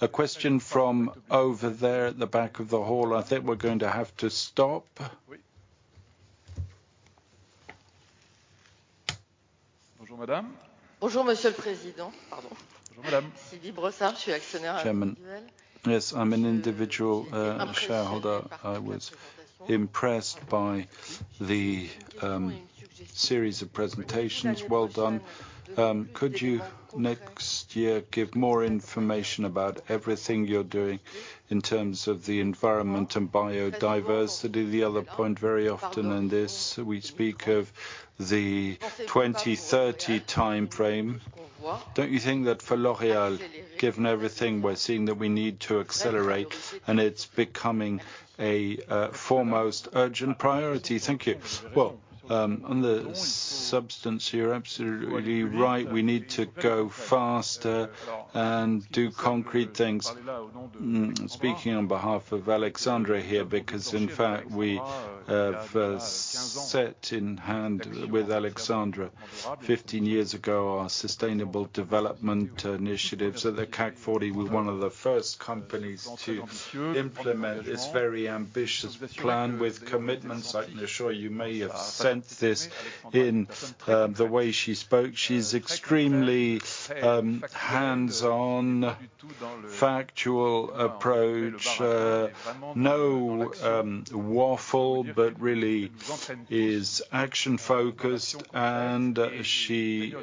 A question from over there at the back of the hall. I think we're going to have to stop. Chairman. Yes, I'm an individual shareholder. I was impressed by the series of presentations. Well done. Could you next year give more information about everything you're doing in terms of the environment and biodiversity? The other point, very often in this, we speak of the 2030 timeframe. Don't you think that for L'Oréal, given everything we're seeing, that we need to accelerate and it's becoming a foremost urgent priority? Thank you. On the substance, you're absolutely right. We need to go faster and do concrete things. Speaking on behalf of Alexandra here, in fact we have set in hand with Alexandra 15 years ago our sustainable development initiatives at the CAC 40. We're one of the first companies to implement this very ambitious plan with commitments. I can assure you may have sensed this in the way she spoke. She's extremely hands-on, factual approach. No waffle, really is action-focused, and she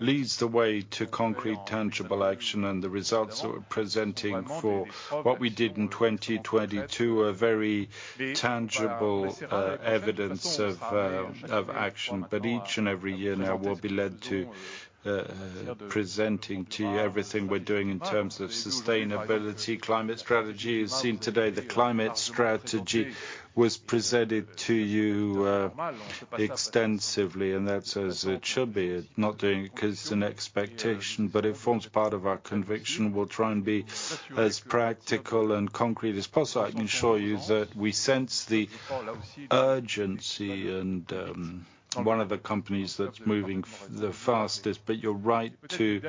leads the way to concrete, tangible action and the results that we're presenting for what we did in 2022 are very tangible evidence of action. Each and every year now we'll be led to presenting to you everything we're doing in terms of sustainability, climate strategy. You've seen today the climate strategy was presented to you extensively, that's as it should be. Not doing it because it's an expectation, but it forms part of our conviction. We'll try and be as practical and concrete as possible. I can assure you that we sense the urgency and one of the companies that's moving the fastest. You're right to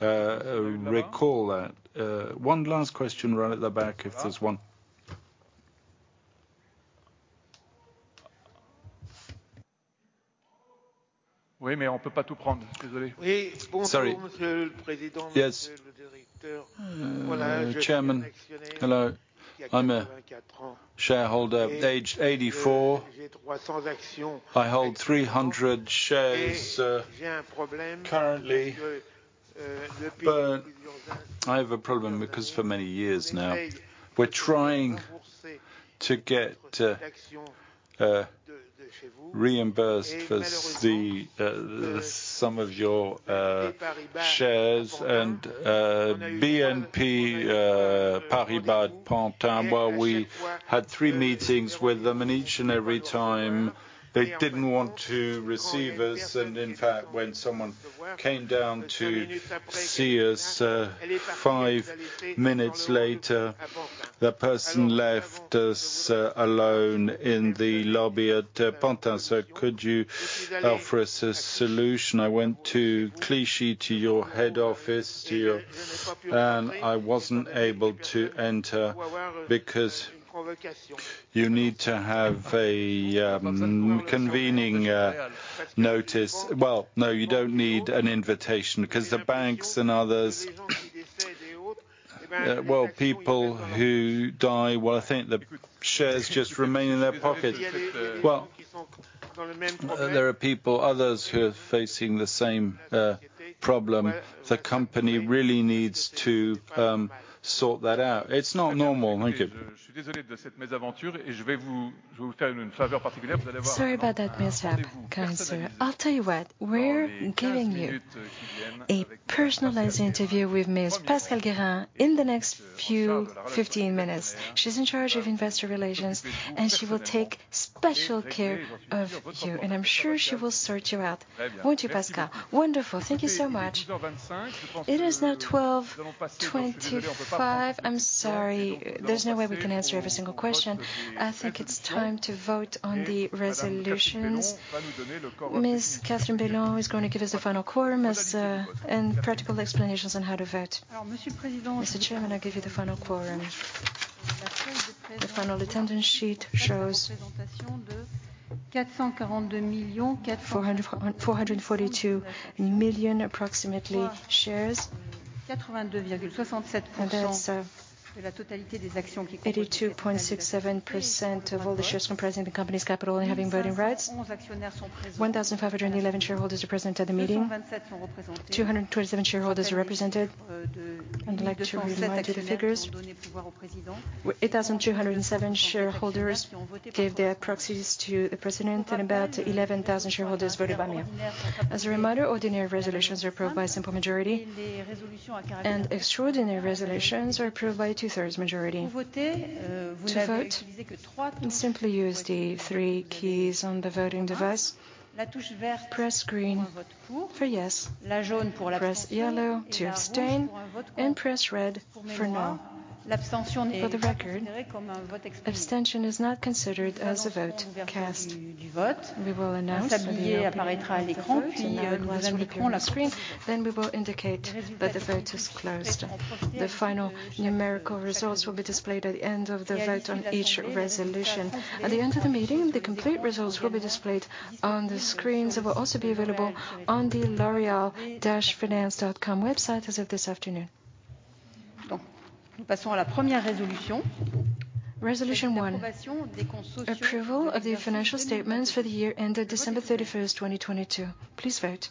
recall that. One last question right at the back, if there's one Oui, mais on peut pas tout prendre. Désolé. Sorry. Oui. Bonjour, Monsieur le Président- Yes... Monsieur le Directeur. Voilà, je suis actionnaire- Chairman. Hello. I'm a shareholder aged 84. J'ai 300 actions. I hold 300 shares, currently. j'ai un problème parce que, depuis plusieurs années maintenant-. I have a problem because for many years now we're trying to get reimbursed for the some of your shares and BNP Paribas Pantin, well, we had 3 meetings with them, and each and every time they didn't want to receive us. In fact, when someone came down to see us, 5 minutes later, the person left us alone in the lobby at Pantin. Could you offer us a solution? I went to Clichy, to your head office, to your... I wasn't able to enter because you need to have a convening notice. Well, no, you don't need an invitation because the banks and others, well, people who die, well, I think the shares just remain in their pocket. Well, there are people, others who are facing the same problem. The company really needs to sort that out. It's not normal. Thank you. Sorry about that mishap, kind sir. I'll tell you what, we're giving you a personalized interview with Ms. Pascale Guérin in the next few 15 minutes. She's in charge of investor relations, she will take special care of you, I'm sure she will sort you out, won't you, Pascale? Wonderful. Thank you so much. It is now 12:25. I'm sorry. There's no way we can answer every single question. I think it's time to vote on the resolutions. Ms. Catherine Béland is going to give us the final quorum as practical explanations on how to vote. Mr. Chairman, I give you the final quorum. The final attendance sheet shows 442 million approximately shares. That's 82.67% of all the shares comprising the company's capital and having voting rights. 1,511 shareholders are present at the meeting. 227 shareholders are represented. I'd like to remind you the figures. 8,207 shareholders gave their proxies to the president and about 11,000 shareholders voted by mail. As a reminder, ordinary resolutions are approved by a simple majority, and extraordinary resolutions are approved by a two-thirds majority. To vote, simply use the three keys on the voting device. Press green for yes, press yellow to abstain, and press red for no. For the record, abstention is not considered as a vote cast. We will announce the opening of the vote. The number will appear on the screen. We will indicate that the vote is closed. The final numerical results will be displayed at the end of the vote on each resolution. At the end of the meeting, the complete results will be displayed on the screens. They will also be available on the loreal-finance.com website as of this afternoon. Resolution 1, approval of the financial statements for the year ended December 31st, 2022. Please vote.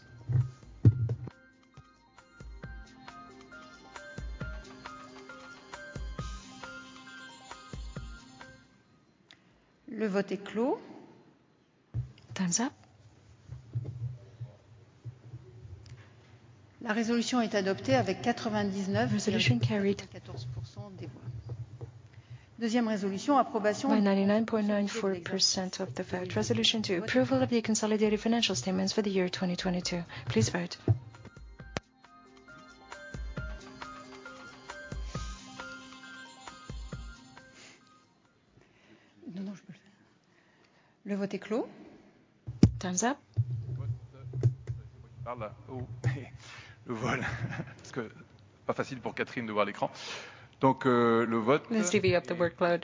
Times up. Resolution carried. By 99.94% of the vote. Resolution 2, approval of the consolidated financial statements for the year 2022. Please vote. Times up. Let's divvy up the workload.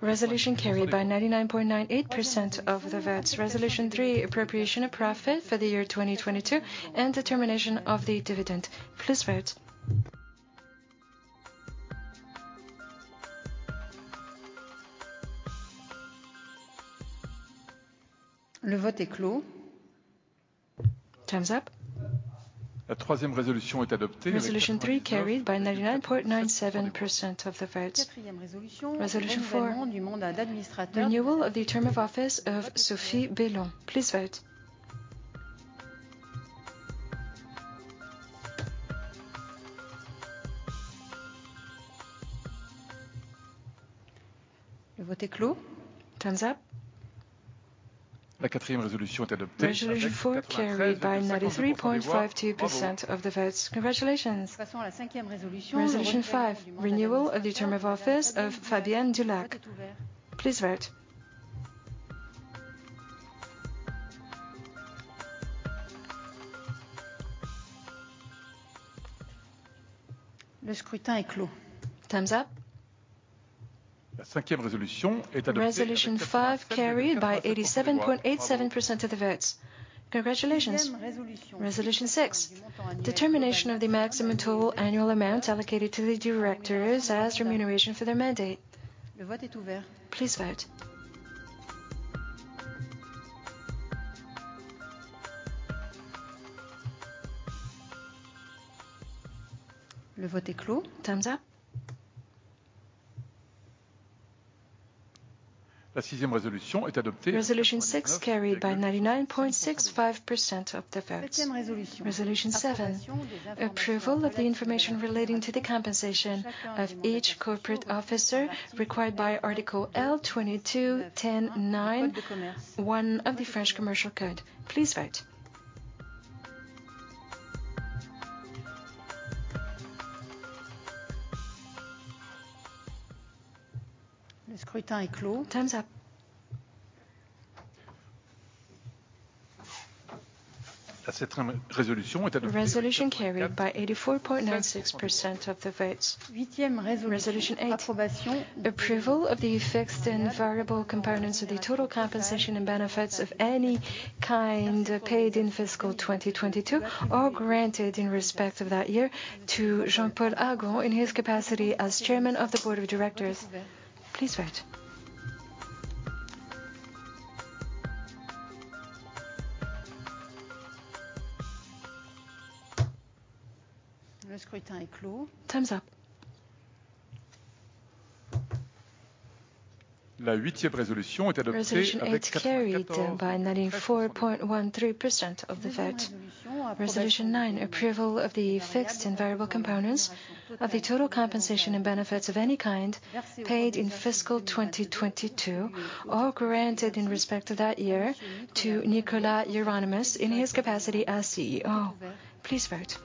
Resolution carried by 99.98% of the votes. Resolution 3, appropriation of profit for the year 2022 and determination of the dividend. Please vote. Times up. Resolution 3 carried by 99.97% of the vote. Resolution 4, renewal of the term of office of Sophie Bellon. Please vote. Times up. Resolution 4 carried by 93.52% of the votes. Congratulations. Resolution 5, renewal of the term of office of Fabienne Dulac. Please vote. Le scrutin est clos. Time's up. La cinquième résolution est adoptée- Resolution 5 carried by 87.87% of the votes. Congratulations. Cinquième résolution. Resolution six: determination of the maximum total annual amount allocated to the directors as remuneration for their mandate. Le vote est ouvert. Please vote. Le vote est clos. Time's up. La sixième résolution est adoptée- Resolution six carried by 99.65% of the votes. Septième résolution. Resolution seven: approval of the information relating to the compensation of each corporate officer required by article L. 22-10-9 of the French Commercial Code. Please vote. Le scrutin est clos. Time's up. Resolution carried by 84.96% of the votes. Huitième résolution- Resolution eight: approval of the fixed and variable components of the total compensation and benefits of any kind paid in fiscal 2022 or granted in respect of that year to Jean-Paul Agon in his capacity as chairman of the board of directors. Please vote. Le scrutin est clos. Time's up. Resolution eight carried by 94.13% of the vote. Neuvième résolution. Resolution nine: approval of the fixed and variable components of the total compensation and benefits of any kind paid in fiscal 2022 or granted in respect of that year to Nicolas Hieronimus in his capacity as CEO. Please vote.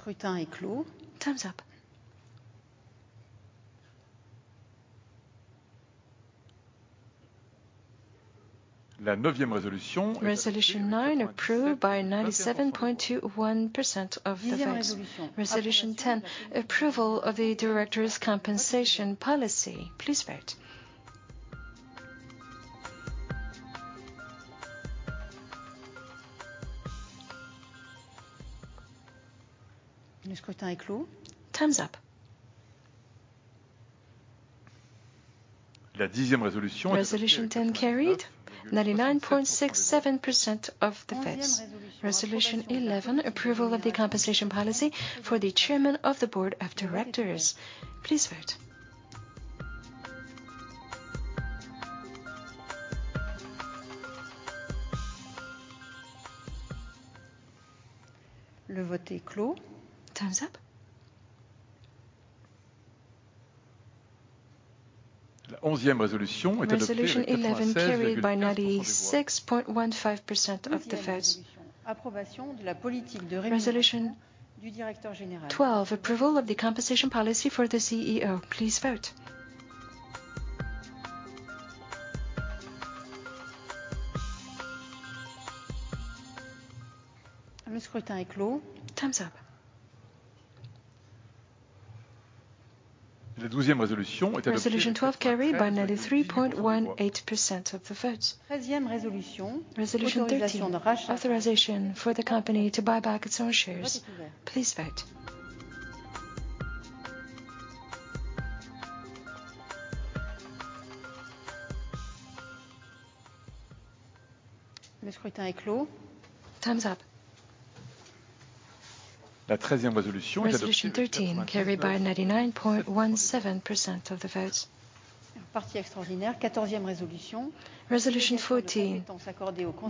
Le scrutin est clos. Time's up. Resolution 9 approved by 97.21% of the votes. Dixième résolution- Resolution 10: approval of the directors' compensation policy. Please vote. Le scrutin est clos. Time's up. Resolution 10 carried, 99.67% of the votes. 11th résolution- Resolution 11: approval of the compensation policy for the Chairman of the Board of Directors. Please vote. Le vote est clos. Time's up. Resolution 11 carried by 96.15% of the votes. Douzième résolution: approbation de la politique. Resolution- Du Directeur Général. 12: approval of the compensation policy for the CEO. Please vote. Le scrutin est clos. Time's up. La douzième résolution est adoptée- Resolution 12 carried by 93.18% of the votes. Treizième résolution- Resolution 13: authorization for the company to buy back its own shares. Please vote. Le scrutin est clos. Time's up. La treizième résolution est adoptée Resolution 13 carried by 99.17% of the votes. Partie extraordinaire. Quatorzième résolution- Resolution 14: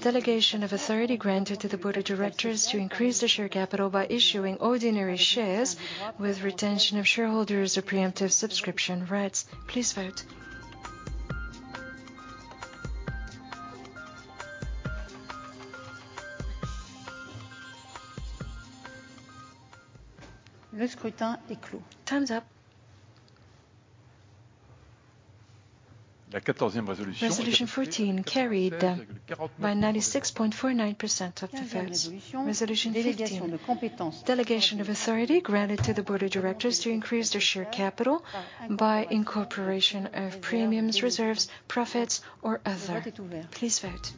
delegation of authority granted to the Board of Directors to increase the share capital by issuing ordinary shares with retention of shareholders of preemptive subscription rights. Please vote. Le scrutin est clos. Time's up. Resolution 14 carried by 96.49% of the votes. Quinzième résolution. Resolution 15: delegation of authority granted to the Board of Directors to increase their share capital by incorporation of premiums, reserves, profits or other. Please vote.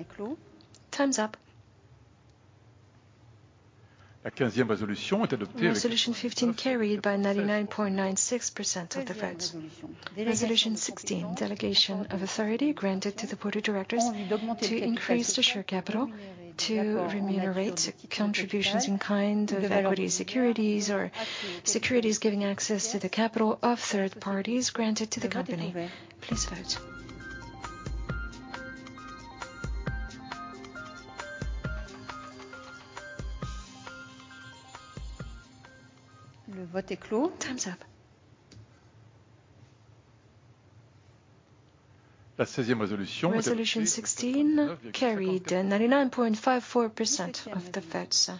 Le scrutin est clos. Time's up. La quinzième résolution est adoptée- Resolution 15 carried by 99.96% of the votes. Seizième résolution. Resolution 16: delegation of authority granted to the Board of Directors to increase the share capital to remunerate contributions in kind, the value of securities or securities giving access to the capital of third parties granted to the company. Please vote. Le vote est clos. Time's up. Resolution 16 carried 99.54% of the votes.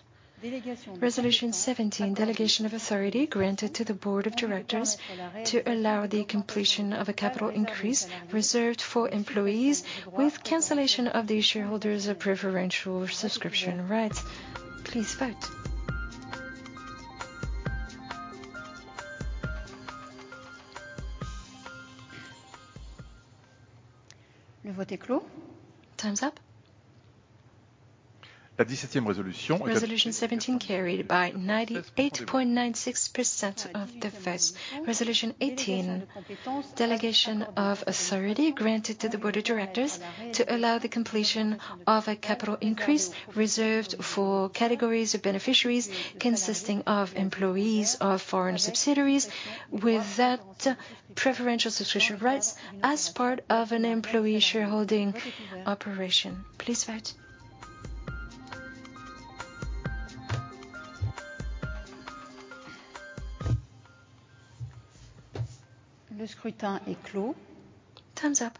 Resolution 17, delegation of authority granted to the board of directors to allow the completion of a capital increase reserved for employees with cancellation of the shareholders of preferential subscription rights. Please vote. Time's up. Resolution 17 carried by 98.96% of the votes. Resolution 18, delegation of authority granted to the board of directors to allow the completion of a capital increase reserved for categories of beneficiaries consisting of employees of foreign subsidiaries with that preferential subscription rights as part of an employee shareholding operation. Please vote. Time's up.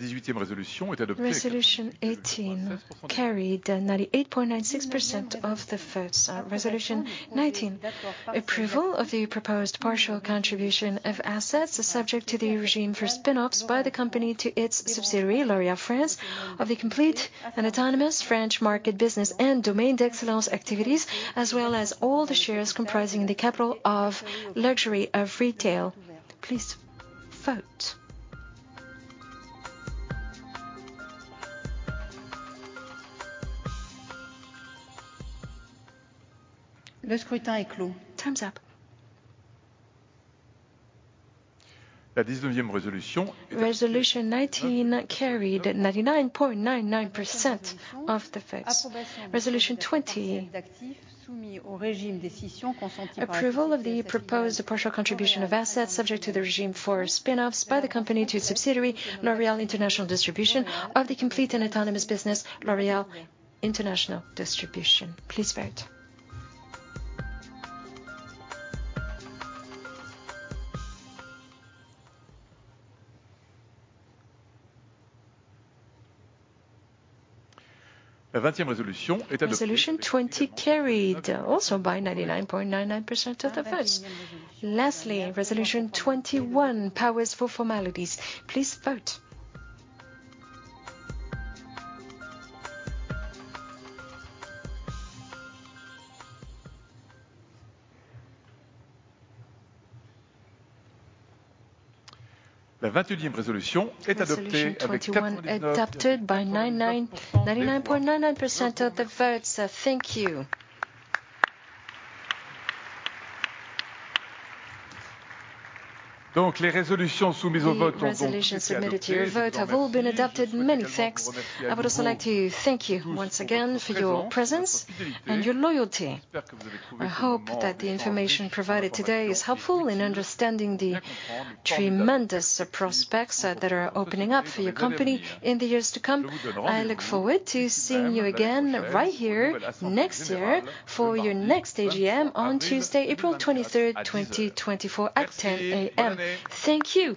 Resolution 18 carried 98.96% of the votes. Resolution 19, approval of the proposed partial contribution of assets subject to the regime for spin-offs by the company to its subsidiary, L'Oréal France, of the complete and autonomous French market business and Domaines d'Excellence activities, as well as all the shares comprising the capital of Luxury of Retail. Please vote. Time's up. Resolution 19 carried 99.99% of the votes. Resolution 20, approval of the proposed partial contribution of assets subject to the regime for spin-offs by the company to subsidiary L'Oréal International Distribution of the complete and autonomous business L'Oréal International Distribution. Please vote. Resolution 20 carried also by 99.99% of the votes. Lastly, resolution 21, powers for formalities. Please vote. Resolution 21 adapted by 99.99% of the votes. Thank you. The resolutions submitted to your vote have all been adapted. Many thanks. I would also like to thank you once again for your presence and your loyalty. I hope that the information provided today is helpful in understanding the tremendous prospects that are opening up for your company in the years to come. I look forward to seeing you again right here next year for your next AGM on Tuesday, April 23rd, 2024 at 10:00 A.M. Thank you.